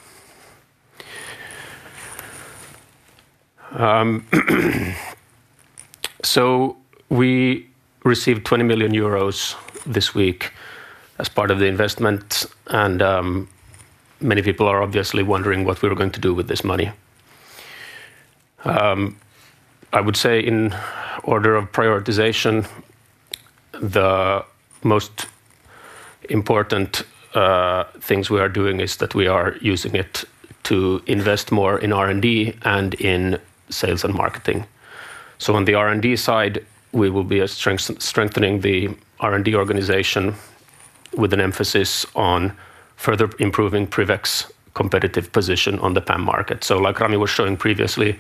We received 20 million euros this week as part of the investment, and many people are obviously wondering what we're going to do with this money. I would say, in order of prioritization, the most important things we are doing is that we are using it to invest more in R&D and in sales and marketing. On the R&D side, we will be strengthening the R&D organization with an emphasis on further improving PrivX's competitive position on the PAM market. Like Rami was showing previously,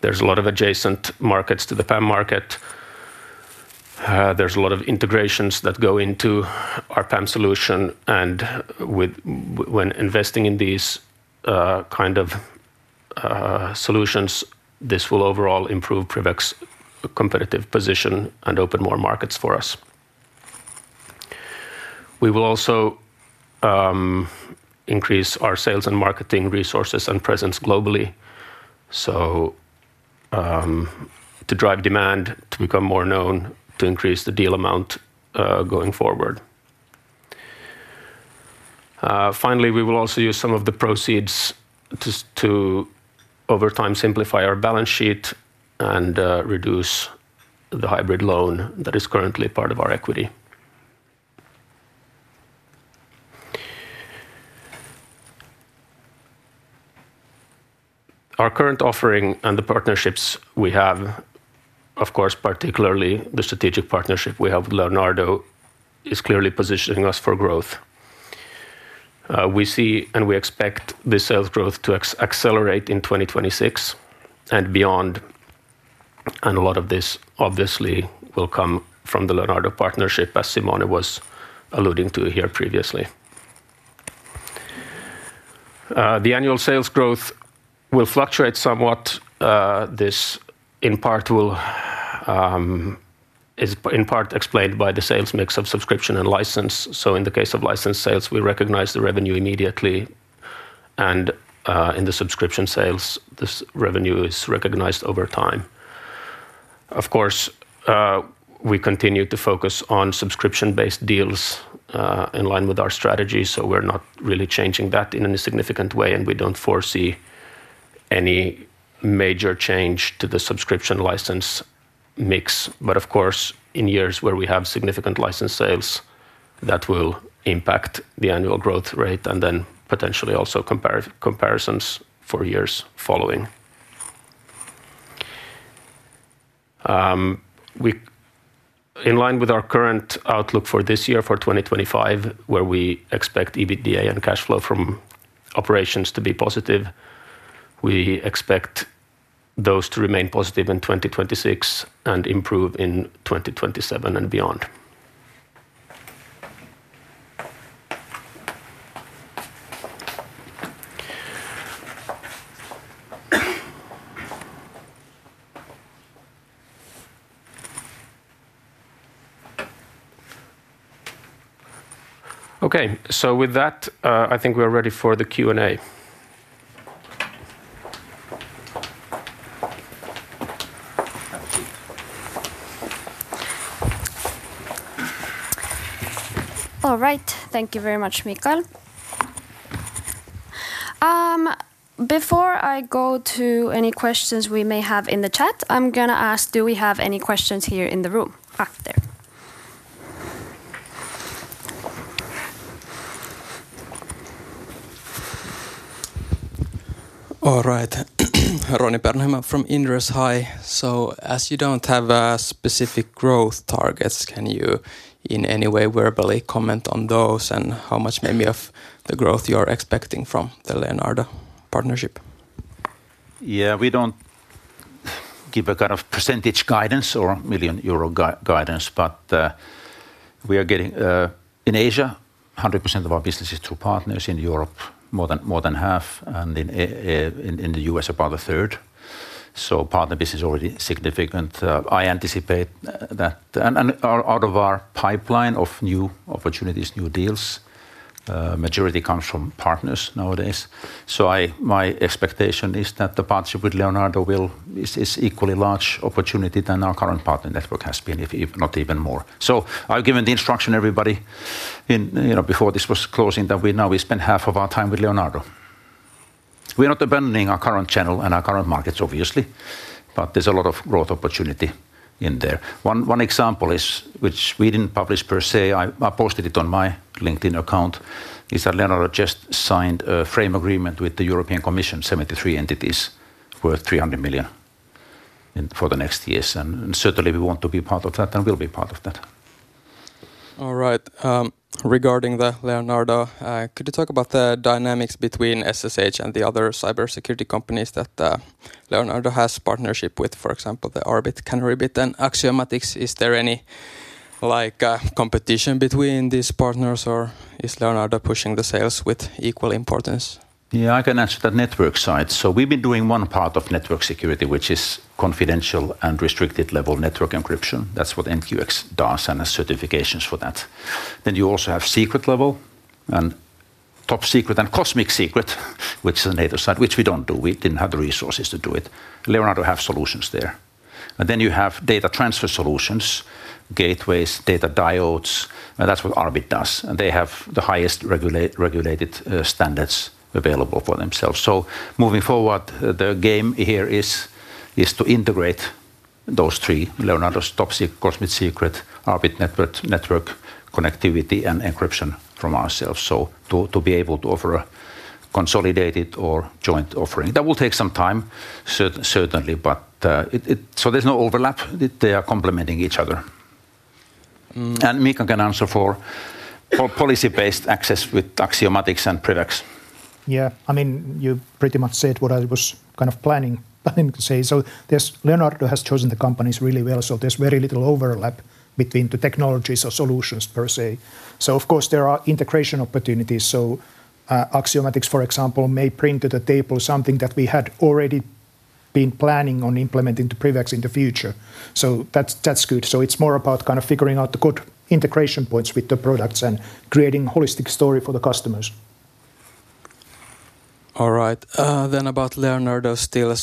there's a lot of adjacent markets to the PAM market. There's a lot of integrations that go into our PAM solution. When investing in these kinds of solutions, this will overall improve PrivX's competitive position and open more markets for us. We will also increase our sales and marketing resources and presence globally to drive demand, to become more known, to increase the deal amount going forward. Finally, we will also use some of the proceeds to, over time, simplify our balance sheet and reduce the hybrid loan that is currently part of our equity. Our current offering and the partnerships we have, of course, particularly the strategic partnership we have with Leonardo, is clearly positioning us for growth. We see and we expect this sales growth to accelerate in 2026 and beyond. A lot of this, obviously, will come from the Leonardo partnership, as Simone was alluding to here previously. The annual sales growth will fluctuate somewhat. This is in part explained by the sales mix of subscription and license. In the case of license sales, we recognize the revenue immediately. In the subscription sales, this revenue is recognized over time. Of course, we continue to focus on subscription-based deals in line with our strategy. We're not really changing that in any significant way, and we don't foresee any major change to the subscription license mix. Of course, in years where we have significant license sales, that will impact the annual growth rate and then potentially also comparisons for years following. In line with our current outlook for this year, for 2025, where we expect EBITDA and cash flow from operations to be positive, we expect those to remain positive in 2026 and improve in 2027 and beyond. OK, I think we are ready for the Q&A. All right. Thank you very much, Michael. Before I go to any questions we may have in the chat, I'm going to ask, do we have any questions here in the room? Back there. All right. from Inderes. Hi. As you don't have specific growth targets, can you in any way verbally comment on those and how much maybe of the growth you are expecting from the Leonardo partnership? Yeah, we don't give a kind of percentage guidance or million euro guidance. In Asia, 100% of our business is through partners. In Europe, more than half. In the U.S., about a third. Partner business is already significant. I anticipate that out of our pipeline of new opportunities, new deals, the majority comes from partners nowadays. My expectation is that the partnership with Leonardo is an equally large opportunity than our current partner network has been, if not even more. I've given the instruction, everybody, before this was closing, that we now spend half of our time with Leonardo. We're not abandoning our current channel and our current markets, obviously. There's a lot of growth opportunity in there. One example which we didn't publish per se, I posted it on my LinkedIn account, is that Leonardo just signed a frame agreement with the European Commission, 73 entities worth $300 million for the next years. Certainly, we want to be part of that and will be part of that. All right. Regarding Leonardo, could you talk about the dynamics between SSH and the other cybersecurity companies that Leonardo has partnerships with, for example, Arbit, CanaryBit, and Axiomatics? Is there any competition between these partners, or is Leonardo pushing the sales with equal importance? Yeah, I can answer the network side. We've been doing one part of network security, which is confidential and restricted-level network encryption. That's what NQX does and has certifications for that. You also have secret level and top secret and cosmic secret, which is a native side, which we don't do. We didn't have the resources to do it. Leonardo has solutions there. You have data transfer solutions, gateways, data diodes. That's what Arbit does, and they have the highest regulated standards available for themselves. Moving forward, the game here is to integrate those three: Leonardo's top secret, cosmic secret, Arbit network, network connectivity, and encryption from ourselves, to be able to offer a consolidated or joint offering. That will take some time, certainly. There's no overlap. They are complementing each other. Miikka can answer for policy-based access with Axiomatics and PrivX. Yeah, I mean, you pretty much said what I was kind of planning to say. Leonardo has chosen the companies really well. There's very little overlap between the technologies or solutions per se. Of course, there are integration opportunities. Axiomatics, for example, may bring to the table something that we had already been planning on implementing to PrivX in the future. That's good. It's more about kind of figuring out the good integration points with the products and creating a holistic story for the customers. All right. About Leonardo still,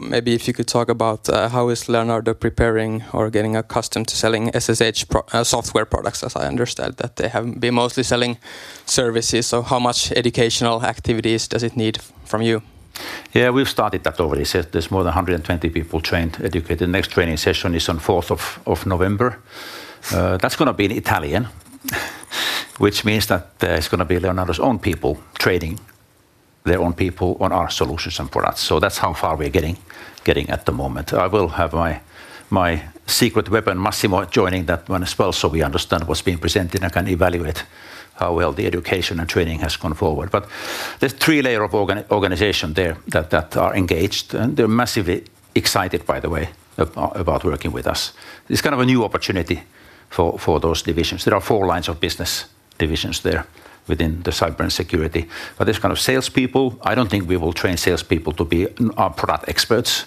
maybe if you could talk about how is Leonardo preparing or getting accustomed to selling SSH software products? As I understand, they have been mostly selling services. How much educational activities does it need from you? Yeah, we've started that already. There's more than 120 people trained, educated. The next training session is on the 4th of November. That's going to be in Italian, which means that it's going to be Leonardo's own people training their own people on our solutions and products. That's how far we are getting at the moment. I will have my secret weapon, Massimo, joining that as well, so we understand what's being presented and can evaluate how well the education and training has gone forward. There are three layers of organization there that are engaged. They're massively excited, by the way, about working with us. It's kind of a new opportunity for those divisions. There are four lines of business divisions there within the cyber and security. There's kind of salespeople. I don't think we will train salespeople to be our product experts.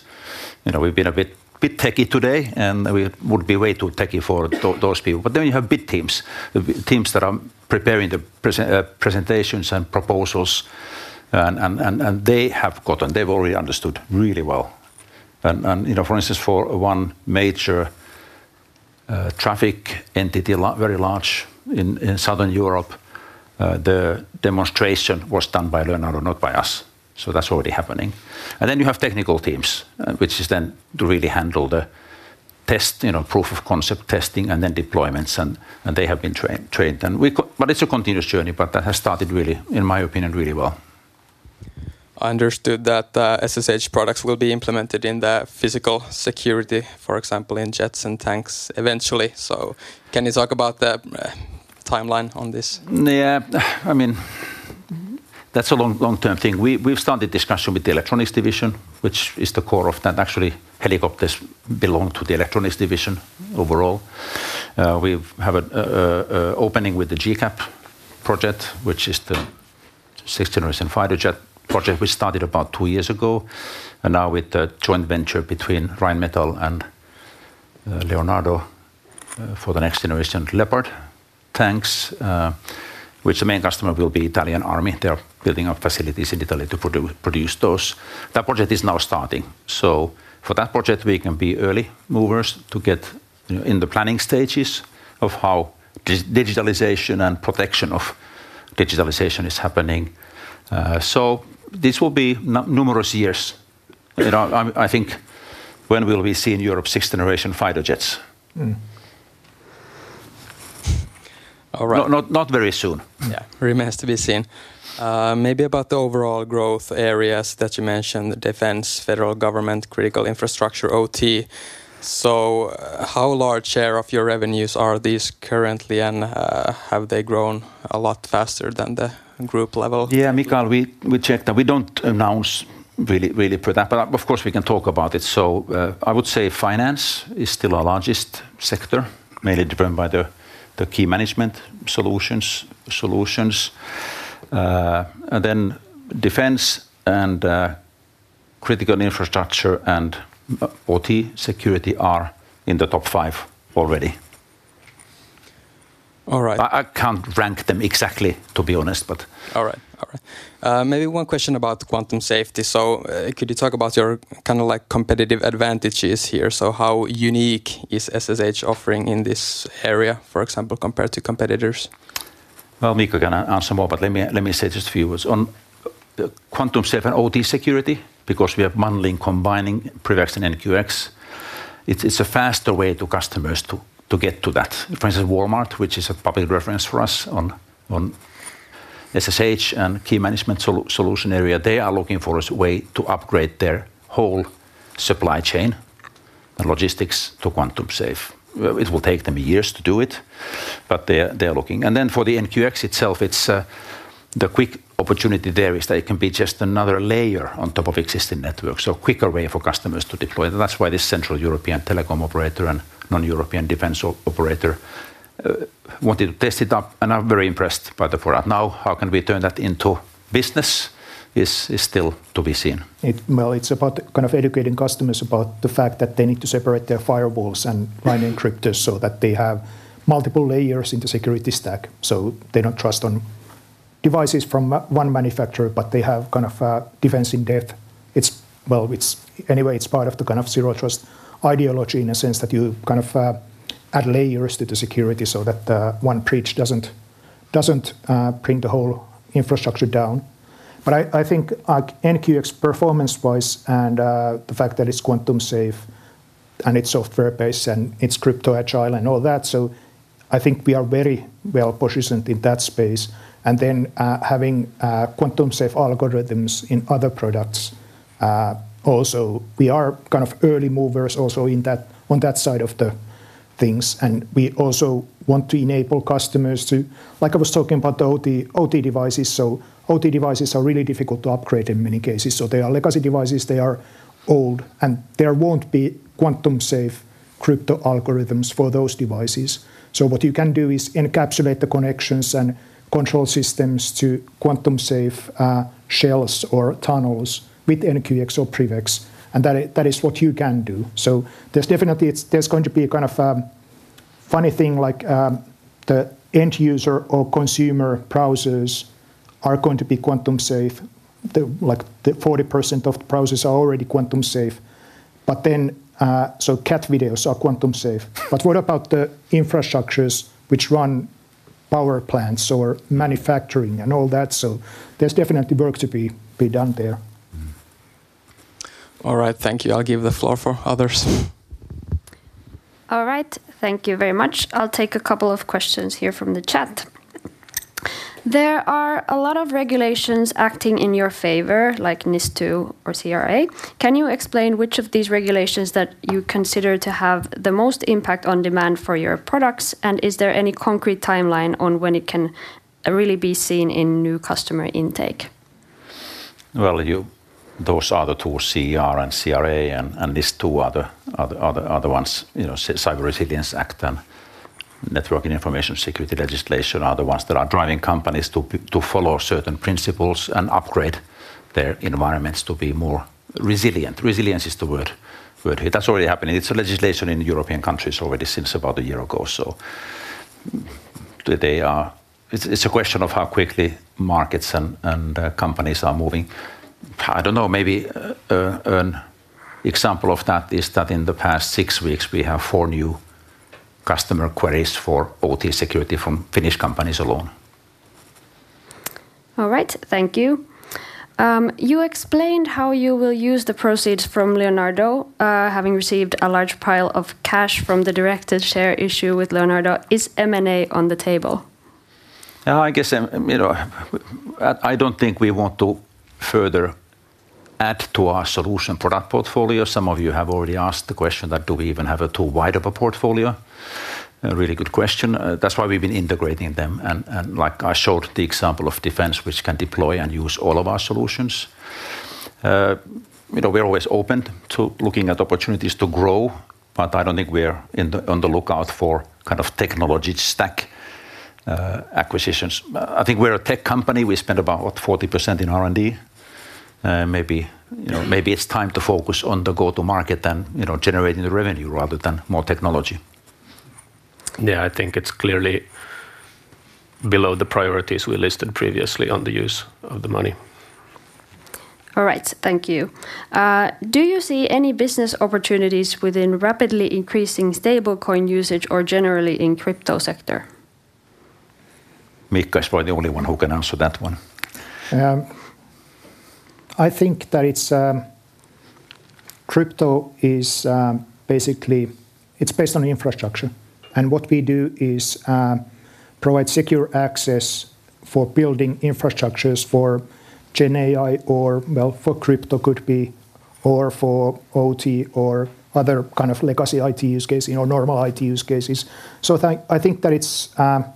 We've been a bit techy today, and we would be way too techy for those people. Then you have big teams, teams that are preparing the presentations and proposals. They have already understood really well. For instance, for one major traffic entity, very large in Southern Europe, the demonstration was done by Leonardo, not by us. That's already happening. Then you have technical teams, which is then to really handle the test, proof of concept testing, and then deployments. They have been trained. It's a continuous journey. That has started really, in my opinion, really well. I understood that SSH products will be implemented in the physical security, for example, in jets and tanks eventually. Can you talk about the timeline on this? Yeah, I mean, that's a long-term thing. We've started discussions with the Electronics Division, which is the core of that. Actually, helicopters belong to the Electronics Division overall. We have an opening with the GCAP project, which is the sixth generation fighter jet project. We started about two years ago. Now, with the joint venture between Rheinmetall and Leonardo for the next generation Leopard tanks, which the main customer will be the Italian Army, they are building up facilities in Italy to produce those. That project is now starting. For that project, we can be early movers in the planning stages of how digitalization and protection of digitalization is happening. This will be numerous years. I think, when will we see in Europe sixth generation fighter jets? All right. Not very soon. Remains to be seen. Maybe about the overall growth areas that you mentioned, the Defense, Federal Government, Critical Infrastructure, OT. How large share of your revenues are these currently? Have they grown a lot faster than the group level? Yeah, Michael, we checked that. We don't announce really for that. Of course, we can talk about it. I would say finance is still our largest sector, mainly driven by the key management solutions. Then Defense and Critical Infrastructure and OT security are in the top five already. All right. I can't rank them exactly, to be honest. All right. Maybe one question about quantum safety. Could you talk about your kind of competitive advantages here? How unique is SSH offering in this area, for example, compared to competitors? Mika can answer more. Let me say just a few words on the quantum safety and OT security, because we are bundling, combining PrivX and NQX. It's a faster way for customers to get to that. For instance, Walmart, which is a public reference for us on SSH and key management solution area, they are looking for a way to upgrade their whole supply chain and logistics to quantum-safe. It will take them years to do it, but they are looking. For the NQX itself, the quick opportunity there is that it can be just another layer on top of existing networks, so a quicker way for customers to deploy. That's why this Central European Telecom Operator and non-European defense operator wanted to test it out. I'm very impressed by the product. How we can turn that into business is still to be seen. It's about kind of educating customers about the fact that they need to separate their firewalls and encrypt so that they have multiple layers in the security stack. They don't trust on devices from one manufacturer, but they have kind of a defense in depth. Anyway, it's part of the kind of Zero Trust ideology in a sense that you kind of add layers to the security so that one breach doesn't bring the whole infrastructure down. I think NQX performance-wise and the fact that it's quantum-safe and it's software-based and it's crypto-agile and all that, I think we are very well positioned in that space. Then having quantum-safe algorithms in other products also, we are kind of early movers also on that side of the things. We also want to enable customers to, like I was talking about the OT devices, so OT devices are really difficult to upgrade in many cases. They are legacy devices. They are old. There won't be quantum-safe crypto algorithms for those devices. What you can do is encapsulate the connections and control systems to quantum-safe shells or tunnels with NQX or PrivX. That is what you can do. There's definitely going to be kind of a funny thing, like the end user or consumer browsers are going to be quantum-safe. Like 40% of the browsers are already quantum-safe. Cat videos are quantum-safe. What about the infrastructures which run power plants or manufacturing and all that? There's definitely work to be done there. All right. Thank you. I'll give the floor for others. All right. Thank you very much. I'll take a couple of questions here from the chat. There are a lot of regulations acting in your favor, like NIS2 or CRA. Can you explain which of these regulations that you consider to have the most impact on demand for your products? Is there any concrete timeline on when it can really be seen in new customer intake? CER and CRA, these two other ones, Cyber Resilience Act and Network and Information Security Legislation, are the ones that are driving companies to follow certain principles and upgrade their environments to be more resilient. Resilience is the word here. That's already happening. It's a legislation in European countries already since about a year ago. It's a question of how quickly markets and companies are moving. I don't know. Maybe an example of that is that in the past six weeks, we have four new customer queries for OT security from Finnish companies alone. All right. Thank you. You explained how you will use the proceeds from Leonardo. Having received a large pile of cash from the directed share issue with Leonardo, is M&A on the table? I guess I don't think we want to further add to our solution product portfolio. Some of you have already asked the question that do we even have a too wide of a portfolio? A really good question. That's why we've been integrating them. Like I showed the example of defense, which can deploy and use all of our solutions. We're always open to looking at opportunities to grow. I don't think we're on the lookout for kind of technology stack acquisitions. I think we're a tech company. We spend about 40% in R&D. Maybe it's time to focus on the go-to-market and generating the revenue rather than more technology. I think it's clearly below the priorities we listed previously on the use of the money. All right. Thank you. Do you see any business opportunities within rapidly increasing stablecoin usage or generally in the crypto sector? Miikka is probably the only one who can answer that one. I think that crypto is basically based on infrastructure. What we do is provide secure access for building infrastructures for Gen AI, for crypto, for OT, or other kinds of legacy IT use cases or normal IT use cases. I think that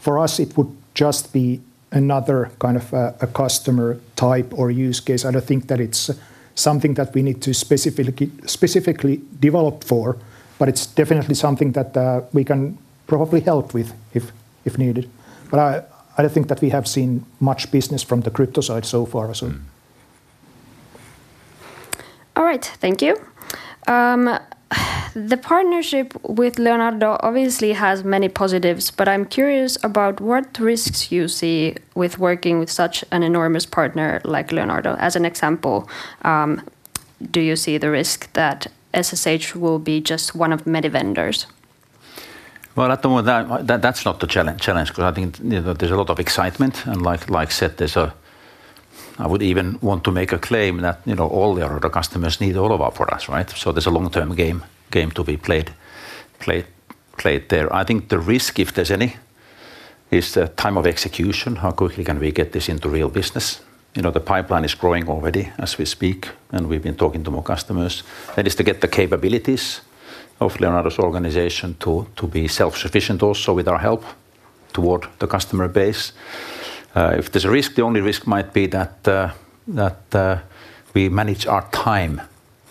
for us, it would just be another kind of customer type or use case. I don't think that it's something that we need to specifically develop for. It's definitely something that we can probably help with if needed. I don't think that we have seen much business from the crypto side so far as well. All right. Thank you. The partnership with Leonardo obviously has many positives. I'm curious about what risks you see with working with such an enormous partner like Leonardo. For example, do you see the risk that SSH will be just one of many vendors? At the moment, that's not the challenge, because I think there's a lot of excitement. Like I said, I would even want to make a claim that all Leonardo customers need all of our products. There's a long-term game to be played there. I think the risk, if there's any, is the time of execution. How quickly can we get this into real business? The pipeline is growing already as we speak, and we've been talking to more customers. It's to get the capabilities of Leonardo's organization to be self-sufficient also with our help toward the customer base. If there's a risk, the only risk might be that we manage our time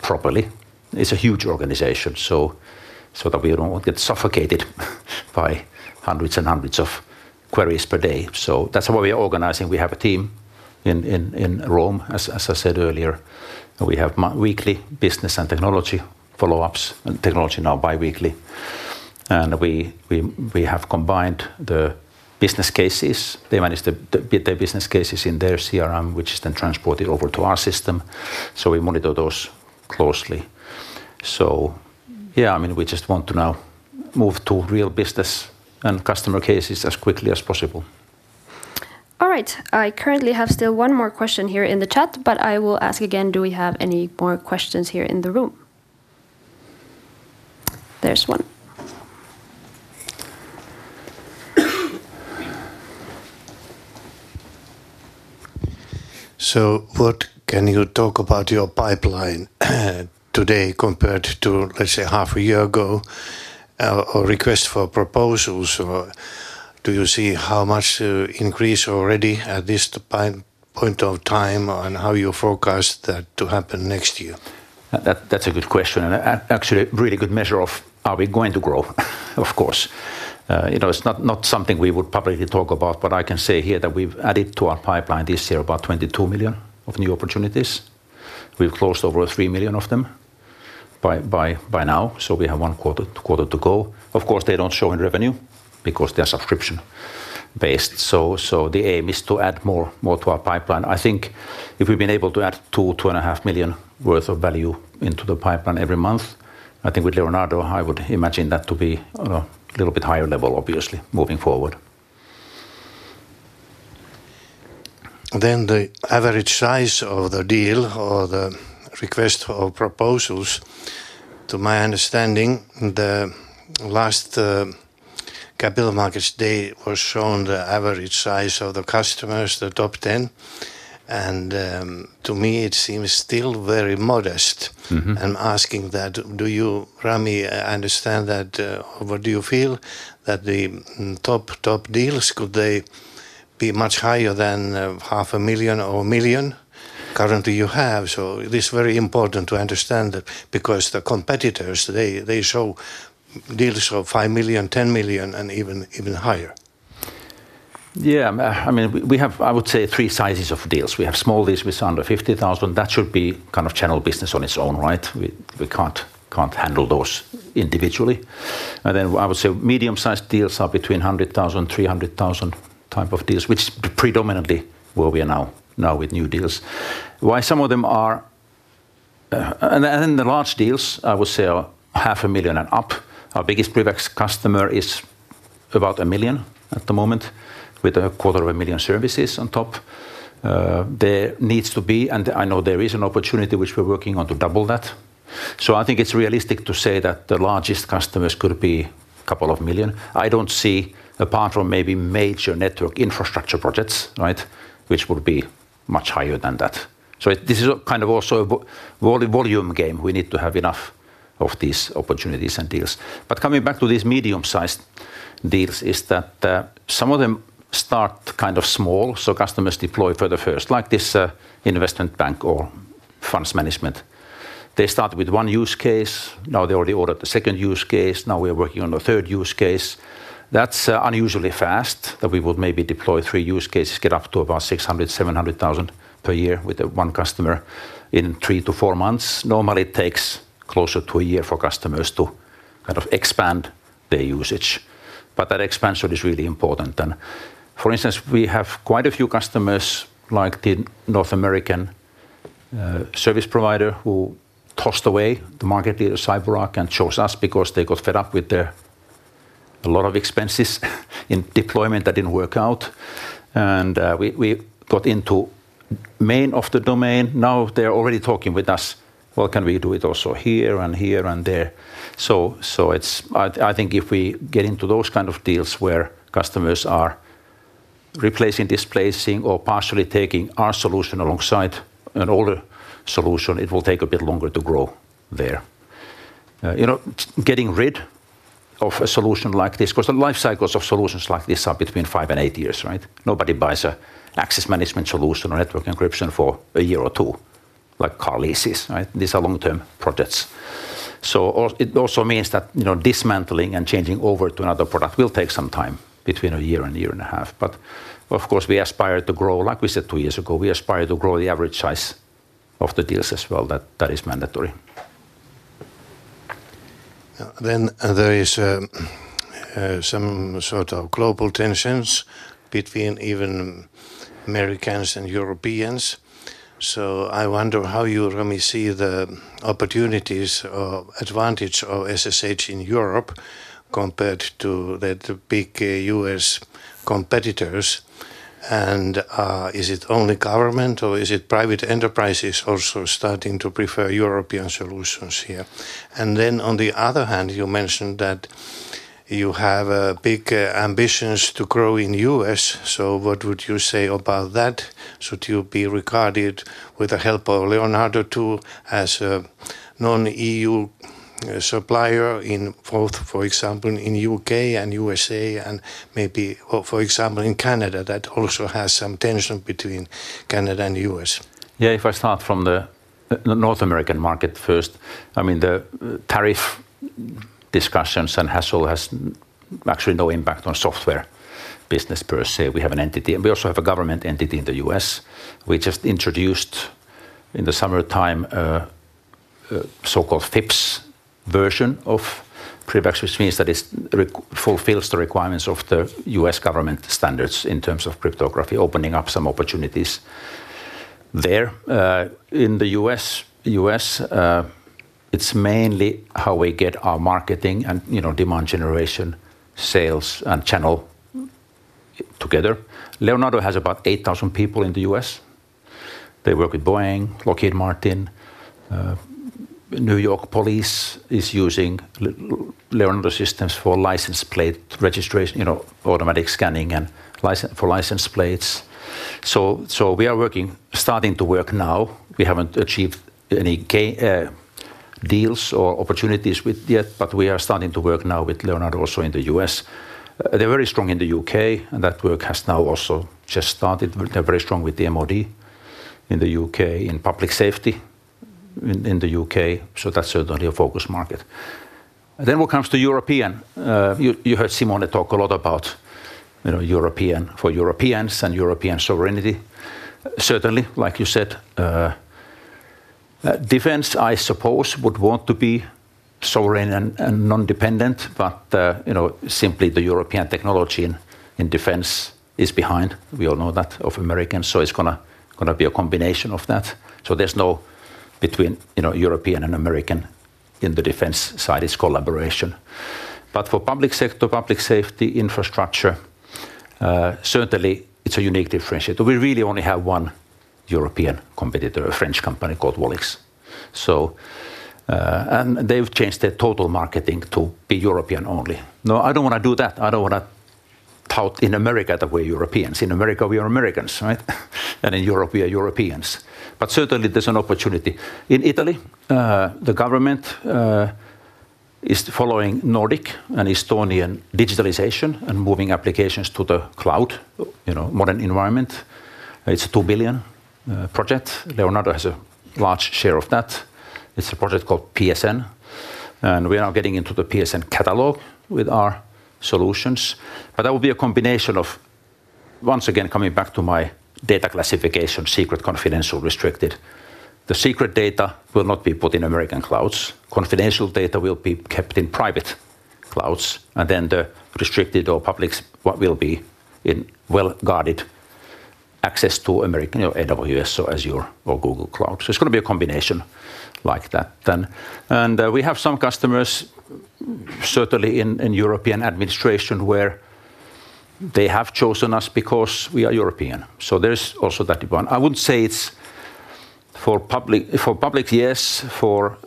properly. It's a huge organization, so that we don't get suffocated by hundreds and hundreds of queries per day. That's how we're organizing. We have a team in Rome, as I said earlier. We have weekly business and technology follow-ups and technology now biweekly. We have combined the business cases. They manage their business cases in their CRM, which is then transported over to our system. We monitor those closely. We just want to now move to real business and customer cases as quickly as possible. All right. I currently have still one more question here in the chat. I will ask again, do we have any more questions here in the room? There's one. What can you talk about your pipeline today compared to, let's say, half a year ago or requests for proposals? Do you see how much increase already at this point of time, and how do you forecast that to happen next year? That's a good question. Actually, a really good measure of are we going to grow, of course. It's not something we would publicly talk about. I can say here that we've added to our pipeline this year about 22 million of new opportunities. We've closed over 3 million of them by now. We have one quarter to go. They don't show in revenue because they are subscription-based. The aim is to add more to our pipeline. I think if we've been able to add 2 million, 2.5 million worth of value into the pipeline every month, I think with Leonardo, I would imagine that to be a little bit higher level, obviously, moving forward. The average size of the deal or the request for proposals, to my understanding, at the last Capital Markets Day showed the average size of the customers, the top 10. To me, it seems still very modest. Rami, do you understand that? What do you feel that the top deals, could they be much higher than 0.5 million or 1 million currently you have? It is very important to understand that because the competitors show deals of 5 million, 10 million, and even higher. Yeah, I mean, we have, I would say, three sizes of deals. We have small deals with under 50,000. That should be kind of channel business on its own, right? We can't handle those individually. I would say medium-sized deals are between 100,000, 300,000 type of deals, which is predominantly where we are now with new deals. Why some of them are, and then the large deals, I would say, are half a million and up. Our biggest PrivX customer is about 1 million at the moment, with a 250,00 services on top. There needs to be, and I know there is an opportunity which we're working on to double that. I think it's realistic to say that the largest customers could be a couple of million. I don't see, apart from maybe major network infrastructure projects, which would be much higher than that. This is kind of also a volume game. We need to have enough of these opportunities and deals. Coming back to these medium-sized deals, some of them start kind of small. Customers deploy further first, like this investment bank or funds management. They start with one use case. Now, they already ordered the second use case. Now, we are working on the third use case. That's unusually fast that we would maybe deploy three use cases, get up to about 600,000, 700,000 per year with one customer in three to four months. Normally, it takes closer to a year for customers to kind of expand their usage. That expansion is really important. For instance, we have quite a few customers, like the North American service provider, who tossed away the market leader, CyberArk, and chose us because they got fed up with a lot of expenses in deployment that didn't work out. We got into the main of the domain. Now, they're already talking with us, can we do it also here and here and there? I think if we get into those kind of deals where customers are replacing, displacing, or partially taking our solution alongside an older solution, it will take a bit longer to grow there. Getting rid of a solution like this, because the life cycles of solutions like this are between five and eight years, right? Nobody buys an access management solution or network encryption for a year or two, like car leases. These are long-term projects. It also means that dismantling and changing over to another product will take some time, between a year and a year and a half. Of course, we aspire to grow, like we said two years ago, we aspire to grow the average size of the deals as well. That is mandatory. There is some sort of global tension between even Americans and Europeans. I wonder how you, Rami, see the opportunities or advantage of SSH in Europe compared to the big U.S. competitors. Is it only government, or are private enterprises also starting to prefer European solutions here? On the other hand, you mentioned that you have big ambitions to grow in the U.S. What would you say about that? Should you be regarded, with the help of Leonardo too, as a non-EU supplier, for example, in the U.K. and U.S.A., and maybe, for example, in Canada, that also has some tension between Canada and the U.S.? Yeah, if I start from the North American market first, I mean, the tariff discussions and hassle has actually no impact on software business per se. We have an entity, and we also have a government entity in the U.S. We just introduced in the summertime a so-called FIPS version of PrivX, which means that it fulfills the requirements of the U.S. government standards in terms of cryptography, opening up some opportunities there. In the U.S., it's mainly how we get our marketing and demand generation sales and channel together. Leonardo has about 8,000 people in the U.S. They work with Boeing, Lockheed Martin. New York Police is using Leonardo systems for license plate registration, automatic scanning for license plates. We are starting to work now. We haven't achieved any deals or opportunities yet, but we are starting to work now with Leonardo also in the U.S. They're very strong in the U.K., and that work has now also just started. They're very strong with the MOD in the U.K., in public safety in the U.K. That's certainly a focus market. When it comes to Europe, you heard Simone talk a lot about European for Europeans and European sovereignty. Certainly, like you said, Defense, I suppose, would want to be sovereign and non-dependent. Simply, the European technology in defense is behind. We all know that of Americans. It's going to be a combination of that. There's no between European and American in the defense side is collaboration. For public sector, public safety, infrastructure, certainly, it's a unique differentiator. We really only have one European competitor, a French company called WALLIX. They've changed their total marketing to be European only. No, I don't want to do that. I don't want to tout in America that we're Europeans. In America, we are Americans, right? In Europe, we are Europeans. Certainly, there's an opportunity. In Italy, the government is following Nordic and Estonian digitalization and moving applications to the cloud, modern environment. It's a 2 billion project. Leonardo has a large share of that. It's a project called PSN. We are now getting into the PSN catalog with our solutions. That will be a combination of, once again, coming back to my data classification, secret, confidential, restricted. The secret data will not be put in American clouds. Confidential data will be kept in private clouds. The restricted or public will be in well-guarded access to AWS or Azure or Google Cloud. It's going to be a combination like that. We have some customers, certainly in European administration, where they have chosen us because we are European. There's also that one. I wouldn't say it's for public, yes. For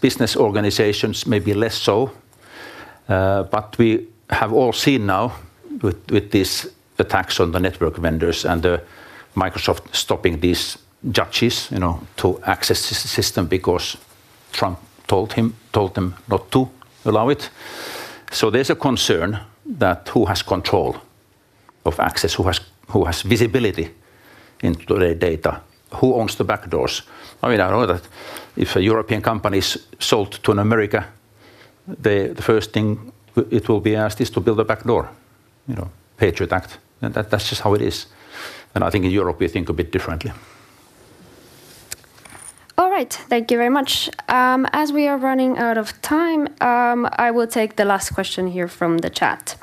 business organizations, maybe less so. We have all seen now with these attacks on the network vendors and Microsoft stopping these judges to access the system because Trump told them not to allow it. There's a concern that who has control of access, who has visibility into their data, who owns the backdoors. I know that if a European company is sold to an American, the first thing it will be asked is to build a backdoor, Patriot Act. That's just how it is. I think in Europe, we think a bit differently. All right. Thank you very much. As we are running out of time, I will take the last question here from the chat.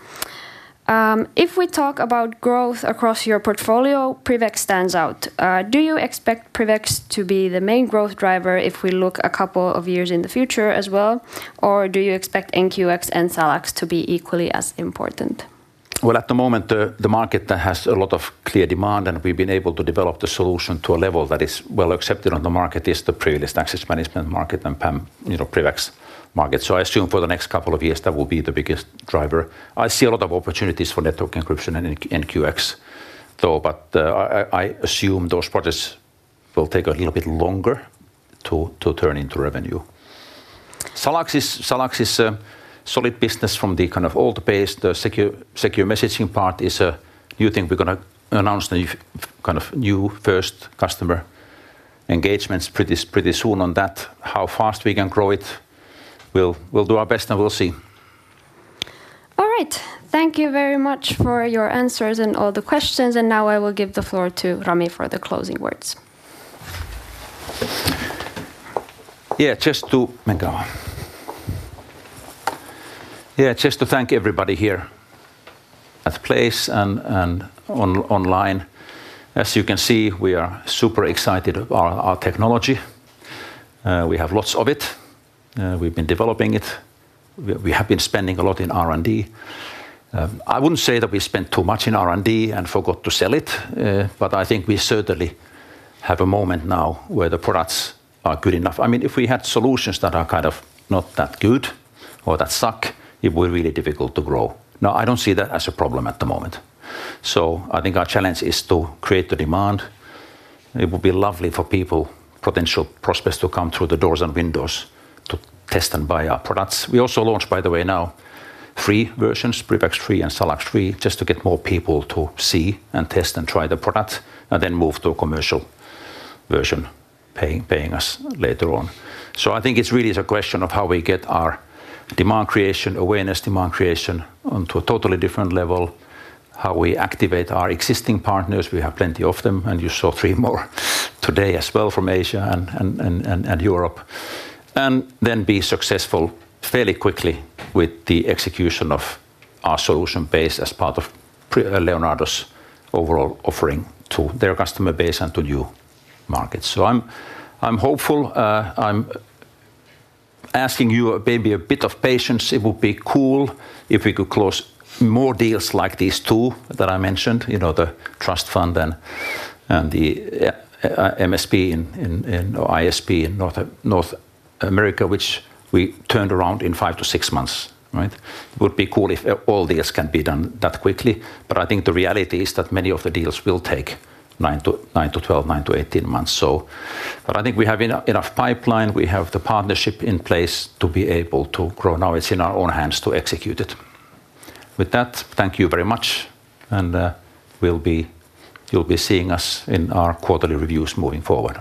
If we talk about growth across your portfolio, PrivX stands out. Do you expect PrivX to be the main growth driver if we look a couple of years in the future as well? Do you expect NQX and SalaX to be equally as important? At the moment, the market has a lot of clear demand. We've been able to develop the solution to a level that is well accepted on the market, in the Privileged Access Management market and PrivX market. I assume for the next couple of years, that will be the biggest driver. I see a lot of opportunities for network encryption and NQX, though. I assume those projects will take a little bit longer to turn into revenue. SalaX is a solid business from the kind of old-based. The secure messaging part is a new thing. We're going to announce the kind of new first customer engagements pretty soon on that. How fast we can grow it, we'll do our best. We'll see. All right. Thank you very much for your answers and all the questions. I will give the floor to Rami for the closing words. Yeah, just to thank everybody here at the place and online. As you can see, we are super excited about our technology. We have lots of it. We've been developing it. We have been spending a lot in R&D. I wouldn't say that we spent too much in R&D and forgot to sell it. I think we certainly have a moment now where the products are good enough. I mean, if we had solutions that are kind of not that good or that suck, it would be really difficult to grow. I don't see that as a problem at the moment. I think our challenge is to create the demand. It would be lovely for people, potential prospects, to come through the doors and windows to test and buy our products. We also launched, by the way, now three versions, PrivX 3 and SalaX 3, just to get more people to see and test and try the product and then move to a commercial version, paying us later on. I think it's really a question of how we get our demand creation, awareness demand creation onto a totally different level, how we activate our existing partners. We have plenty of them. You saw three more today as well from Asia and Europe. Be successful fairly quickly with the execution of our solution base as part of Leonardo's overall offering to their customer base and to new markets. I'm hopeful. I'm asking you maybe a bit of patience. It would be cool if we could close more deals like these two that I mentioned, the trust fund and the MSP or ISP in North America, which we turned around in five to six months. It would be cool if all deals can be done that quickly. I think the reality is that many of the deals will take nine to 12, nine to 18 months. I think we have enough pipeline. We have the partnership in place to be able to grow. Now, it's in our own hands to execute it. With that, thank you very much. You'll be seeing us in our quarterly reviews moving forward.